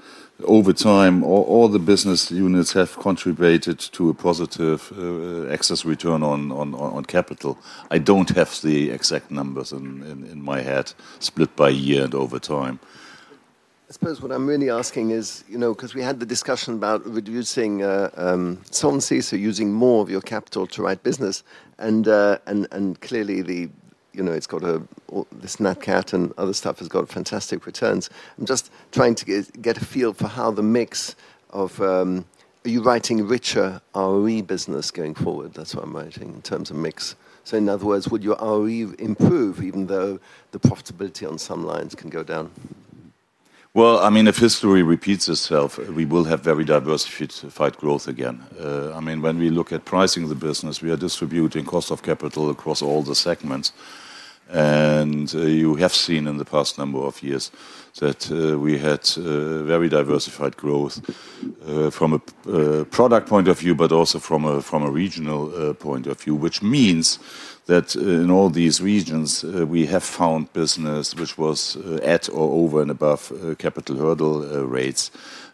over time, all the business units have contributed to a positive excess return on capital. I don't have the exact numbers in my head split by year and over time. I suppose what I'm really asking is, you know, because we had the discussion about reducing zone C, using more of your capital to write business. Clearly, it's got this NatCat and other stuff has got fantastic returns. I'm just trying to get a feel for how the mix of, are you writing richer ROE business going forward? That's what I'm writing in terms of mix. In other words, would your ROE improve even though the profitability on some lines can go down? If history repeats itself, we will have very diversified growth again. When we look at pricing the business, we are distributing cost of capital across all the segments. You have seen in the past number of years that we had very diversified growth from a product point of view, but also from a regional point of view, which means that in all these regions, we have found business which was at or over and above capital hurdle rates.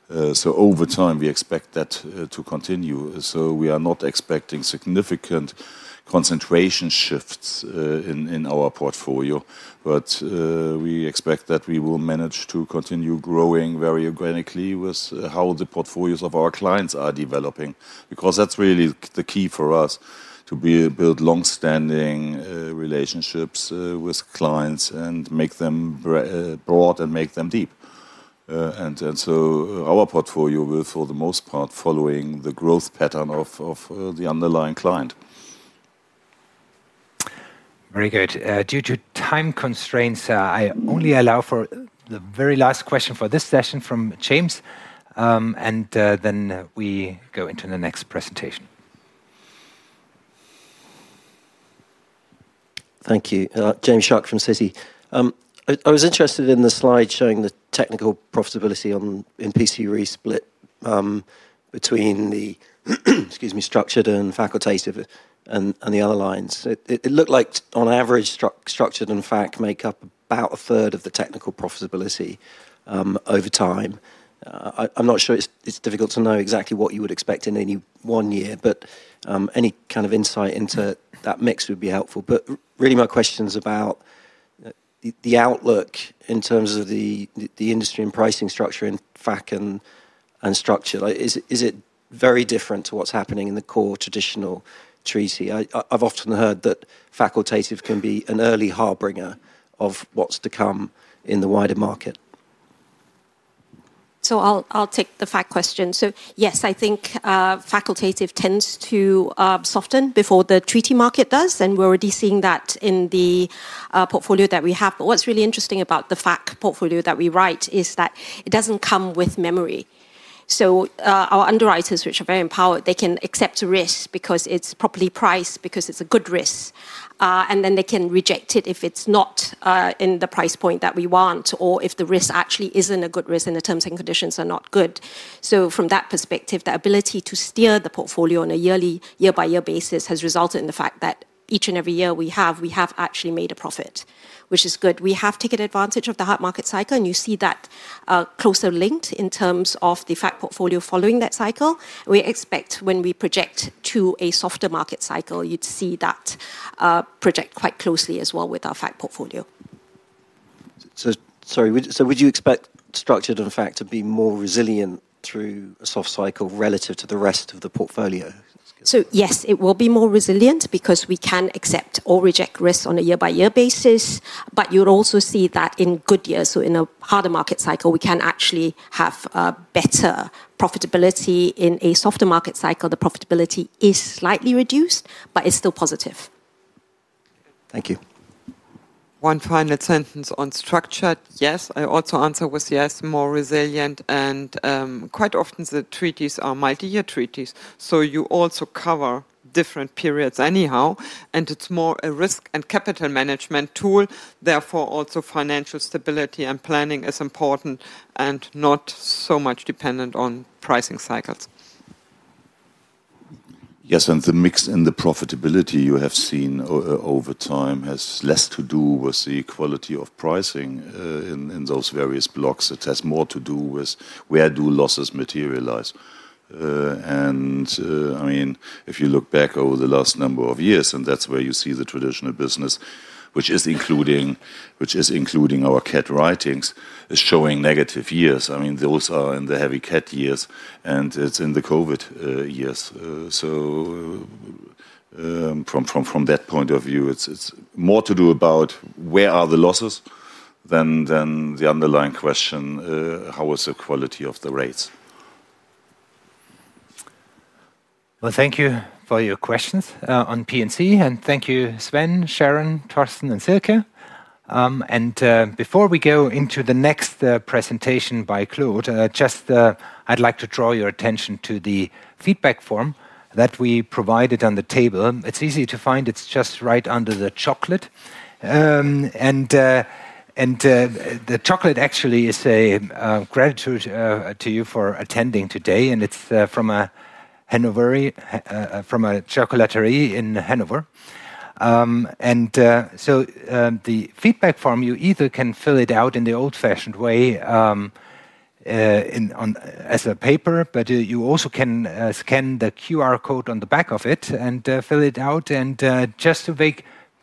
Over time, we expect that to continue. We are not expecting significant concentration shifts in our portfolio, but we expect that we will manage to continue growing very organically with how the portfolios of our clients are developing, because that's really the key for us to build longstanding relationships with clients and make them broad and make them deep. Our portfolio will, for the most part, follow the growth pattern of the underlying client. Very good. Due to time constraints, I only allow for the very last question for this session from James, and then we go into the next presentation. Thank you, James Shuck from Citigroup Inc. I was interested in the slide showing the technical profitability on P&C reinsurance split between the, excuse me, structured and facultative and the other lines. It looked like on average, structured and facultative make up about a third of the technical profitability over time. I'm not sure it's difficult to know exactly what you would expect in any one year, but any kind of insight into that mix would be helpful. My question is about the outlook in terms of the industry and pricing structure and facultative and structured. Is it very different to what's happening in the core traditional treaty? I've often heard that facultative can be an early harbinger of what's to come in the wider market. I'll take the facultative question. Yes, I think facultative tends to soften before the treaty market does, and we're already seeing that in the portfolio that we have. What's really interesting about the facultative portfolio that we write is that it doesn't come with memory. Our underwriters, which are very empowered, can accept risk because it's properly priced, because it's a good risk. They can reject it if it's not in the price point that we want or if the risk actually isn't a good risk and the terms and conditions are not good. From that perspective, the ability to steer the portfolio on a year-by-year basis has resulted in the fact that each and every year we have actually made a profit, which is good. We have taken advantage of the hot market cycle, and you see that closer linked in terms of the facultative portfolio following that cycle. We expect when we project to a softer market cycle, you'd see that project quite closely as well with our facultative portfolio. Would you expect structured and facultative to be more resilient through a soft cycle relative to the rest of the portfolio? Yes, it will be more resilient because we can accept or reject risk on a year-by-year basis. You'd also see that in good years, in a harder market cycle, we can actually have better profitability. In a softer market cycle, the profitability is slightly reduced, but it's still positive. Thank you. One final sentence on structured. Yes, I also answered with yes, more resilient, and quite often the treaties are mightier treaties. You also cover different periods anyhow, and it's more a risk and capital management tool. Therefore, also financial stability and planning is important and not so much dependent on pricing cycles. Yes, and the mix in the profitability you have seen over time has less to do with the quality of pricing in those various blocks. It has more to do with where do losses materialize. If you look back over the last number of years, that's where you see the traditional business, which is including our CAT writings, is showing negative years. Those are in the heavy CAT years, and it's in the COVID years. From that point of view, it's more to do about where are the losses than the underlying question, how is the quality of the rates? Thank you for your questions on P&C, and thank you, Sven, Sharon, Torsten, and Silke. Before we go into the next presentation by Claude, I'd like to draw your attention to the feedback form that we provided on the table. It's easy to find. It's just right under the chocolate. The chocolate actually is a gratitude to you for attending today, and it's from a chocolaterie in Hanover. The feedback form, you either can fill it out in the old-fashioned way as a paper, but you also can scan the QR code on the back of it and fill it out.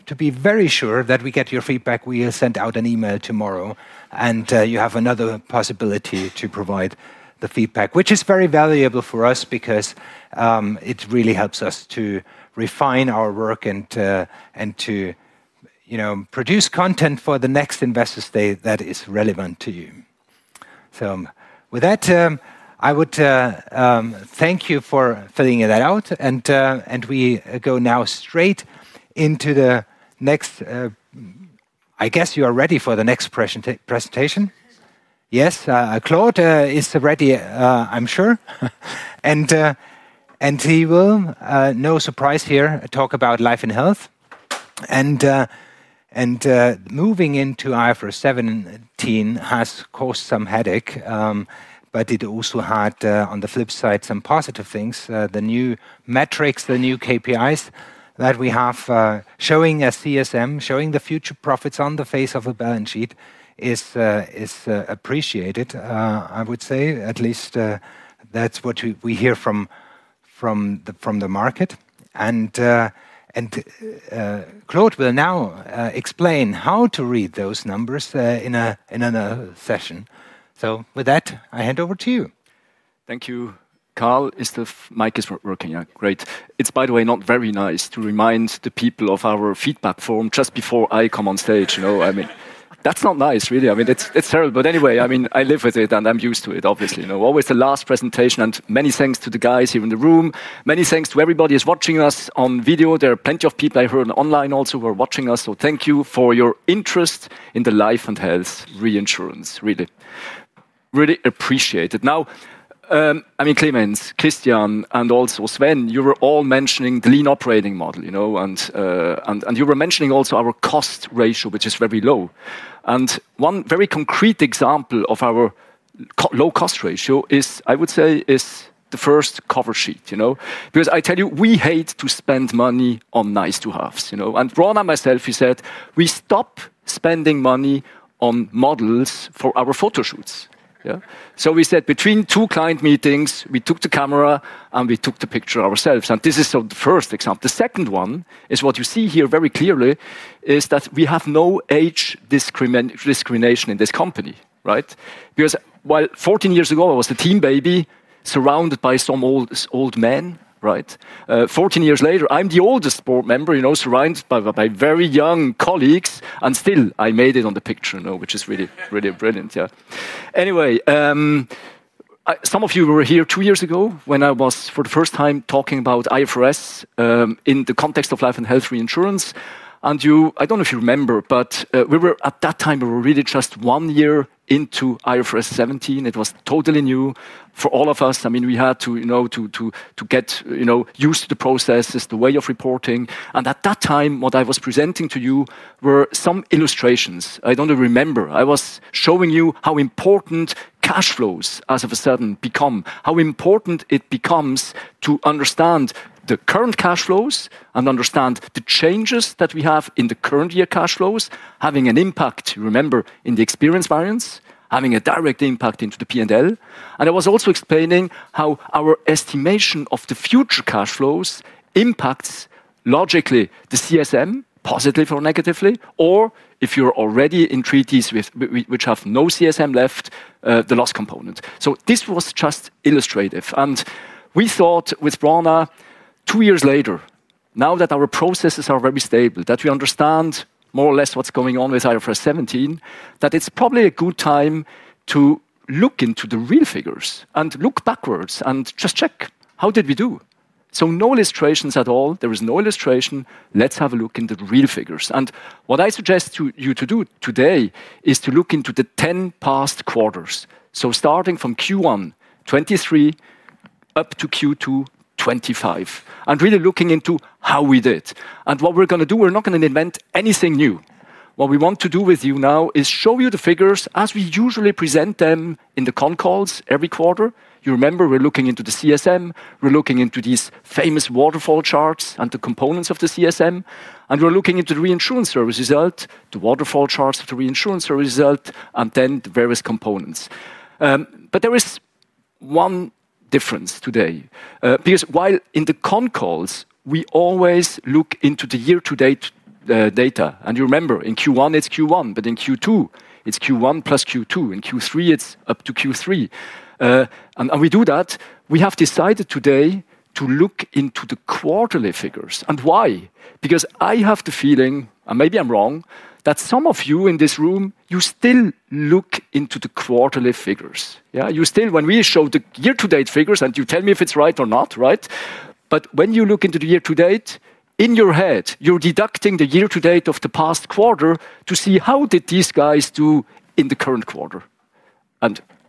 To be very sure that we get your feedback, we'll send out an email tomorrow. You have another possibility to provide the feedback, which is very valuable for us because it really helps us to refine our work and to produce content for the next investors that is relevant to you. With that, I would thank you for filling it out. We go now straight into the next, I guess you are ready for the next presentation. Yes, Claude is ready, I'm sure, and he will, no surprise here, talk about life and health. Moving into IFRS 17 has caused some headache, but it also had, on the flip side, some positive things. The new metrics, the new KPIs that we have showing a CSM, showing the future profits on the face of a balance sheet is appreciated, I would say. At least that's what we hear from the market. Claude will now explain how to read those numbers in another session. With that, I hand over to you. Thank you, Carl. Instead of Mike, it is working. Yeah, great. It's, by the way, not very nice to remind the people of our feedback form just before I come on stage. I mean, that's not nice, really. I mean, it's terrible. Anyway, I live with it and I'm used to it, obviously. Always the last presentation. Many thanks to the guys here in the room. Many thanks to everybody who is watching us on video. There are plenty of people I heard online also who are watching us. Thank you for your interest in the life and health reinsurance. Really, really appreciate it. Now, Clemens, Christian, and also Sven, you were all mentioning the lean operating model, and you were mentioning also our cost ratio, which is very low. One very concrete example of our low cost ratio is, I would say, the first cover sheet, because I tell you, we hate to spend money on nice-to-haves. Ron and myself, we said we stop spending money on models for our photoshoots. We said between two client meetings, we took the camera and we took the picture ourselves. This is the first example. The second one is what you see here very clearly, is that we have no age discrimination in this company, right? While 14 years ago I was a teen baby surrounded by some old men, 14 years later, I'm the oldest board member, surrounded by very young colleagues. Still, I made it on the picture, which is really, really brilliant. Anyway, some of you were here two years ago when I was for the first time talking about IFRS in the context of life and health reinsurance. I don't know if you remember, but at that time, we were really just one year into IFRS 17. It was totally new for all of us. We had to get used to the processes, the way of reporting. At that time, what I was presenting to you were some illustrations. I don't remember. I was showing you how important cash flows as of a sudden become, how important it becomes to understand the current cash flows and understand the changes that we have in the current year cash flows having an impact, you remember, in the experience variance, having a direct impact into the P&L. I was also explaining how our estimation of the future cash flows impacts logically the CSM, positively or negatively, or if you're already in treaties which have no CSM left, the loss component. This was just illustrative. We thought with Ronna, two years later, now that our processes are very stable, that we understand more or less what's going on with IFRS 17, that it's probably a good time to look into the real figures and look backwards and just check how did we do. No illustrations at all. There was no illustration. Let's have a look into the real figures. What I suggest to you to do today is to look into the 10 past quarters, starting from Q1 2023 up to Q2 2025 and really looking into how we did. What we're going to do, we're not going to invent anything new. What we want to do with you now is show you the figures as we usually present them in the comm calls every quarter. You remember we're looking into the CSM, we're looking into these famous waterfall charts and the components of the CSM, and we're looking into the reinsurance service result, the waterfall charts of the reinsurance service result, and then the various components. There is one difference today, because while in the comm calls, we always look into the year-to-date data, and you remember in Q1 it's Q1, but in Q2 it's Q1 plus Q2, in Q3 it's up to Q3. We do that. We have decided today to look into the quarterly figures. Why? Because I have the feeling, and maybe I'm wrong, that some of you in this room, you still look into the quarterly figures. Yeah, you still, when we show the year-to-date figures, and you tell me if it's right or not, right? When you look into the year-to-date in your head, you're deducting the year-to-date of the past quarter to see how did these guys do in the current quarter.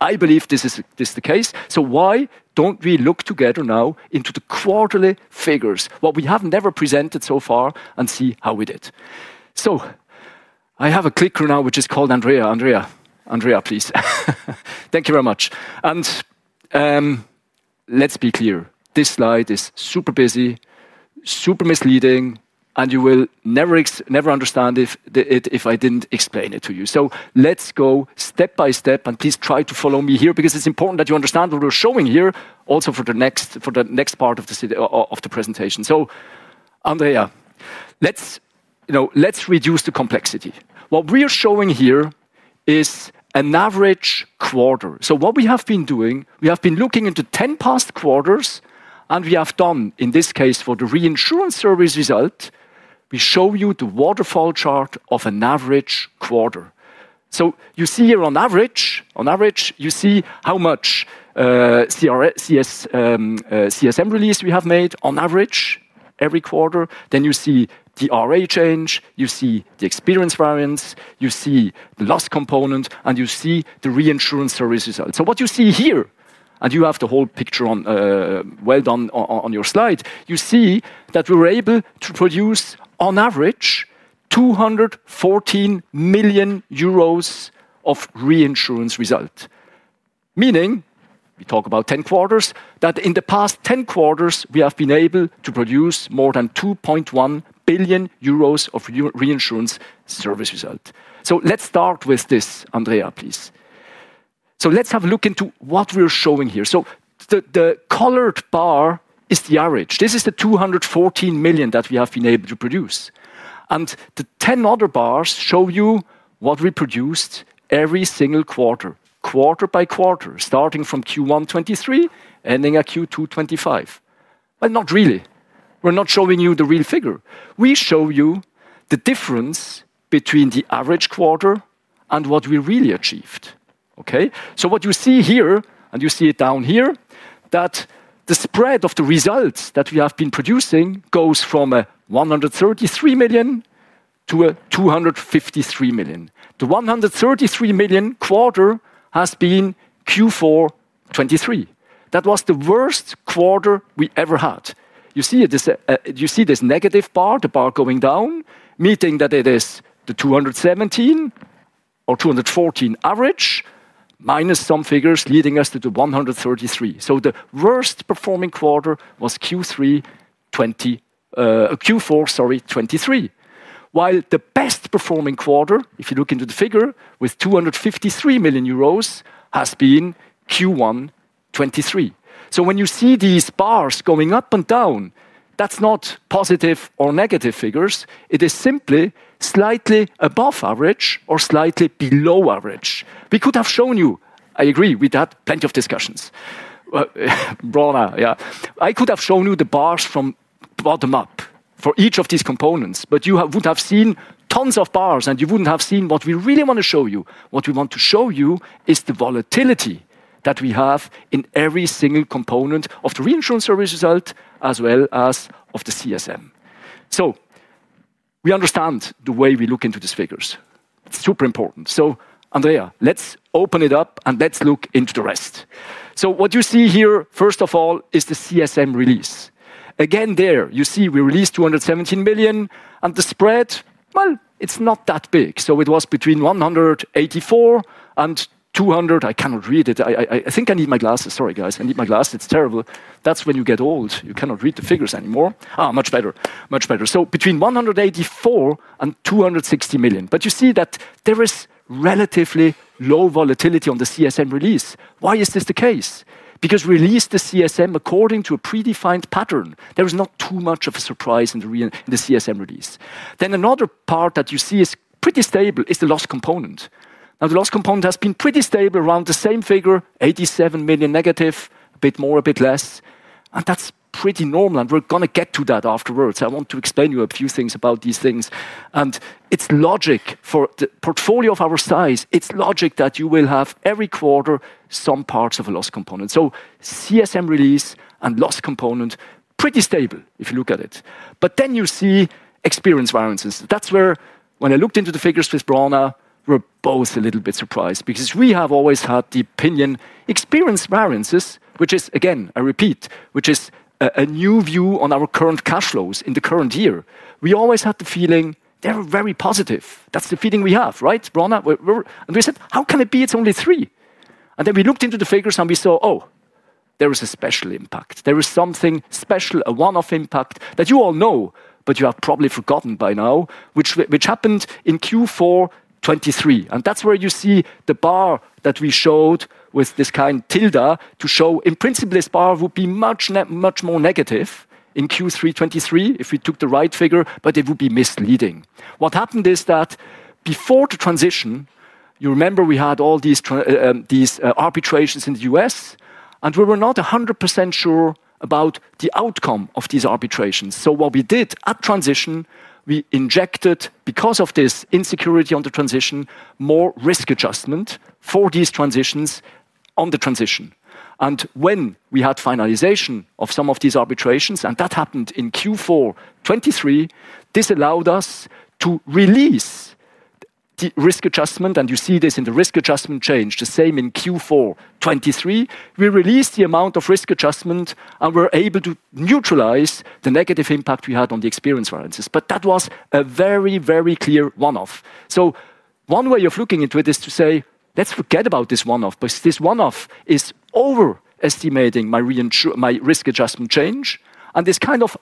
I believe this is the case. Why don't we look together now into the quarterly figures, what we have never presented so far, and see how we did? I have a clicker now, which is called Andrea. Andrea, Andrea, please. Thank you very much. Let's be clear, this slide is super busy, super misleading, and you will never understand if I didn't explain it to you. Let's go step by step, and please try to follow me here because it's important that you understand what we're showing here also for the next part of the presentation. Andrea, let's reduce the complexity. What we are showing here is an average quarter. What we have been doing, we have been looking into 10 past quarters, and we have done, in this case, for the reinsurance service result, we show you the waterfall chart of an average quarter. You see here on average, on average, you see how much CSM release we have made on average every quarter. You see the RA change, you see the experience variance, you see the loss component, and you see the reinsurance service result. You see here, and you have the whole picture on well done on your slide, you see that we were able to produce on average 214 million euros of reinsurance result. Meaning, we talk about 10 quarters, that in the past 10 quarters, we have been able to produce more than 2.1 billion euros of reinsurance service result. Let's start with this, Andrea, please. Let's have a look into what we're showing here. The colored bar is the average. This is the 214 million that we have been able to produce. The 10 other bars show you what we produced every single quarter, quarter by quarter, starting from Q1 2023, ending at Q2 2025. Not really. We're not showing you the real figure. We show you the difference between the average quarter and what we really achieved. You see here, and you see it down here, that the spread of the results that we have been producing goes from 133 million-253 million. The 133 million quarter has been Q4 2023. That was the worst quarter we ever had. You see this negative bar, the bar going down, meaning that it is the 217 or 214 average minus some figures leading us to the 133. The worst performing quarter was Q4 2023, while the best performing quarter, if you look into the figure with 253 million euros, has been Q1 2023. When you see these bars going up and down, that's not positive or negative figures. It is simply slightly above average or slightly below average. We could have shown you, I agree, we'd had plenty of discussions. I could have shown you the bars from bottom up for each of these components, but you would have seen tons of bars and you wouldn't have seen what we really want to show you. What we want to show you is the volatility that we have in every single component of the reinsurance service result as well as of the CSM. We understand the way we look into these figures. It's super important. Andrea, let's open it up and let's look into the rest. What you see here, first of all, is the CSM release. Again, there you see we released 217 million and the spread, it's not that big. It was between 184 million and 200 million. I cannot read it. I think I need my glasses. Sorry, guys, I need my glasses. It's terrible. That's when you get old, you cannot read the figures anymore. Much better, much better. So between 184 million and 260 million. You see that there is relatively low volatility on the CSM release. Why is this the case? We release the CSM according to a predefined pattern. There is not too much of a surprise in the CSM release. Another part that you see is pretty stable is the loss component. The loss component has been pretty stable around the same figure, 87- million, a bit more, a bit less. That's pretty normal. We're going to get to that afterwards. I want to explain to you a few things about these things. It's logic for the portfolio of our size. It's logic that you will have every quarter some parts of a loss component. CSM release and loss component, pretty stable if you look at it. You see experience variances. That's where, when I looked into the figures with Brena, we're both a little bit surprised because we have always had the opinion experience variances, which is again, I repeat, which is a new view on our current cash flows in the current year. We always had the feeling they're very positive. That's the feeling we have, right, Brena? We said, how can it be? It's only three. We looked into the figures and we saw, oh, there is a special impact. There is something special, a one-off impact that you all know, but you have probably forgotten by now, which happened in Q4 2023. That's where you see the bar that we showed with this kind tilda to show in principle this bar would be much, much more negative in Q3 2023 if we took the right figure, but it would be misleading. What happened is that before the transition, you remember we had all these arbitrations in the U.S. and we were not 100% sure about the outcome of these arbitrations. What we did at transition, we injected because of this insecurity on the transition, more risk adjustment for these transitions on the transition. When we had finalization of some of these arbitrations, and that happened in Q4 2023, this allowed us to release the risk adjustment. You see this in the risk adjustment change, the same in Q4 2023. We released the amount of risk adjustment and were able to neutralize the negative impact we had on the experience variances. That was a very, very clear one-off. One way of looking into it is to say, let's forget about this one-off, but this one-off is overestimating my risk adjustment change and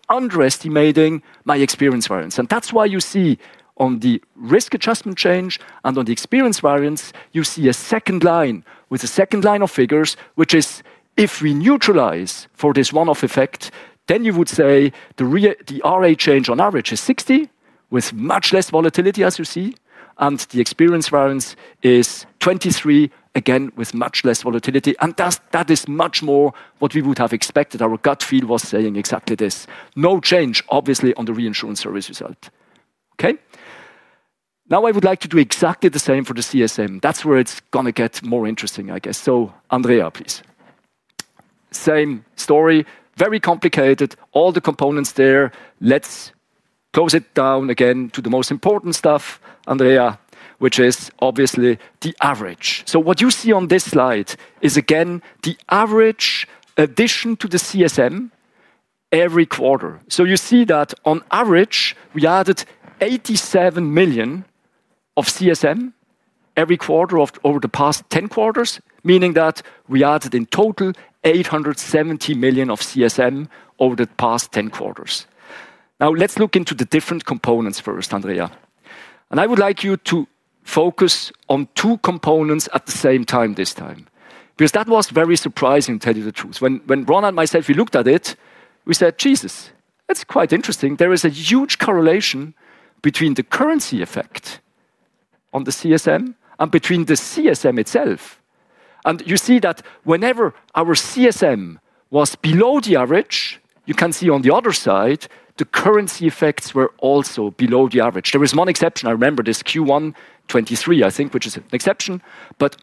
underestimating my experience variance. That's why you see on the risk adjustment change and on the experience variance, you see a second line with a second line of figures, which is if we neutralize for this one-off effect, then you would say the RA change on average is 60 with much less volatility, as you see. The experience variance is 23, again with much less volatility. That is much more what we would have expected. Our gut feel was saying exactly this. No change obviously on the reinsurance service result. Now I would like to do exactly the same for the CSM. That's where it's going to get more interesting, I guess. Andrea, please. Same story, very complicated. All the components there. Let's close it down again to the most important stuff, Andrea, which is obviously the average. What you see on this slide is again the average addition to the CSM every quarter. You see that on average, we added 87 million of CSM every quarter over the past 10 quarters, meaning that we added in total 870 million of CSM over the past 10 quarters. Now let's look into the different components first, Andrea. I would like you to focus on two components at the same time this time, because that was very surprising, to tell you the truth. When Ron and myself looked at it, we said, Jesus, that's quite interesting. There is a huge correlation between the currency effect on the CSM and the CSM itself. You see that whenever our CSM was below the average, you can see on the other side, the currency effects were also below the average. There is one exception. I remember this Q1 2023, I think, which is an exception.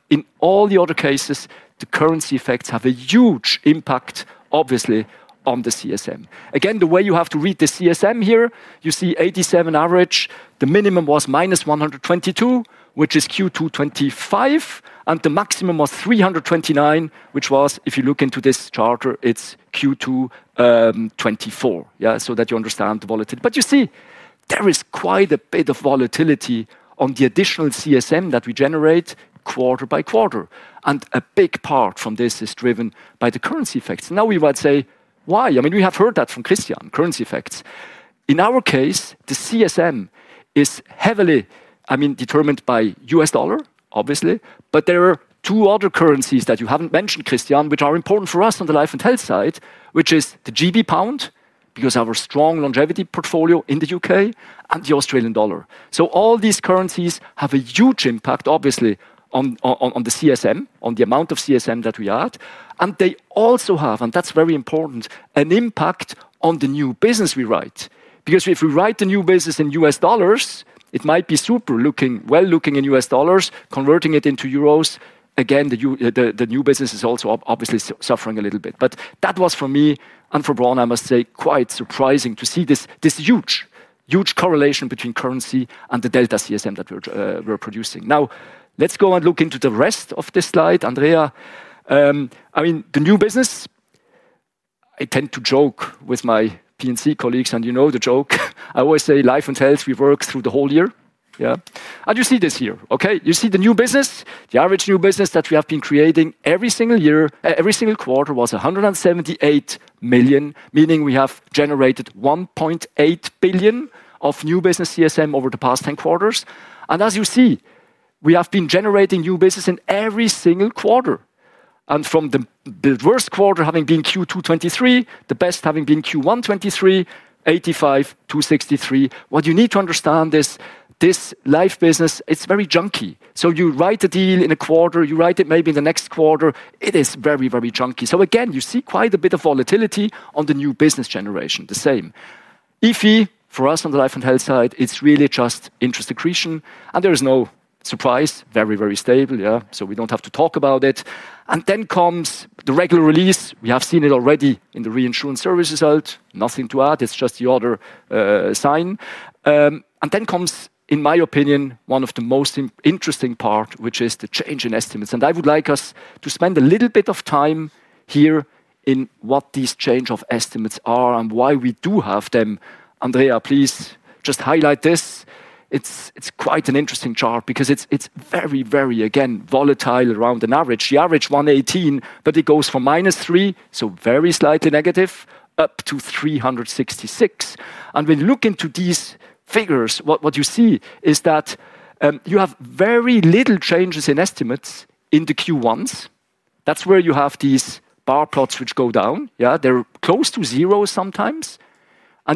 In all the other cases, the currency effects have a huge impact, obviously, on the CSM. The way you have to read the CSM here, you see 87 average. The minimum was -122, which is Q2 2025. The maximum was 329, which was, if you look into this chart, it's Q2 2024. That is so you understand the volatility. You see, there is quite a bit of volatility on the additional CSM that we generate quarter by quarter. A big part from this is driven by the currency effects. You might say, why? We have heard that from Christian, currency effects. In our case, the CSM is heavily determined by US dollar, obviously. There are two other currencies that you haven't mentioned, Christian, which are important for us on the life and health side, which is the GB pound, because our strong longevity portfolio in the UK, and the Australian dollar. All these currencies have a huge impact, obviously, on the CSM, on the amount of CSM that we add. They also have, and that's very important, an impact on the new business we write. If we write the new business in US dollars, it might be super looking, well looking in US dollars, converting it into euros. Again, the new business is also obviously suffering a little bit. That was for me, and for Brena, I must say, quite surprising to see this huge, huge correlation between currency and the delta CSM that we're producing. Now let's go and look into the rest of this slide, Andrea. The new business, I tend to joke with my P&C colleagues, and you know the joke. I always say life and health, we work through the whole year. You see this year. You see the new business, the average new business that we have been creating every single year, every single quarter was $178 million, meaning we have generated 1.8 billion of new business CSM over the past 10 quarters. As you see, we have been generating new business in every single quarter. From the worst quarter having been Q2 2023, the best having been Q1 2023, 85 to 63. What you need to understand is this life business, it's very chunky. You write a deal in a quarter, you write it maybe in the next quarter, it is very, very chunky. You see quite a bit of volatility on the new business generation, the same. If for us on the life and health side, it's really just interest secretion. There is no surprise, very, very stable. We don't have to talk about it. Then comes the regular release. We have seen it already in the reinsurance service result. Nothing to add, it's just the order sign. In my opinion, one of the most interesting parts is the change in estimates. I would like us to spend a little bit of time here in what these change of estimates are and why we do have them. Andrea, please just highlight this. It's quite an interesting chart because it's very, very, again, volatile around an average. The average is 118, but it goes from -3, so very slightly negative, up to 366. When you look into these figures, what you see is that you have very little changes in estimates in the Q1s. That's where you have these bar plots which go down. Yeah, they're close to zero sometimes.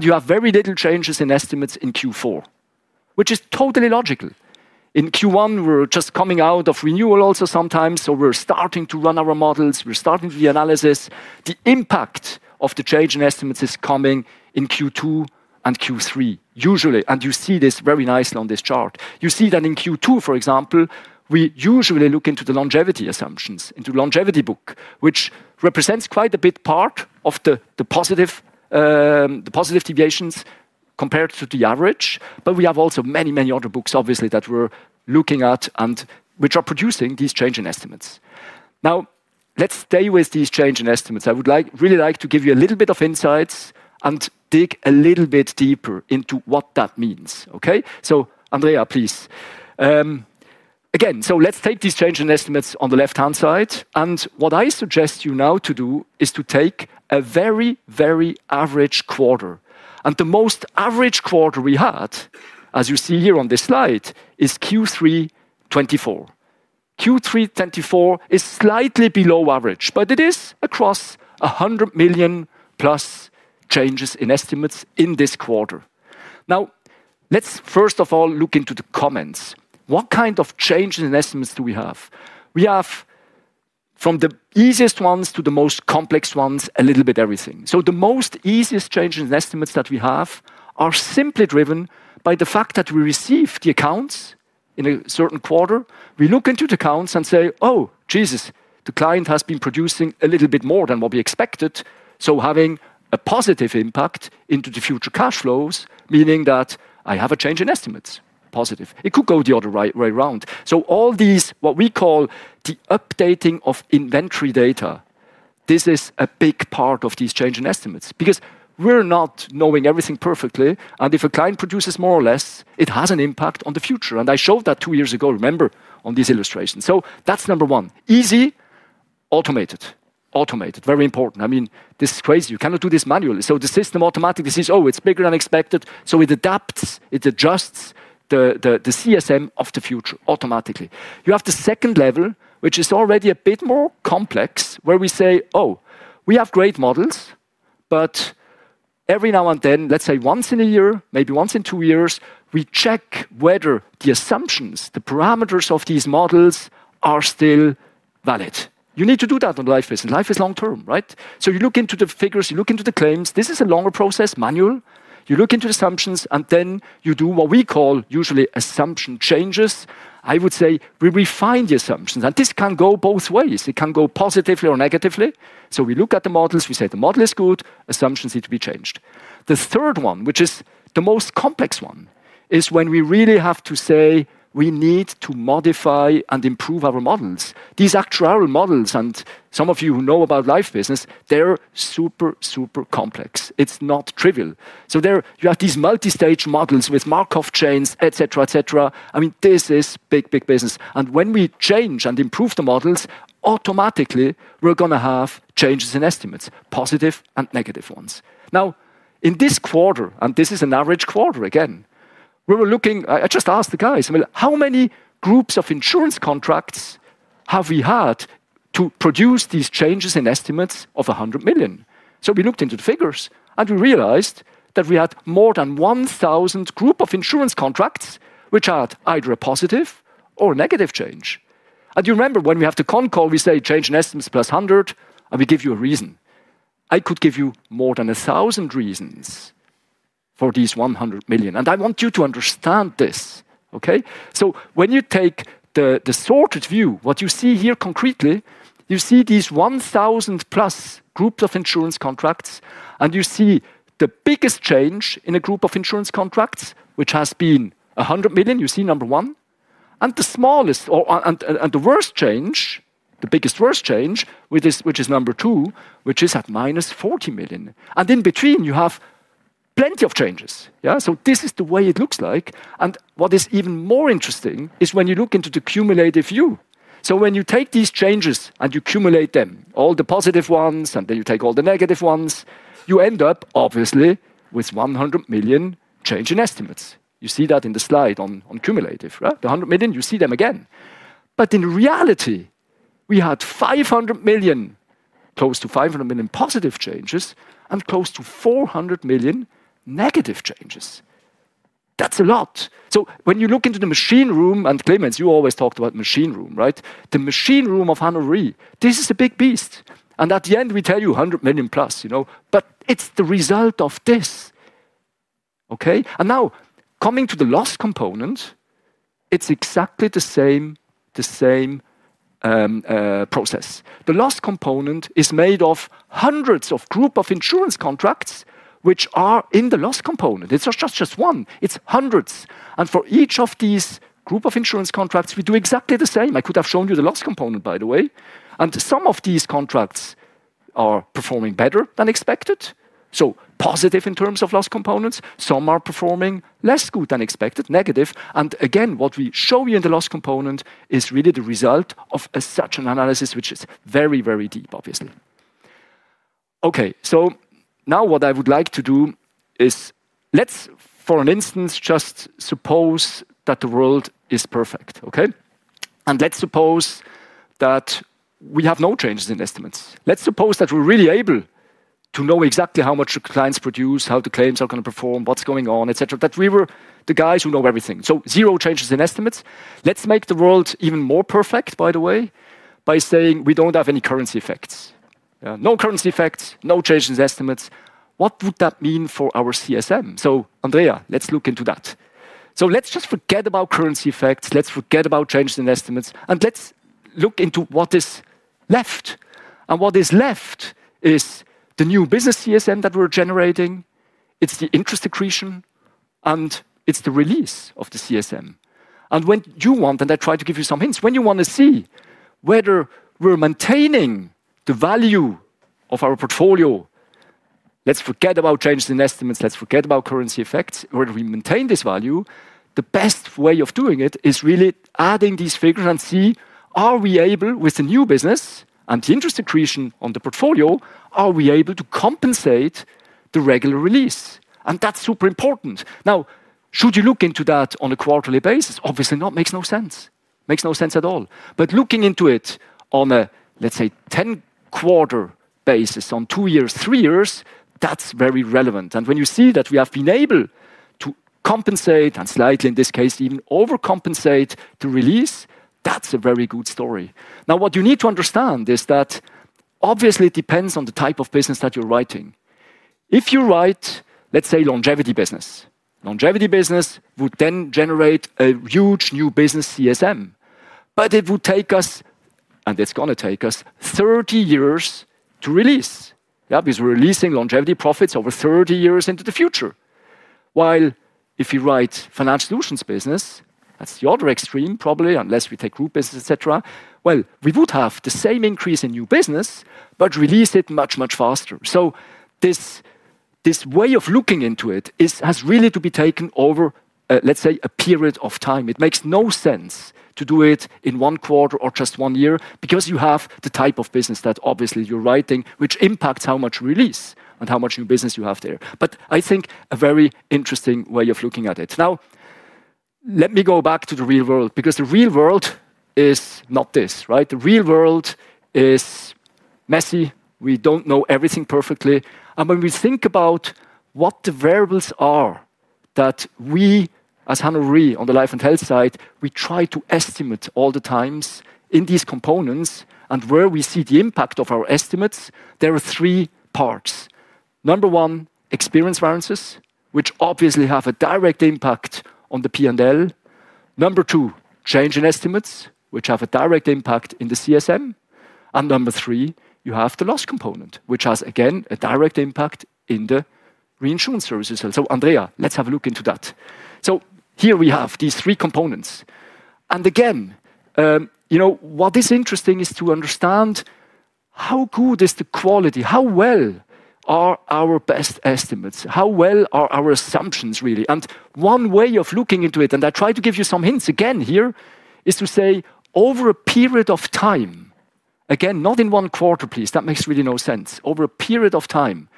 You have very little changes in estimates in Q4, which is totally logical. In Q1, we're just coming out of renewal also sometimes. We're starting to run our models, starting the analysis. The impact of the change in estimates is coming in Q2 and Q3, usually. You see this very nicely on this chart. You see that in Q2, for example, we usually look into the longevity assumptions, into the longevity book, which represents quite a big part of the positive deviations compared to the average. We have also many, many other books, obviously, that we're looking at and which are producing these change in estimates. Now let's stay with these change in estimates. I would really like to give you a little bit of insights and dig a little bit deeper into what that means. Okay, so Andrea, please. Again, let's take these change in estimates on the left-hand side. What I suggest you now to do is to take a very, very average quarter. The most average quarter we had, as you see here on this slide, is Q3 2024. Q3 2024 is slightly below average, but it is across 100+ million changes in estimates in this quarter. Now first of all, let's look into the comments. What kind of changes in estimates do we have? We have from the easiest ones to the most complex ones, a little bit of everything. The most easiest changes in estimates that we have are simply driven by the fact that we receive the accounts in a certain quarter. We look into the accounts and say, oh, Jesus, the client has been producing a little bit more than what we expected, so having a positive impact into the future cash flows, meaning that I have a change in estimates, positive. It could go the other way around. All these, what we call the updating of inventory data, this is a big part of these change in estimates because we're not knowing everything perfectly. If a client produces more or less, it has an impact on the future. I showed that two years ago, remember, on these illustrations. That's number one. Easy, automated. Automated, very important. I mean, this is crazy. You cannot do this manually. The system automatically sees, oh, it's bigger than expected, so it adapts, it adjusts the CSM of the future automatically. You have the second level, which is already a bit more complex, where we say, oh, we have great models, but every now and then, let's say once in a year, maybe once in two years, we check whether the assumptions, the parameters of these models are still valid. You need to do that on life is, life is long-term, right? You look into the figures, you look into the claims. This is a longer process, manual. You look into the assumptions and then you do what we call usually assumption changes. I would say we refine the assumptions. This can go both ways. It can go positively or negatively. We look at the models, we say the model is good, assumptions need to be changed. The third one, which is the most complex one, is when we really have to say we need to modify and improve our models. These actuarial models, and some of you who know about life business, they're super, super complex. It's not trivial. There you have these multi-stage models with Markov chains, et cetera, et cetera. I mean, this is big, big business. When we change and improve the models, automatically we're going to have changes in estimates, positive and negative ones. Now in this quarter, and this is an average quarter again, we were looking, I just asked the guys, how many groups of insurance contracts have we had to produce these changes in estimates of 100 million? We looked into the figures and we realized that we had more than 1,000 groups of insurance contracts, which had either a positive or a negative change. You remember when we have the comm call, we say change in estimates plus 100 and we give you a reason. I could give you more than 1,000 reasons for these 100 million. I want you to understand this, okay? When you take the sorted view, what you see here concretely, you see these 1,000+ groups of insurance contracts and you see the biggest change in a group of insurance contracts, which has been 100 million, you see number one. The smallest or the worst change, the biggest worst change, which is number two, which is at -40 million. In between, you have plenty of changes. This is the way it looks like. What is even more interesting is when you look into the cumulative view. When you take these changes and you cumulate them, all the positive ones and then you take all the negative ones, you end up obviously with 100 million change in estimates. You see that in the slide on cumulative, right? The 100 million, you see them again. In reality, we had 500 million, close to 500 million positive changes and close to 400- million changes. That's a lot. When you look into the machine room, and Clemens, you always talked about the machine room, right? The machine room of Hannover Re, this is a big beast. At the end, we tell you 100+ million, you know, but it's the result of this. Now, coming to the loss component, it's exactly the same process. The loss component is made of hundreds of groups of insurance contracts, which are in the loss component. It's not just one, it's hundreds. For each of these groups of insurance contracts, we do exactly the same. I could have shown you the loss component, by the way. Some of these contracts are performing better than expected, so positive in terms of loss components. Some are performing less good than expected, negative. What we show you in the loss component is really the result of such an analysis, which is very, very deep, obviously. Now, what I would like to do is, let's, for an instance, just suppose that the world is perfect, okay? Let's suppose that we have no changes in estimates. Let's suppose that we're really able to know exactly how much the clients produce, how the claims are going to perform, what's going on, et cetera, that we were the guys who know everything. Zero changes in estimates. Let's make the world even more perfect, by the way, by saying we don't have any currency effects. Yeah, no currency effects, no changes in estimates. What would that mean for our CSM? Andrea, let's look into that. Let's just forget about currency effects. Let's forget about changes in estimates. Let's look into what is left. What is left is the new business CSM that we're generating. It's the interest secretion, and it's the release of the CSM. When you want, and I try to give you some hints, when you want to see whether we're maintaining the value of our portfolio, let's forget about changes in estimates. Let's forget about currency effects. Whether we maintain this value, the best way of doing it is really adding these figures and see, are we able with the new business and the interest secretion on the portfolio, are we able to compensate the regular release? That's super important. Should you look into that on a quarterly basis? Obviously not, makes no sense. Makes no sense at all. Looking into it on a, let's say, 10 quarter basis, on two years, three years, that's very relevant. When you see that we have been able to compensate and slightly, in this case, even overcompensate the release, that's a very good story. What you need to understand is that obviously it depends on the type of business that you're writing. If you write, let's say, longevity business, longevity business would then generate a huge new business CSM. It would take us, and it's going to take us 30 years to release, because we're releasing longevity profits over 30 years into the future. If you write financial solutions business, that's the other extreme, probably, unless we take group business, et cetera, we would have the same increase in new business, but release it much, much faster. This way of looking into it has really to be taken over, let's say, a period of time. It makes no sense to do it in one quarter or just one year because you have the type of business that obviously you're writing, which impacts how much you release and how much new business you have there. I think a very interesting way of looking at it. Let me go back to the real world because the real world is not this, right? The real world is messy. We don't know everything perfectly. When we think about what the variables are that we as Hannover Re on the life and health side, we try to estimate all the times in these components and where we see the impact of our estimates, there are three parts. Number one, experience variances, which obviously have a direct impact on the P&L. Number two, change in estimates, which have a direct impact in the CSM. Number three, you have the loss component, which has again a direct impact in the reinsurance services. Andrea, let's have a look into that. Here we have these three components. What is interesting is to understand how good is the quality, how well are our best estimates, how well are our assumptions really. One way of looking into it, and I try to give you some hints again here, is to say over a period of time, not in one quarter, please, that makes really no sense, over a period of time,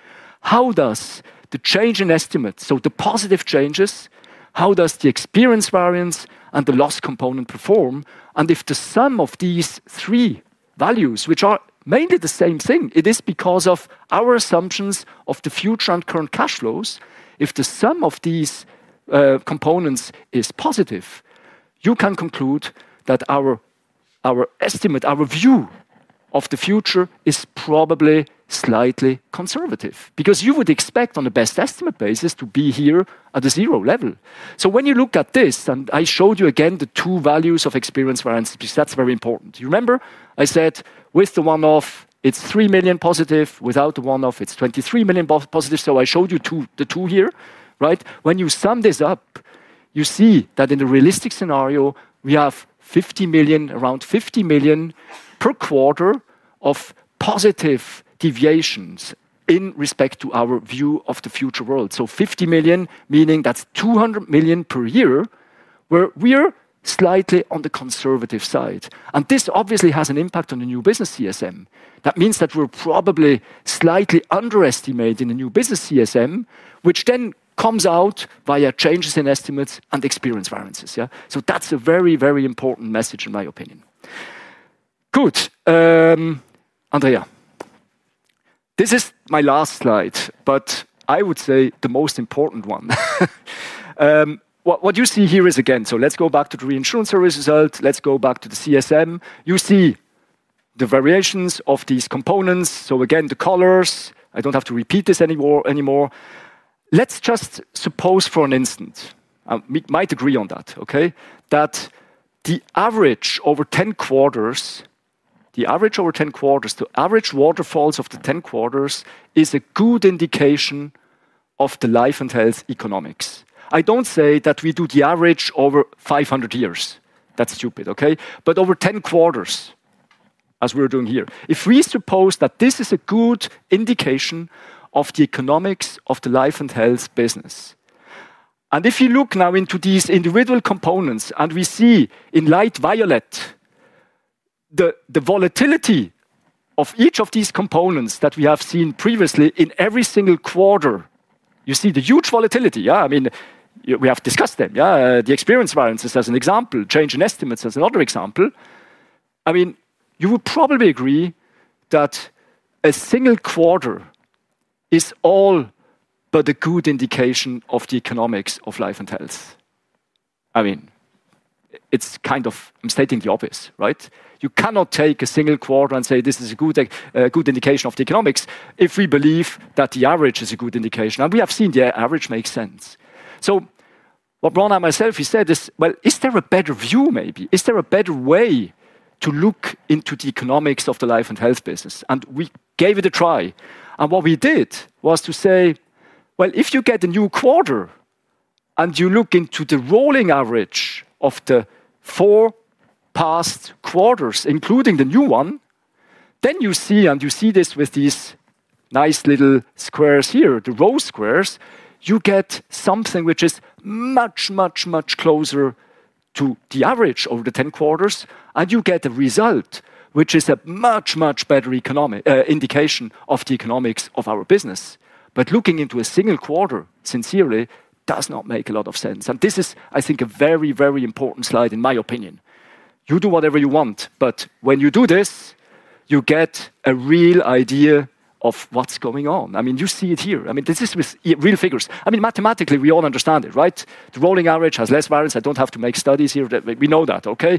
how does the change in estimates, so the positive changes, how does the experience variance and the loss component perform, and if the sum of these three values, which are mainly the same thing, it is because of our assumptions of the future and current cash flows, if the sum of these components is positive, you can conclude that our estimate, our view of the future is probably slightly conservative because you would expect on a best estimate basis to be here at a zero level. When you look at this, and I showed you again the two values of experience variances, that's very important. You remember, I said with the one-off, it's 3+ million, without the one-off, it's 23+ million. I showed you the two here, right? When you sum this up, you see that in the realistic scenario, we have 50 million, around 50 million per quarter of positive deviations in respect to our view of the future world. 50 million, meaning that's 200 million per year, where we are slightly on the conservative side. This obviously has an impact on the new business CSM. That means that we're probably slightly underestimated in the new business CSM, which then comes out via changes in estimates and experience variances. Yeah, that's a very, very important message in my opinion. Good. Andrea, this is my last slide, but I would say the most important one. What you see here is again, let's go back to the reinsurance service result. Let's go back to the CSM. You see the variations of these components. Again, the colors, I don't have to repeat this anymore. Suppose for an instant, we might agree on that, okay? That the average over 10 quarters, the average over 10 quarters, the average waterfalls of the 10 quarters is a good indication of the life and health economics. I don't say that we do the average over 500 years. That's stupid, okay? Over 10 quarters, as we're doing here, if we suppose that this is a good indication of the economics of the life and health business. If you look now into these individual components, and we see in light violet, the volatility of each of these components that we have seen previously in every single quarter, you see the huge volatility. I mean, we have discussed them. Yeah, the experience variances as an example, change in estimates as another example. I mean, you would probably agree that a single quarter is all but a good indication of the economics of life and health. I mean, it's kind of, I'm stating the obvious, right? You cannot take a single quarter and say this is a good indication of the economics if we believe that the average is a good indication. We have seen the average makes sense. What Ron and myself said is, is there a better view maybe? Is there a better way to look into the economics of the life and health business? We gave it a try. What we did was to say, if you get a new quarter and you look into the rolling average of the four past quarters, including the new one, then you see, and you see this with these nice little squares here, the rose squares, you get something which is much, much, much closer to the average over the 10 quarters. You get a result which is a much, much better indication of the economics of our business. Looking into a single quarter, sincerely, does not make a lot of sense. This is, I think, a very, very important slide in my opinion. You do whatever you want, but when you do this, you get a real idea of what's going on. I mean, you see it here. This is with real figures. Mathematically, we all understand it, right? The rolling average has less variance. I don't have to make studies here. We know that, okay?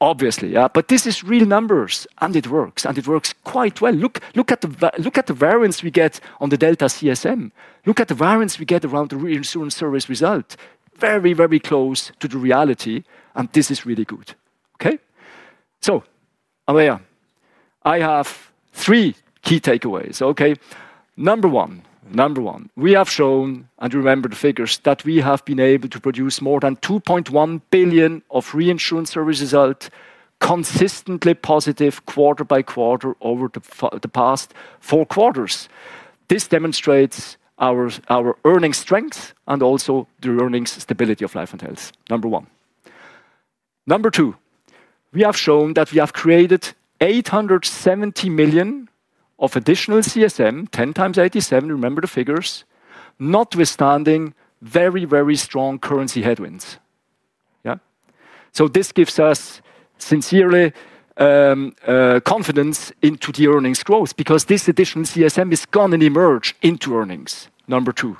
Obviously, yeah. This is real numbers and it works. It works quite well. Look at the variance we get on the delta CSM. Look at the variance we get around the reinsurance service result. Very, very close to the reality. This is really good. Okay? So, Andrea, I have three key takeaways, okay? Number one, number one, we have shown, and you remember the figures, that we have been able to produce more than 2.1 billion of reinsurance service results, consistently positive quarter by quarter over the past four quarters. This demonstrates our earning strength and also the earning stability of life and health. Number one. Number two, we have shown that we have created 870 million of additional CSM, 10x 87 million, remember the figures, notwithstanding very, very strong currency headwinds. This gives us sincerely confidence into the earnings growth because this additional CSM is going to emerge into earnings, number two.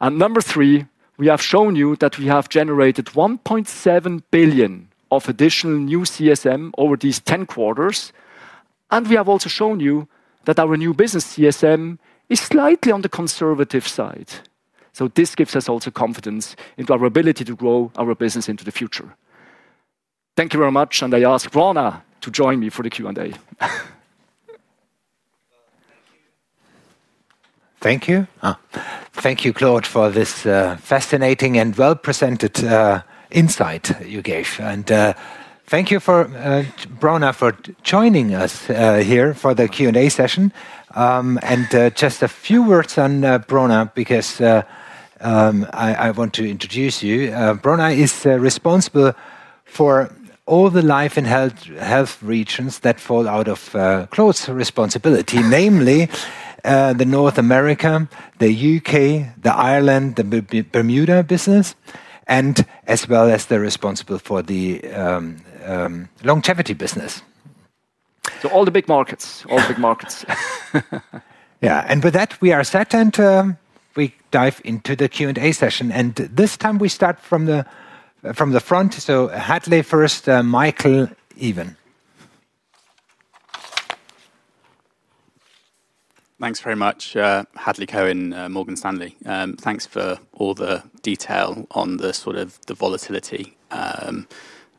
Number three, we have shown you that we have generated 1.7 billion of additional new CSM over these 10 quarters. We have also shown you that our new business CSM is slightly on the conservative side. This gives us confidence in our ability to grow our business into the future. Thank you very much. I ask Brena to join me for the Q&A. Thank you, Claude, for this fascinating and well-presented insight you gave. Thank you, Brena, for joining us here for the Q&A session. Just a few words on Brena, because I want to introduce you. Brena is responsible for all the life and health regions that fall out of Claude's responsibility, namely North America, the U.K., the Ireland, the Bermuda business, as well as responsible for the longevity business. All the big markets, all the big markets. Yeah. With that, we are set, and we dive into the Q&A session. This time we start from the front. Hadley first, Michael, even. Thanks very much, Hadley Cohen, Morgan Stanley. Thanks for all the detail on the sort of the volatility of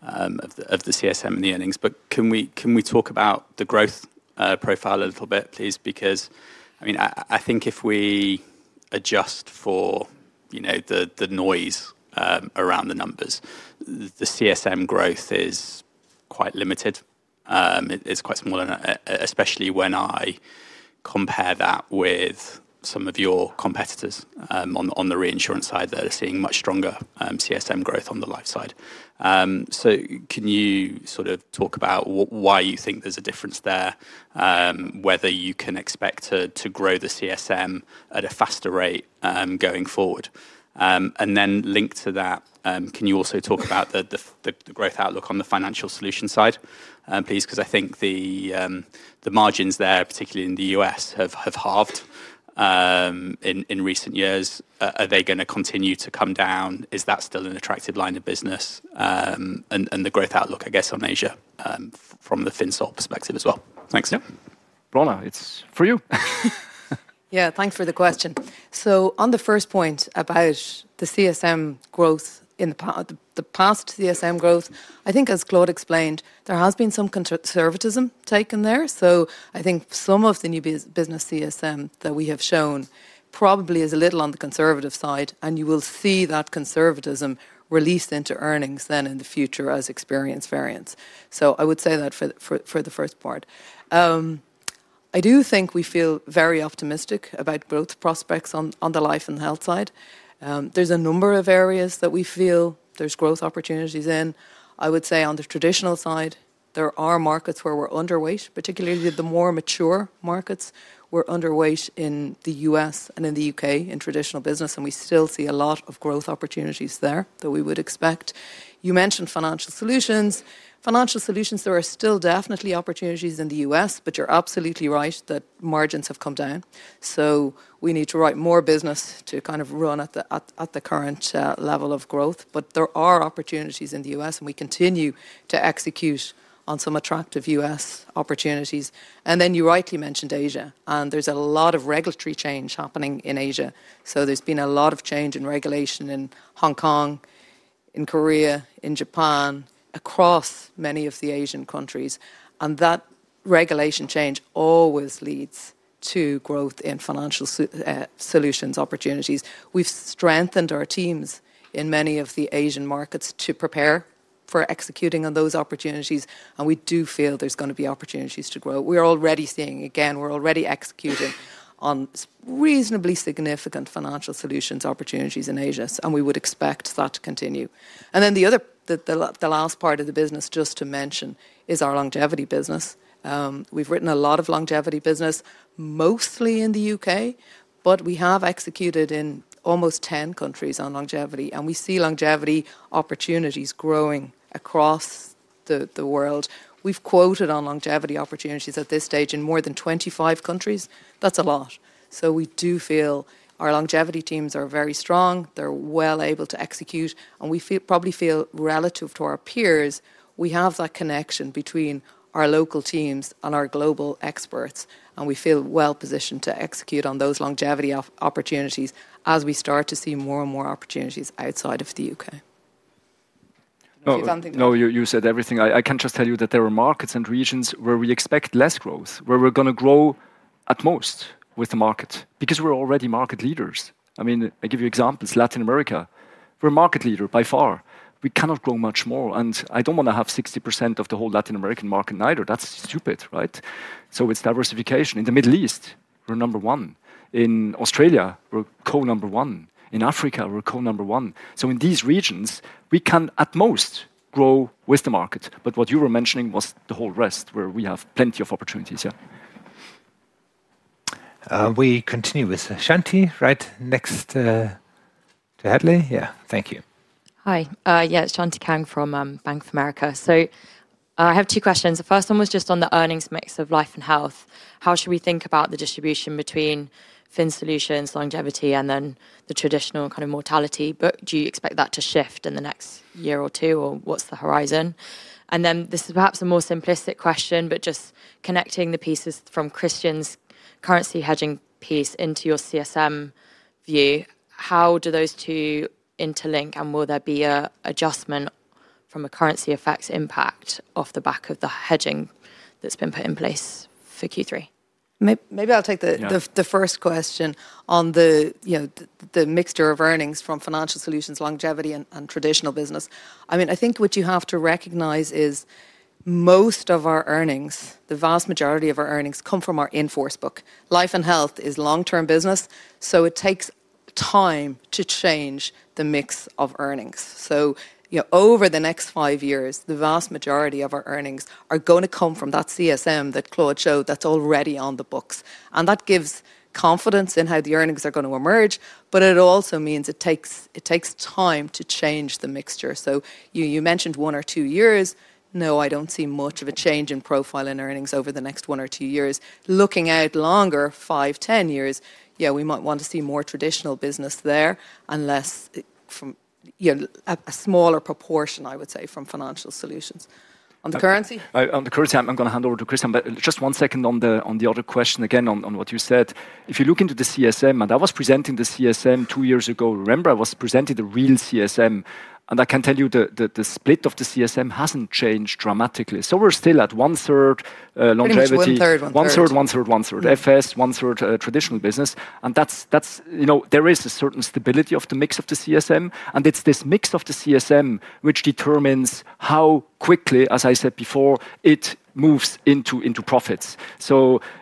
the CSM and the earnings. Can we talk about the growth profile a little bit, please? I think if we adjust for, you know, the noise around the numbers, the CSM growth is quite limited. It's quite small, especially when I compare that with some of your competitors on the reinsurance side, they're seeing much stronger CSM growth on the life side. Can you sort of talk about why you think there's a difference there, whether you can expect to grow the CSM at a faster rate going forward? Linked to that, can you also talk about the growth outlook on the financial solution side, please? I think the margins there, particularly in the U.S., have halved in recent years. Are they going to continue to come down? Is that still an attractive line of business? The growth outlook, I guess, on Asia, from the FinSol perspective as well. Thanks. Yeah, Brena, it's for you. Yeah, thanks for the question. On the first point about the CSM growth, in the past CSM growth, I think, as Claude explained, there has been some conservatism taken there. I think some of the new business CSM that we have shown probably is a little on the conservative side. You will see that conservatism released into earnings in the future as experience variance. I would say that for the first part. I do think we feel very optimistic about growth prospects on the life and health side. There are a number of areas that we feel there are growth opportunities in. I would say on the traditional side, there are markets where we're underweight, particularly the more mature markets. We're underweight in the U.S. and in the U.K. in traditional business. We still see a lot of growth opportunities there that we would expect. You mentioned financial solutions. Financial solutions, there are still definitely opportunities in the U.S., but you're absolutely right that margins have come down. We need to write more business to kind of run at the current level of growth. There are opportunities in the U.S., and we continue to execute on some attractive U.S. opportunities. You rightly mentioned Asia. There is a lot of regulatory change happening in Asia. There has been a lot of change in regulation in Hong Kong, in Korea, in Japan, across many of the Asian countries. That regulation change always leads to growth in financial solutions opportunities. We've strengthened our teams in many of the Asian markets to prepare for executing on those opportunities. We do feel there's going to be opportunities to grow. We're already seeing, again, we're already executing on reasonably significant financial solutions opportunities in Asia. We would expect that to continue. The last part of the business, just to mention, is our longevity business. We've written a lot of longevity business, mostly in the U.K., but we have executed in almost 10 countries on longevity. We see longevity opportunities growing across the world. We've quoted on longevity opportunities at this stage in more than 25 countries. That's a lot. We do feel our longevity teams are very strong. They're well able to execute. We probably feel, relative to our peers, we have that connection between our local teams and our global experts. We feel well positioned to execute on those longevity opportunities as we start to see more and more opportunities outside of the U.K. No, you said everything. I can just tell you that there are markets and regions where we expect less growth, where we're going to grow at most with the market, because we're already market leaders. I mean, I give you examples, Latin America. We're a market leader by far. We cannot grow much more. I don't want to have 60% of the whole Latin American market either. That's stupid, right? It's diversification. In the Middle East, we're number one. In Australia, we're co-number one. In Africa, we're co-number one. In these regions, we can, at most, grow with the market. What you were mentioning was the whole rest, where we have plenty of opportunities. We continue with Shanti, right? Next to Hadley. Yeah, thank you. Hi. Yeah, it's Shanti Kang from Bank of America. I have two questions. The first one was just on the earnings mix of life and health. How should we think about the distribution between FinSolutions, longevity, and then the traditional kind of mortality? Do you expect that to shift in the next year or two, or what's the horizon? This is perhaps a more simplistic question, just connecting the pieces from Christian's currency hedging piece into your CSM view. How do those two interlink? Will there be an adjustment from a currency effects impact off the back of the hedging that's been put in place for Q3? Maybe I'll take the first question on the mixture of earnings from financial solutions, longevity, and traditional business. I mean, I think what you have to recognize is most of our earnings, the vast majority of our earnings, come from our invoice book. Life and health is long-term business. It takes time to change the mix of earnings. Over the next five years, the vast majority of our earnings are going to come from that CSM that Claude showed that's already on the books. That gives confidence in how the earnings are going to emerge. It also means it takes time to change the mixture. You mentioned one or two years. No, I don't see much of a change in profile in earnings over the next one or two years. Looking out longer, five, 10 years, yeah, we might want to see more traditional business there and less from a smaller proportion, I would say, from financial solutions. On the currency? On the currency, I'm going to hand over to Christian. Just one second on the other question, again, on what you said. If you look into the CSM, and I was presenting the CSM two years ago, remember I was presenting the real CSM. I can tell you that the split of the CSM hasn't changed dramatically. We're still at one-third longevity. We're one-third, one-third. One-third, one-third, one-third. FS, one-third traditional business. There is a certain stability of the mix of the CSM, and it's this mix of the CSM which determines how quickly, as I said before, it moves into profits.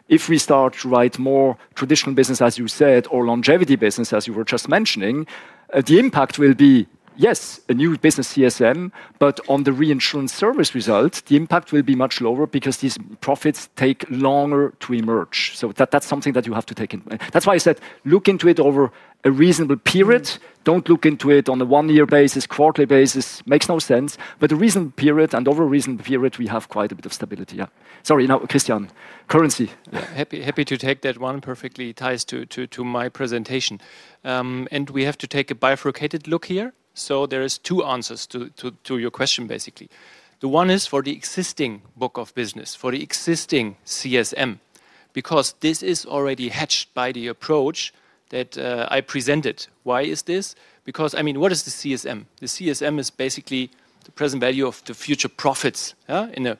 If we start to write more traditional business, as you said, or longevity business, as you were just mentioning, the impact will be, yes, a new business CSM. On the reinsurance service result, the impact will be much lower because these profits take longer to emerge. That is something that you have to take in. That is why I said, look into it over a reasonable period. Do not look into it on a one-year basis or quarterly basis. Makes no sense. Over a reasonable period, we have quite a bit of stability. Yeah. Sorry, now, Christian, currency. Happy to take that one. Perfectly ties to my presentation. We have to take a bifurcated look here. There are two answers to your question, basically. One is for the existing book of business, for the existing CSM, because this is already hedged by the approach that I presented. Why is this? What is the CSM? The CSM is basically the present value of the future profits in a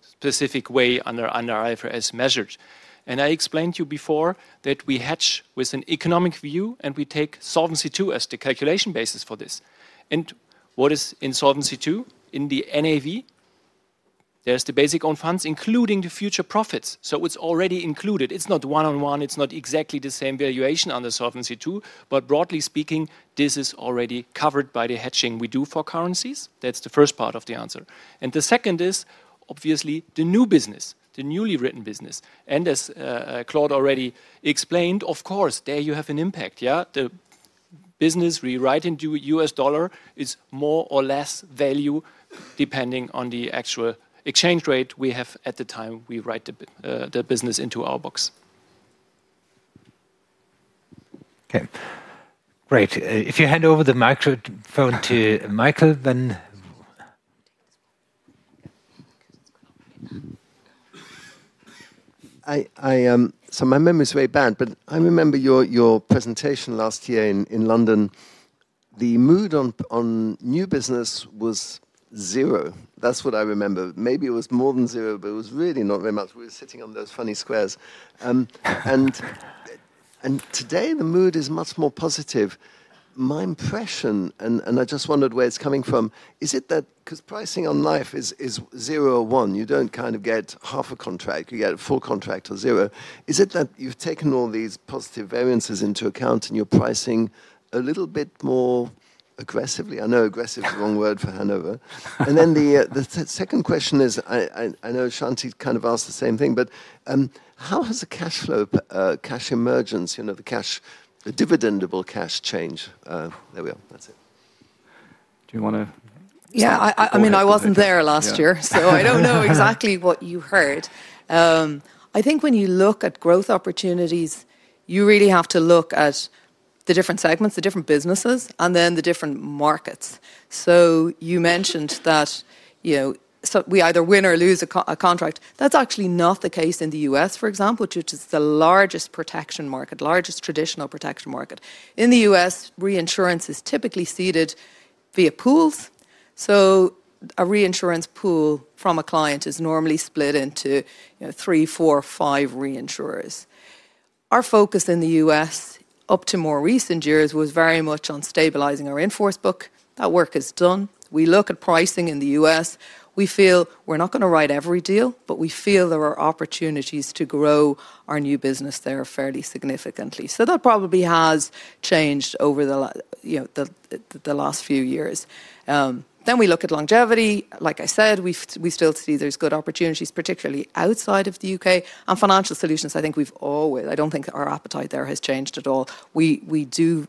specific way under IFRS measured. I explained to you before that we hedge with an economic view, and we take Solvency II as the calculation basis for this. What is in Solvency II? In the NAV, there's the basic owned funds, including the future profits. It's already included. It's not one-on-one. It's not exactly the same valuation under Solvency II. Broadly speaking, this is already covered by the hedging we do for currencies. That's the first part of the answer. The second is, obviously, the new business, the newly written business. As Claude already explained, of course, there you have an impact. The business we write into US dollar is more or less value depending on the actual exchange rate we have at the time we write the business into our books. Okay. Great. If you hand over the microphone to Michael, then... My memory is very bad, but I remember your presentation last year in London. The mood on new business was zero. That's what I remember. Maybe it was more than zero, but it was really not very much. We were sitting on those funny squares. Today, the mood is much more positive. My impression, and I just wondered where it's coming from, is it that because pricing on life is zero or one, you don't kind of get half a contract, you get a full contract or zero. Is it that you've taken all these positive variances into account and you're pricing a little bit more aggressively? I know aggressive is a wrong word for Hannover. The second question is, I know Shanti kind of asked the same thing, but how has the cash flow, cash emergence, you know, the cash, the dividendable cash changed? There we are. That's it. Do you want to... Yeah, I mean, I wasn't there last year, so I don't know exactly what you heard. I think when you look at growth opportunities, you really have to look at the different segments, the different businesses, and the different markets. You mentioned that, you know, we either win or lose a contract. That's actually not the case in the U.S., for example, due to the largest protection market, the largest traditional protection market. In the U.S., reinsurance is typically ceded via pools. A reinsurance pool from a client is normally split into three, four, or five reinsurers. Our focus in the U.S., up to more recent years, was very much on stabilizing our in-force book. That work is done. We look at pricing in the U.S. We feel we're not going to write every deal, but we feel there are opportunities to grow our new business there fairly significantly. That probably has changed over the last few years. We look at longevity. Like I said, we still see there's good opportunities, particularly outside of the U.K. On financial solutions, I think we've always, I don't think our appetite there has changed at all. We do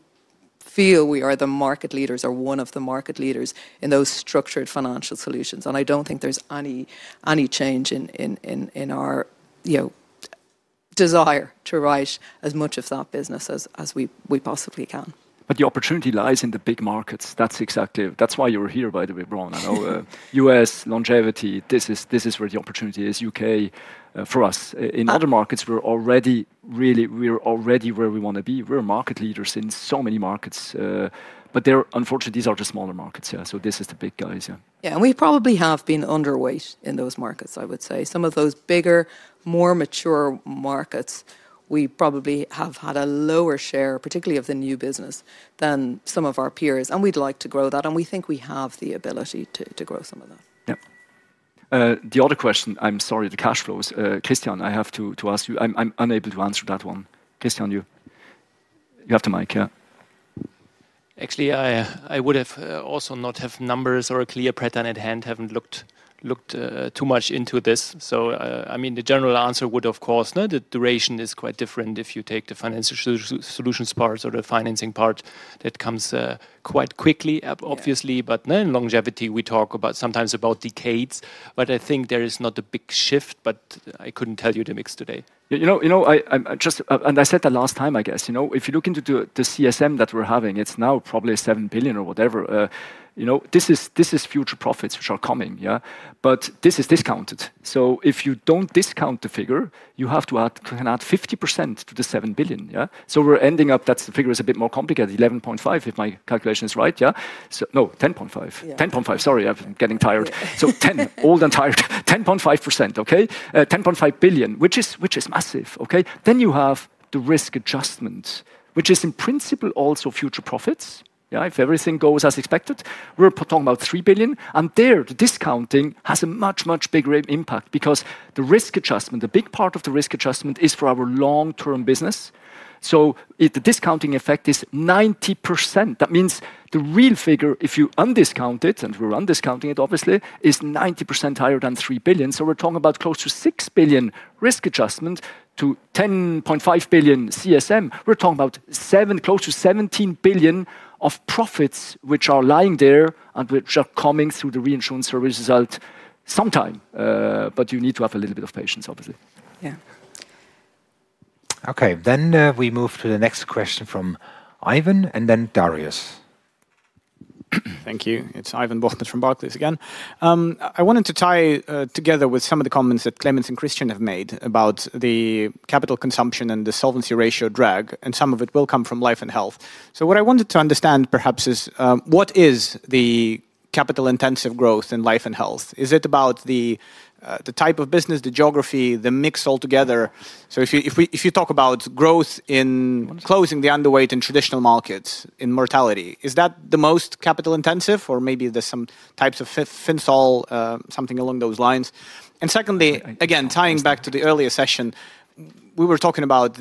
feel we are the market leaders, or one of the market leaders in those structured financial solutions. I don't think there's any change in our desire to write as much of that business as we possibly can. The opportunity lies in the big markets. That's exactly, that's why you're here, by the way, Brena. I know U.S. longevity, this is where the opportunity is. U.K., for us, in other markets, we're already really, we're already where we want to be. We're market leaders in so many markets. Unfortunately, these are the smaller markets. This is the big guys. We probably have been underweight in those markets, I would say. Some of those bigger, more mature markets, we probably have had a lower share, particularly of the new business, than some of our peers. We'd like to grow that, and we think we have the ability to grow some of that. Yeah. The other question, I'm sorry, the cash flows. Christian, I have to ask you. I'm unable to answer that one. Christian, you have the mic. Yeah. Actually, I would have also not had numbers or a clear pattern at hand. I haven't looked too much into this. The general answer would, of course, no, the duration is quite different if you take the financial solutions part or the financing part. That comes quite quickly, obviously, but in longevity, we talk about sometimes about decades. I think there is not a big shift, but I couldn't tell you the mix today. I just, and I said the last time, I guess, if you look into the CSM that we're having, it's now probably 7 billion or whatever. This is future profits which are coming. Yeah, but this is discounted. If you don't discount the figure, you have to add 50% to the 7 billion. We're ending up, that's the figure, it's a bit more complicated, 11.5 billion if my calculation is right. No, 10.5 billion. 10.5 billion, sorry, I'm getting tired. Old and tired, 10.5 billion, which is massive. Then you have the risk adjustment, which is in principle also future profits. If everything goes as expected, we're talking about 3 billion. There, the discounting has a much, much bigger impact because the risk adjustment, the big part of the risk adjustment is for our long-term business. The discounting effect is 90%. That means the real figure, if you undiscount it, and we're undiscounting it, obviously, is 90% higher than 3 billion. We're talking about close to 6 billion risk adjustment to 10.5 billion CSM. We're talking about close to 17 billion of profits which are lying there and which are coming through the reinsurance service result sometime. You need to have a little bit of patience, obviously. Yeah. Okay, then we move to the next question from Ivan and then Darius. Thank you. It's Ivan Bokhmat from Baltus again. I wanted to tie together with some of the comments that Clemens and Christian have made about the capital consumption and the solvency ratio drag, and some of it will come from life and health. What I wanted to understand perhaps is what is the capital-intensive growth in life and health? Is it about the type of business, the geography, the mix altogether? If you talk about growth in closing the underweight in traditional markets in mortality, is that the most capital-intensive or maybe there's some types of FinSol, something along those lines? Secondly, again, tying back to the earlier session, we were talking about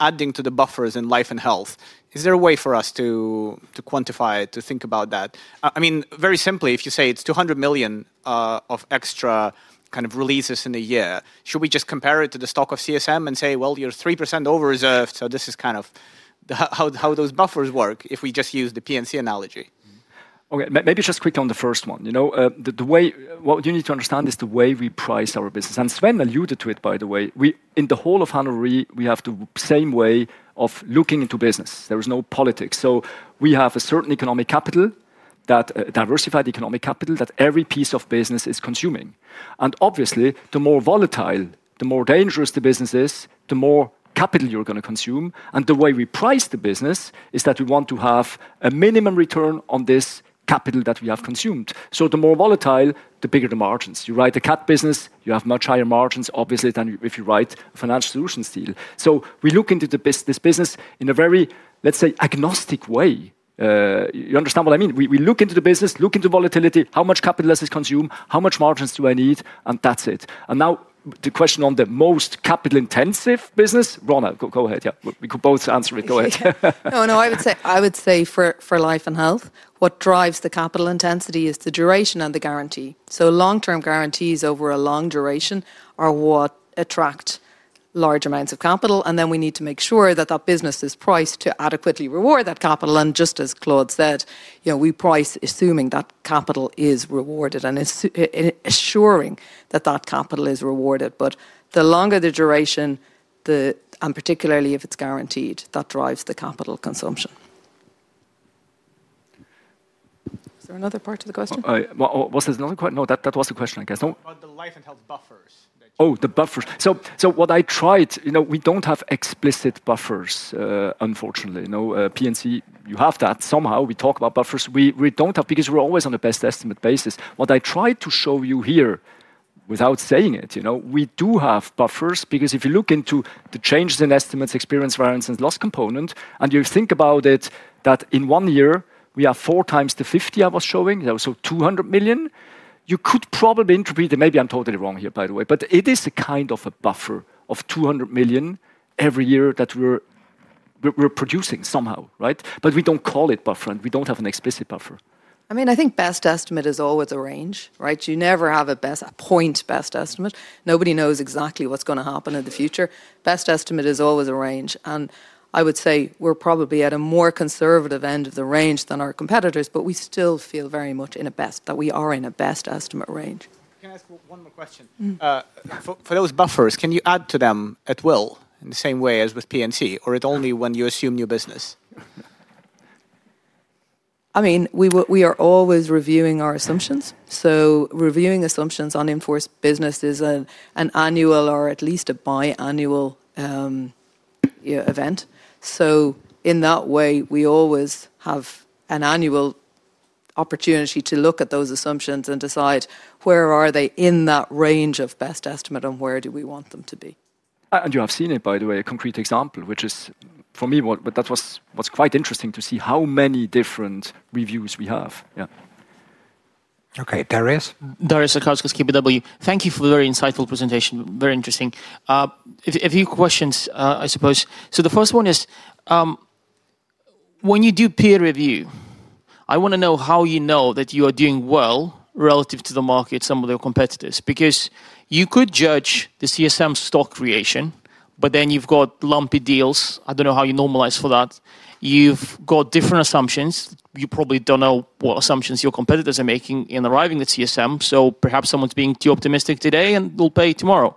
adding to the buffers in life and health. Is there a way for us to quantify it, to think about that? I mean, very simply, if you say it's 200 million of extra kind of releases in a year, should we just compare it to the stock of CSM and say, you're 3% over-reserved, so this is kind of how those buffers work if we just use the P&C analogy. Okay, maybe just quickly on the first one. You know, what you need to understand is the way we price our business. Sven alluded to it, by the way. In the whole of Hannover Re, we have the same way of looking into business. There is no politics. We have a certain economic capital, that diversified economic capital that every piece of business is consuming. Obviously, the more volatile, the more dangerous the business is, the more capital you're going to consume. The way we price the business is that we want to have a minimum return on this capital that we have consumed. The more volatile, the bigger the margins. You write the cat business, you have much higher margins, obviously, than if you write a financial solutions deal. We look into this business in a very, let's say, agnostic way. You understand what I mean? We look into the business, look into volatility, how much capital does it consume, how much margins do I need, and that's it. Now the question on the most capital-intensive business, Ronna, go ahead. Yeah, we could both answer it. Go ahead. No, I would say for life and health, what drives the capital intensity is the duration and the guarantee. Long-term guarantees over a long duration are what attract large amounts of capital. We need to make sure that that business is priced to adequately reward that capital. Just as Claude said, we price assuming that capital is rewarded and assuring that that capital is rewarded. The longer the duration, and particularly if it's guaranteed, that drives the capital consumption. Is there another part of the question? Was there another question? No, that was the question, I guess. About the life and health buffers. Oh, the buffers. What I tried, you know, we don't have explicit buffers, unfortunately. You know, P&C, you have that somehow. We talk about buffers. We don't have because we're always on a best estimate basis. What I tried to show you here without saying it, you know, we do have buffers because if you look into the changes in estimates, experience variance, and loss component, and you think about it, that in one year, we are 4x the 50 I was showing. 200 million, you could probably interpret it, maybe I'm totally wrong here, by the way, but it is a kind of a buffer of 200 million every year that we're producing somehow, right? We don't call it buffer and we don't have an explicit buffer. I mean, I think best estimate is always a range, right? You never have a best point best estimate. Nobody knows exactly what's going to happen in the future. Best estimate is always a range. I would say we're probably at a more conservative end of the range than our competitors, but we still feel very much that we are in a best estimate range. Can I ask one more question? For those buffers, can you add to them at will in the same way as with P&C, or is it only when you assume new business? We are always reviewing our assumptions. Reviewing assumptions on in-force business is an annual or at least a biannual event. In that way, we always have an annual opportunity to look at those assumptions and decide where they are in that range of best estimate and where we want them to be. You have seen it, by the way, a concrete example, which is for me, but that was quite interesting to see how many different reviews we have. Yeah. Okay, Darius. Thank you for a very insightful presentation. Very interesting. A few questions, I suppose. The first one is, when you do peer review, I want to know how you know that you are doing well relative to the market, some of your competitors, because you could judge the CSM stock creation, but then you've got lumpy deals. I don't know how you normalize for that. You've got different assumptions. You probably don't know what assumptions your competitors are making in arriving at CSM. Perhaps someone's being too optimistic today and will pay tomorrow.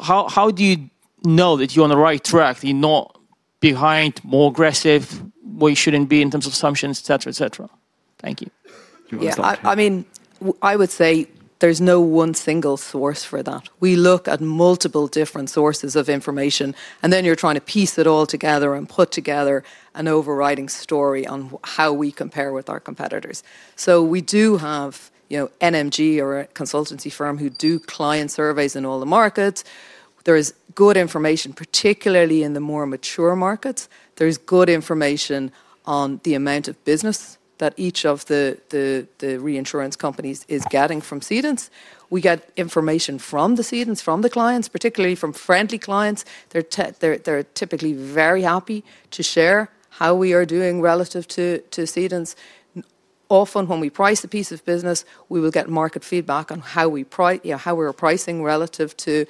How do you know that you're on the right track, that you're not behind, more aggressive, where you shouldn't be in terms of assumptions, et cetera, et cetera? Thank you. I would say there's no one single source for that. We look at multiple different sources of information, and then you're trying to piece it all together and put together an overriding story on how we compare with our competitors. We do have NMG, a consultancy firm, who do client surveys in all the markets. There is good information, particularly in the more mature markets. There is good information on the amount of business that each of the reinsurance companies is getting from cedants. We get information from the cedants, from the clients, particularly from friendly clients. They're typically very happy to share how we are doing relative to cedants. Often, when we price a piece of business, we will get market feedback on how we are pricing relative to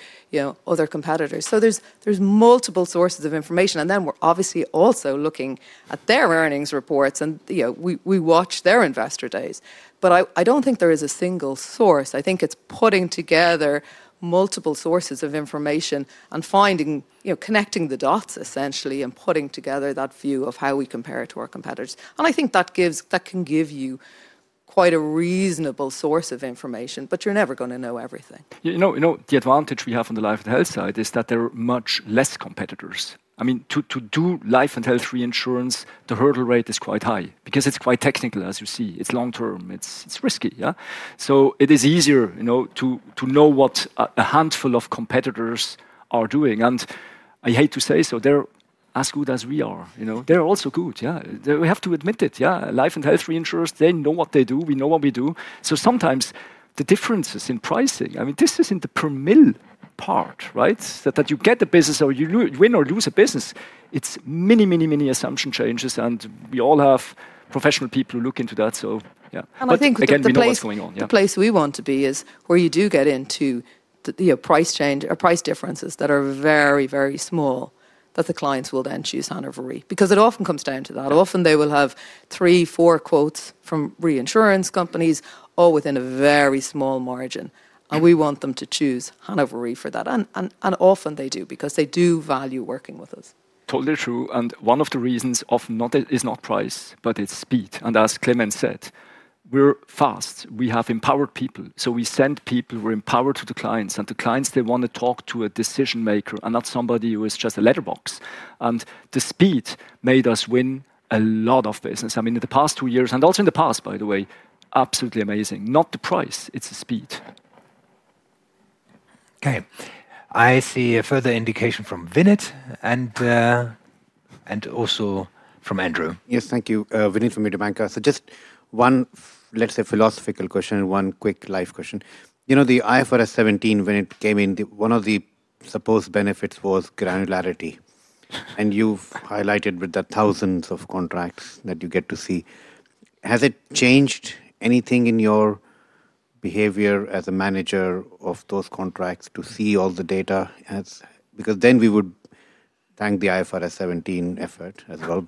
other competitors. There are multiple sources of information. We're obviously also looking at their earnings reports, and we watch their investor days. I don't think there is a single source. I think it's putting together multiple sources of information and connecting the dots, essentially, and putting together that view of how we compare to our competitors. I think that can give you quite a reasonable source of information, but you're never going to know everything. You know, the advantage we have on the life and health side is that there are much less competitors. I mean, to do life and health reinsurance, the hurdle rate is quite high because it's quite technical, as you see. It's long-term. It's risky. It is easier, you know, to know what a handful of competitors are doing. I hate to say so, they're as good as we are. You know, they're also good. We have to admit it. Life and health reinsurers, they know what they do. We know what we do. Sometimes the differences in pricing, this is in the per mil part, right? That you get the business or you win or lose a business. It's many, many, many assumption changes. We all have professional people who look into that. I think the place we want to be is where you do get into the price change, price differences that are very, very small, that the clients will then choose Hannover Re. It often comes down to that. Often they will have three, four quotes from reinsurance companies, all within a very small margin. We want them to choose Hannover Re for that, and often they do because they do value working with us. is totally true. One of the reasons often is not price, but it's speed. As Clemens said, we're fast. We have empowered people, so we send people who are empowered to the clients. The clients want to talk to a decision maker and not somebody who is just a letterbox. The speed made us win a lot of business in the past two years and also in the past, by the way, absolutely amazing. Not the price, it's the speed. Okay. I see a further indication from Vinit Malhotra and also from Andrew Baker. Yes, thank you. Vinit from UBS Investment Bank. Just one, let's say, philosophical question, one quick life question. You know, the IFRS 17, when it came in, one of the supposed benefits was granularity. You've highlighted with the thousands of contracts that you get to see. Has it changed anything in your behavior as a manager of those contracts to see all the data? Because then we would thank the IFRS 17 effort as well.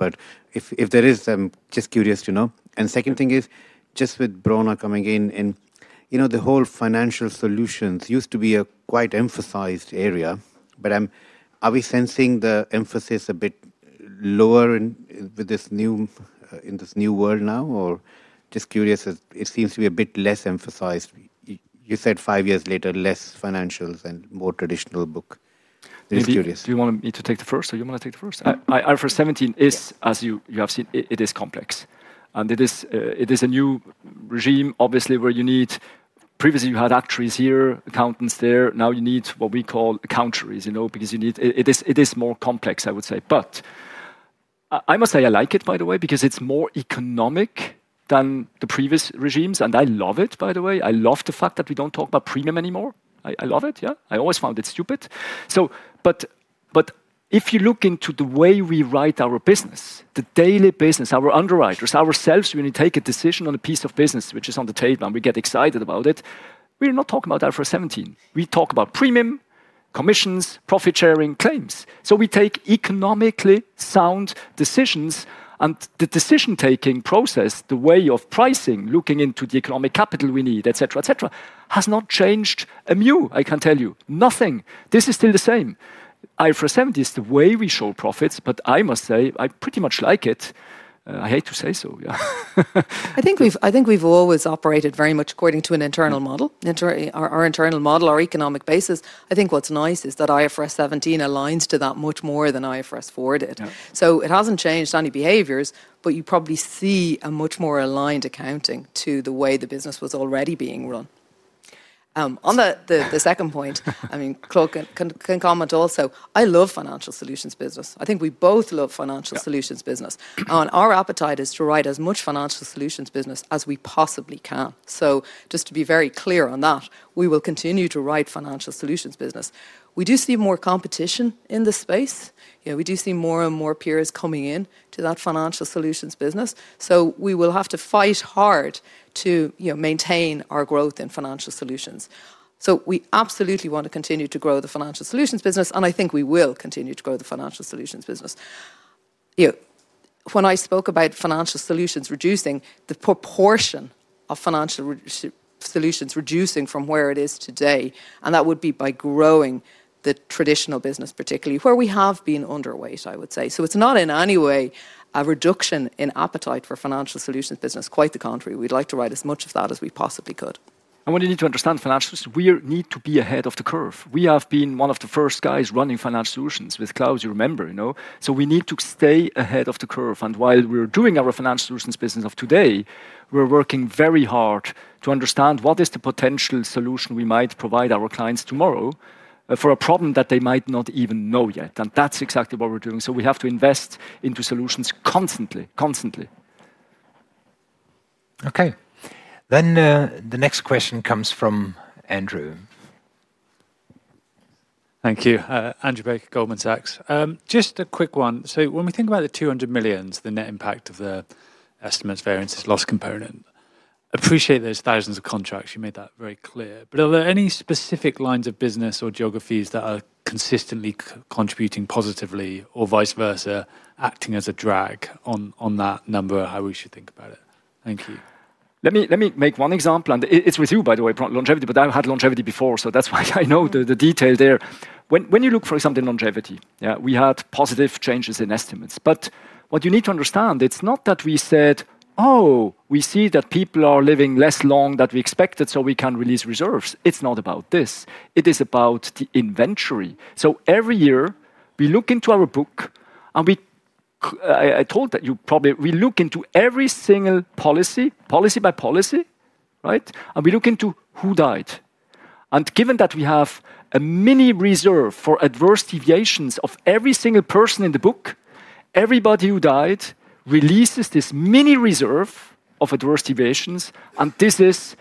If there is, I'm just curious to know. The second thing is, just with Brena coming in, the whole financial solutions used to be a quite emphasized area. Are we sensing the emphasis a bit lower in this new world now? I'm just curious, it seems to be a bit less emphasized. You said five years later, less financials and more traditional book. Do you want me to take the first? Or do you want to take the first? IFRS 17 is, as you have seen, it is complex. It is a new regime, obviously, where you need, previously you had actuaries here, accountants there. Now you need what we call accountaries, you know, because you need, it is more complex, I would say. I must say I like it, by the way, because it's more economic than the previous regimes. I love it, by the way. I love the fact that we don't talk about premium anymore. I love it. I always found it stupid. If you look into the way we write our business, the daily business, our underwriters, ourselves, when we take a decision on a piece of business, which is on the table, and we get excited about it, we're not talking about IFRS 17. We talk about premium, commissions, profit sharing, claims. We take economically sound decisions. The decision-taking process, the way of pricing, looking into the economic capital we need, et cetera, et cetera, has not changed a mew, I can tell you. Nothing. This is still the same. IFRS 17 is the way we show profits, but I must say I pretty much like it. I hate to say so. Yeah. I think we've always operated very much according to an internal model, our internal model, our economic basis. I think what's nice is that IFRS 17 aligns to that much more than IFRS 4 did. It hasn't changed any behaviors, but you probably see a much more aligned accounting to the way the business was already being run. On the second point, Claude can comment also. I love financial solutions business. I think we both love financial solutions business. Our appetite is to write as much financial solutions business as we possibly can. Just to be very clear on that, we will continue to write financial solutions business. We do see more competition in this space. We do see more and more peers coming into that financial solutions business. We will have to fight hard to maintain our growth in financial solutions. We absolutely want to continue to grow the financial solutions business. I think we will continue to grow the financial solutions business. When I spoke about financial solutions reducing, the proportion of financial solutions reducing from where it is today, that would be by growing the traditional business, particularly where we have been underweight, I would say. It's not in any way a reduction in appetite for financial solutions business. Quite the contrary. We'd like to write as much of that as we possibly could. What you need to understand is financial solutions, we need to be ahead of the curve. We have been one of the first guys running financial solutions with Claude, you remember, you know. We need to stay ahead of the curve. While we're doing our financial solutions business of today, we're working very hard to understand what is the potential solution we might provide our clients tomorrow for a problem that they might not even know yet. That's exactly what we're doing. We have to invest into solutions constantly, constantly. Okay. The next question comes from Andrew. Thank you. Andrew Baker, Goldman Sachs. Just a quick one. When we think about the 200 million, the net impact of the estimates variances loss component, I appreciate there's thousands of contracts. You made that very clear. Are there any specific lines of business or geographies that are consistently contributing positively or, vice versa, acting as a drag on that number, how we should think about it? Thank you. Let me make one example. It's resumed, by the way, longevity, but I had longevity before. That's why I know the detail there. When you look, for example, in longevity, we had positive changes in estimates. What you need to understand, it's not that we said, oh, we see that people are living less long than we expected, so we can release reserves. It's not about this. It is about the inventory. Every year, we look into our book, and I told you probably, we look into every single policy, policy by policy, right? We look into who died. Given that we have a mini reserve for adverse deviations of every single person in the book, everybody who died releases this mini reserve of adverse deviations. This is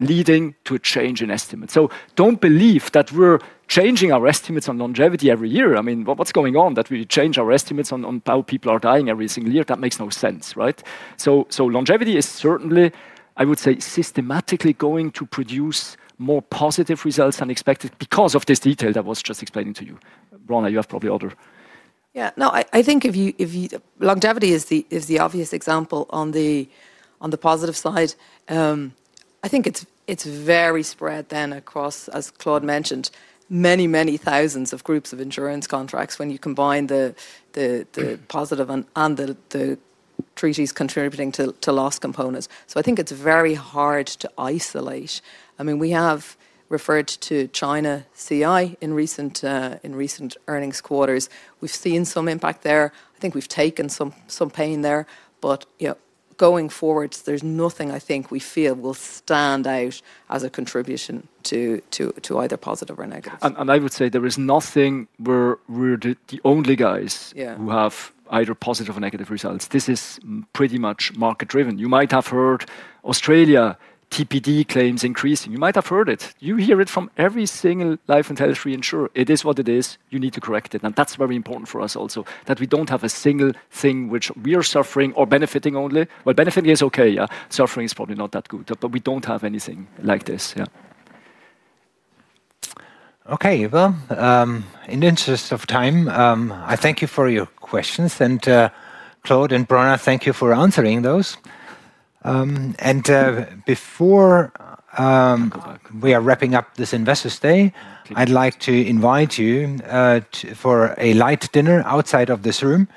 leading to a change in estimates. Don't believe that we're changing our estimates on longevity every year. I mean, what's going on that we change our estimates on how people are dying every single year? That makes no sense, right? Longevity is certainly, I would say, systematically going to produce more positive results than expected because of this detail that I was just explaining to you. Brena, you have probably other. Yeah, no, I think if you, longevity is the obvious example on the positive side. I think it's very spread then across, as Claude mentioned, many, many thousands of groups of insurance contracts when you combine the positive and the treaties contributing to loss components. I think it's very hard to isolate. I mean, we have referred to China CI in recent earnings quarters. We've seen some impact there. I think we've taken some pain there. Going forward, there's nothing I think we feel will stand out as a contribution to either positive or negative. I would say there is nothing where we're the only guys who have either positive or negative results. This is pretty much market-driven. You might have heard Australia TPD claims increasing. You might have heard it. You hear it from every single life and health reinsurer. It is what it is. You need to correct it. That's very important for us also that we don't have a single thing which we are suffering or benefiting only. Benefiting is okay. Suffering is probably not that good. We don't have anything like this. Okay, in the interest of time, I thank you for your questions. Claude and Brena, thank you for answering those. Before we are wrapping up this Investor's Day, I'd like to invite you for a light dinner outside of this room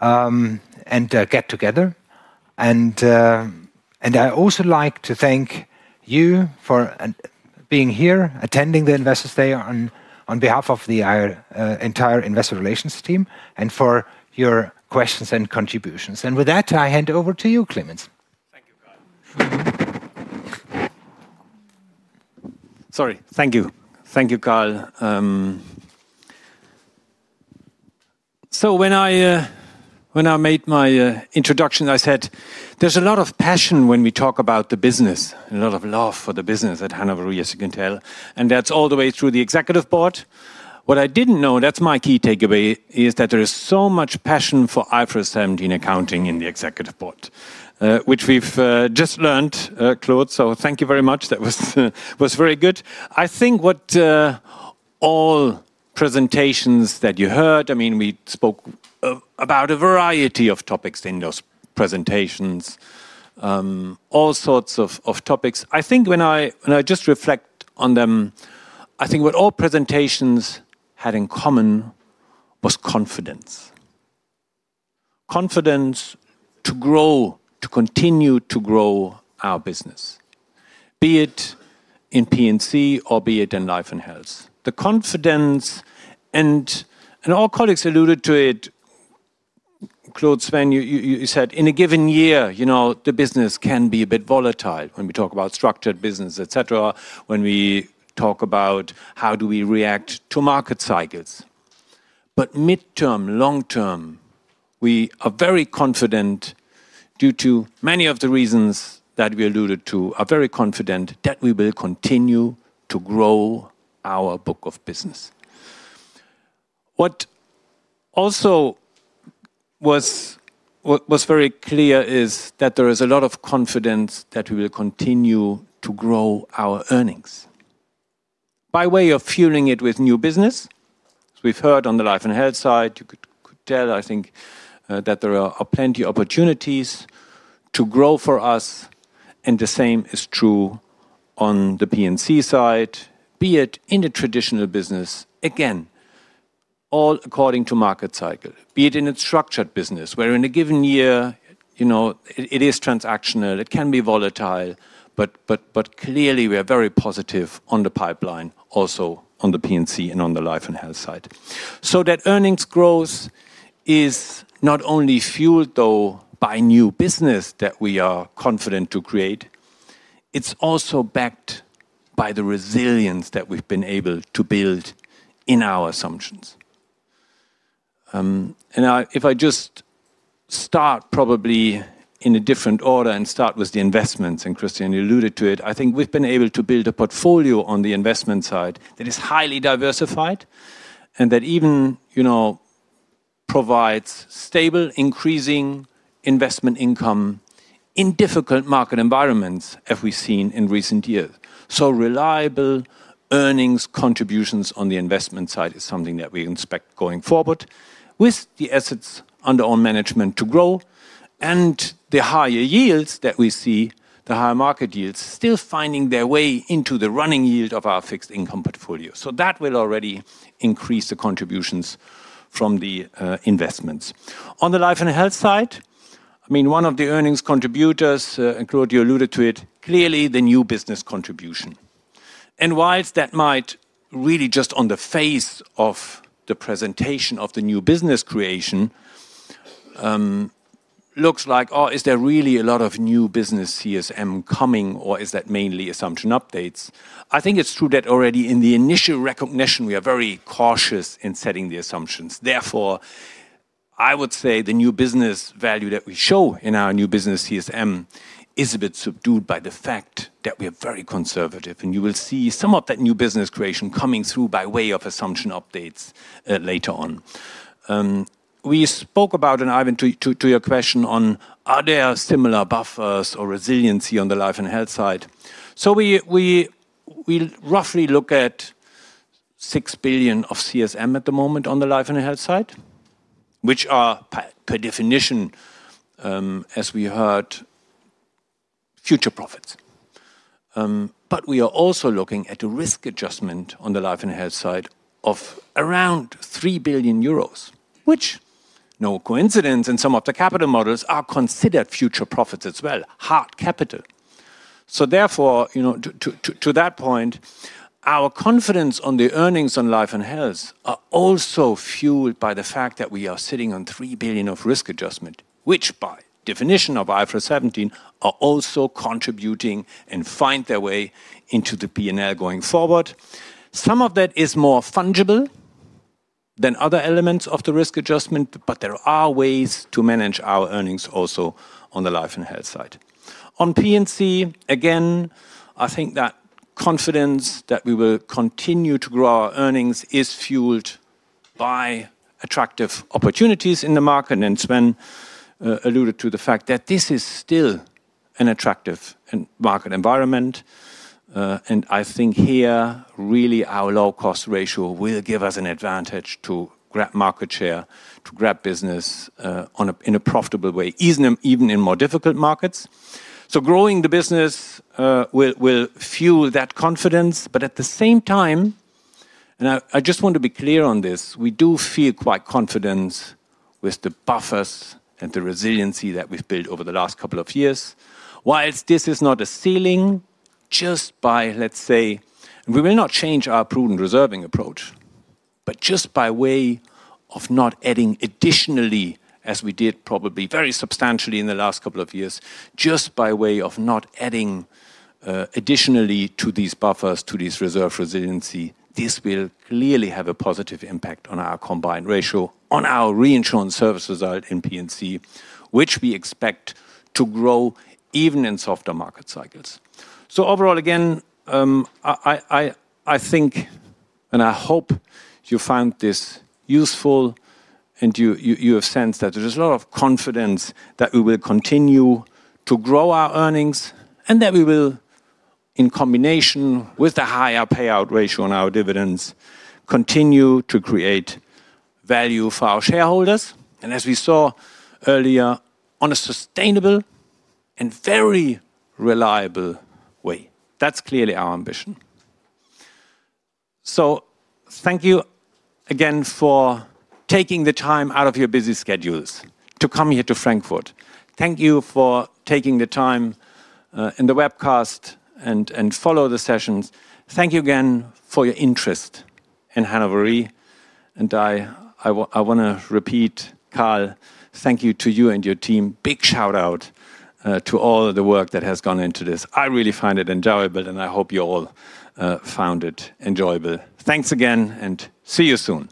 and get together. I'd also like to thank you for being here, attending the Investor's Day on behalf of the entire Investor Relations team and for your questions and contributions. With that, I hand over to you, Clemens. Thank you, Carl. Thank you, Carl. When I made my introduction, I said there's a lot of passion when we talk about the business, a lot of love for the business at Hannover Re as you can tell. That's all the way through the Executive Board. What I didn't know, that's my key takeaway, is that there is so much passion for IFRS 17 accounting in the Executive Board, which we've just learned, Claude. Thank you very much. That was very good. I think what all presentations that you heard, we spoke about a variety of topics in those presentations, all sorts of topics. When I just reflect on them, I think what all presentations had in common was confidence. Confidence to grow, to continue to grow our business, be it in P&C reinsurance or be it in life and health reinsurance. The confidence, and our colleagues alluded to it, Claude, Sven, you said in a given year, you know, the business can be a bit volatile when we talk about structured business, et cetera, when we talk about how do we react to market cycles. Midterm, long term, we are very confident due to many of the reasons that we alluded to, are very confident that we will continue to grow our book of business. What also was very clear is that there is a lot of confidence that we will continue to grow our earnings. By way of fueling it with new business, we've heard on the life and health reinsurance side, you could tell, I think, that there are plenty of opportunities to grow for us. The same is true on the P&C reinsurance side, be it in a traditional business, again, all according to market cycle, be it in a structured business, where in a given year, you know, it is transactional, it can be volatile, but clearly we are very positive on the pipeline, also on the P&C reinsurance and on the life and health reinsurance side. That earnings growth is not only fueled, though, by new business that we are confident to create. It's also backed by the resilience that we've been able to build in our assumptions. If I just start probably in a different order and start with the investments, and Christian, you alluded to it, I think we've been able to build a portfolio on the investment side that is highly diversified and that even, you know, provides stable, increasing investment income in difficult market environments, as we've seen in recent years. Reliable earnings contributions on the investment side is something that we inspect going forward with the assets under our management to grow and the higher yields that we see, the higher market yields still finding their way into the running yield of our fixed income portfolio. That will already increase the contributions from the investments. On the life and health side, I mean, one of the earnings contributors, Claude, you alluded to it, clearly the new business contribution. Whilst that might really just on the face of the presentation of the new business creation looks like, oh, is there really a lot of new business CSM coming, or is that mainly assumption updates? I think it's true that already in the initial recognition, we are very cautious in setting the assumptions. Therefore, I would say the new business value that we show in our new business CSM is a bit subdued by the fact that we are very conservative. You will see some of that new business creation coming through by way of assumption updates later on. We spoke about, and Ivan, to your question on are there similar buffers or resiliency on the life and health side. We roughly look at 6 billion of CSM at the moment on the life and health side, which are per definition, as we heard, future profits. We are also looking at a risk adjustment on the life and health side of around 3 billion euros, which, no coincidence, in some of the capital models are considered future profits as well, hard capital. Therefore, to that point, our confidence on the earnings on life and health are also fueled by the fact that we are sitting on 3 billion of risk adjustment, which by definition of IFRS 17 are also contributing and find their way into the P&L going forward. Some of that is more fungible than other elements of the risk adjustment, but there are ways to manage our earnings also on the life and health side. On P&C, again, I think that confidence that we will continue to grow our earnings is fueled by attractive opportunities in the market. Sven alluded to the fact that this is still an attractive market environment. I think here, really, our low-cost ratio will give us an advantage to grab market share, to grab business in a profitable way, even in more difficult markets. Growing the business will fuel that confidence. At the same time, and I just want to be clear on this, we do feel quite confident with the buffers and the resiliency that we've built over the last couple of years. Whilst this is not a ceiling, just by, let's say, we will not change our prudent reserving approach, but just by way of not adding additionally, as we did probably very substantially in the last couple of years, just by way of not adding additionally to these buffers, to this reserve resiliency, this will clearly have a positive impact on our combined ratio, on our reinsurance service result in P&C, which we expect to grow even in softer market cycles. Overall, again, I think, and I hope you found this useful, and you have sensed that there is a lot of confidence that we will continue to grow our earnings, and that we will, in combination with the higher payout ratio on our dividends, continue to create value for our shareholders. As we saw earlier, on a sustainable and very reliable way. That's clearly our ambition. Thank you again for taking the time out of your busy schedules to come here to Frankfurt. Thank you for taking the time in the webcast and follow the sessions. Thank you again for your interest in Hannover Re. I want to repeat, Carl, thank you to you and your team. Big shout out to all the work that has gone into this. I really find it enjoyable, and I hope you all found it enjoyable. Thanks again, and see you soon.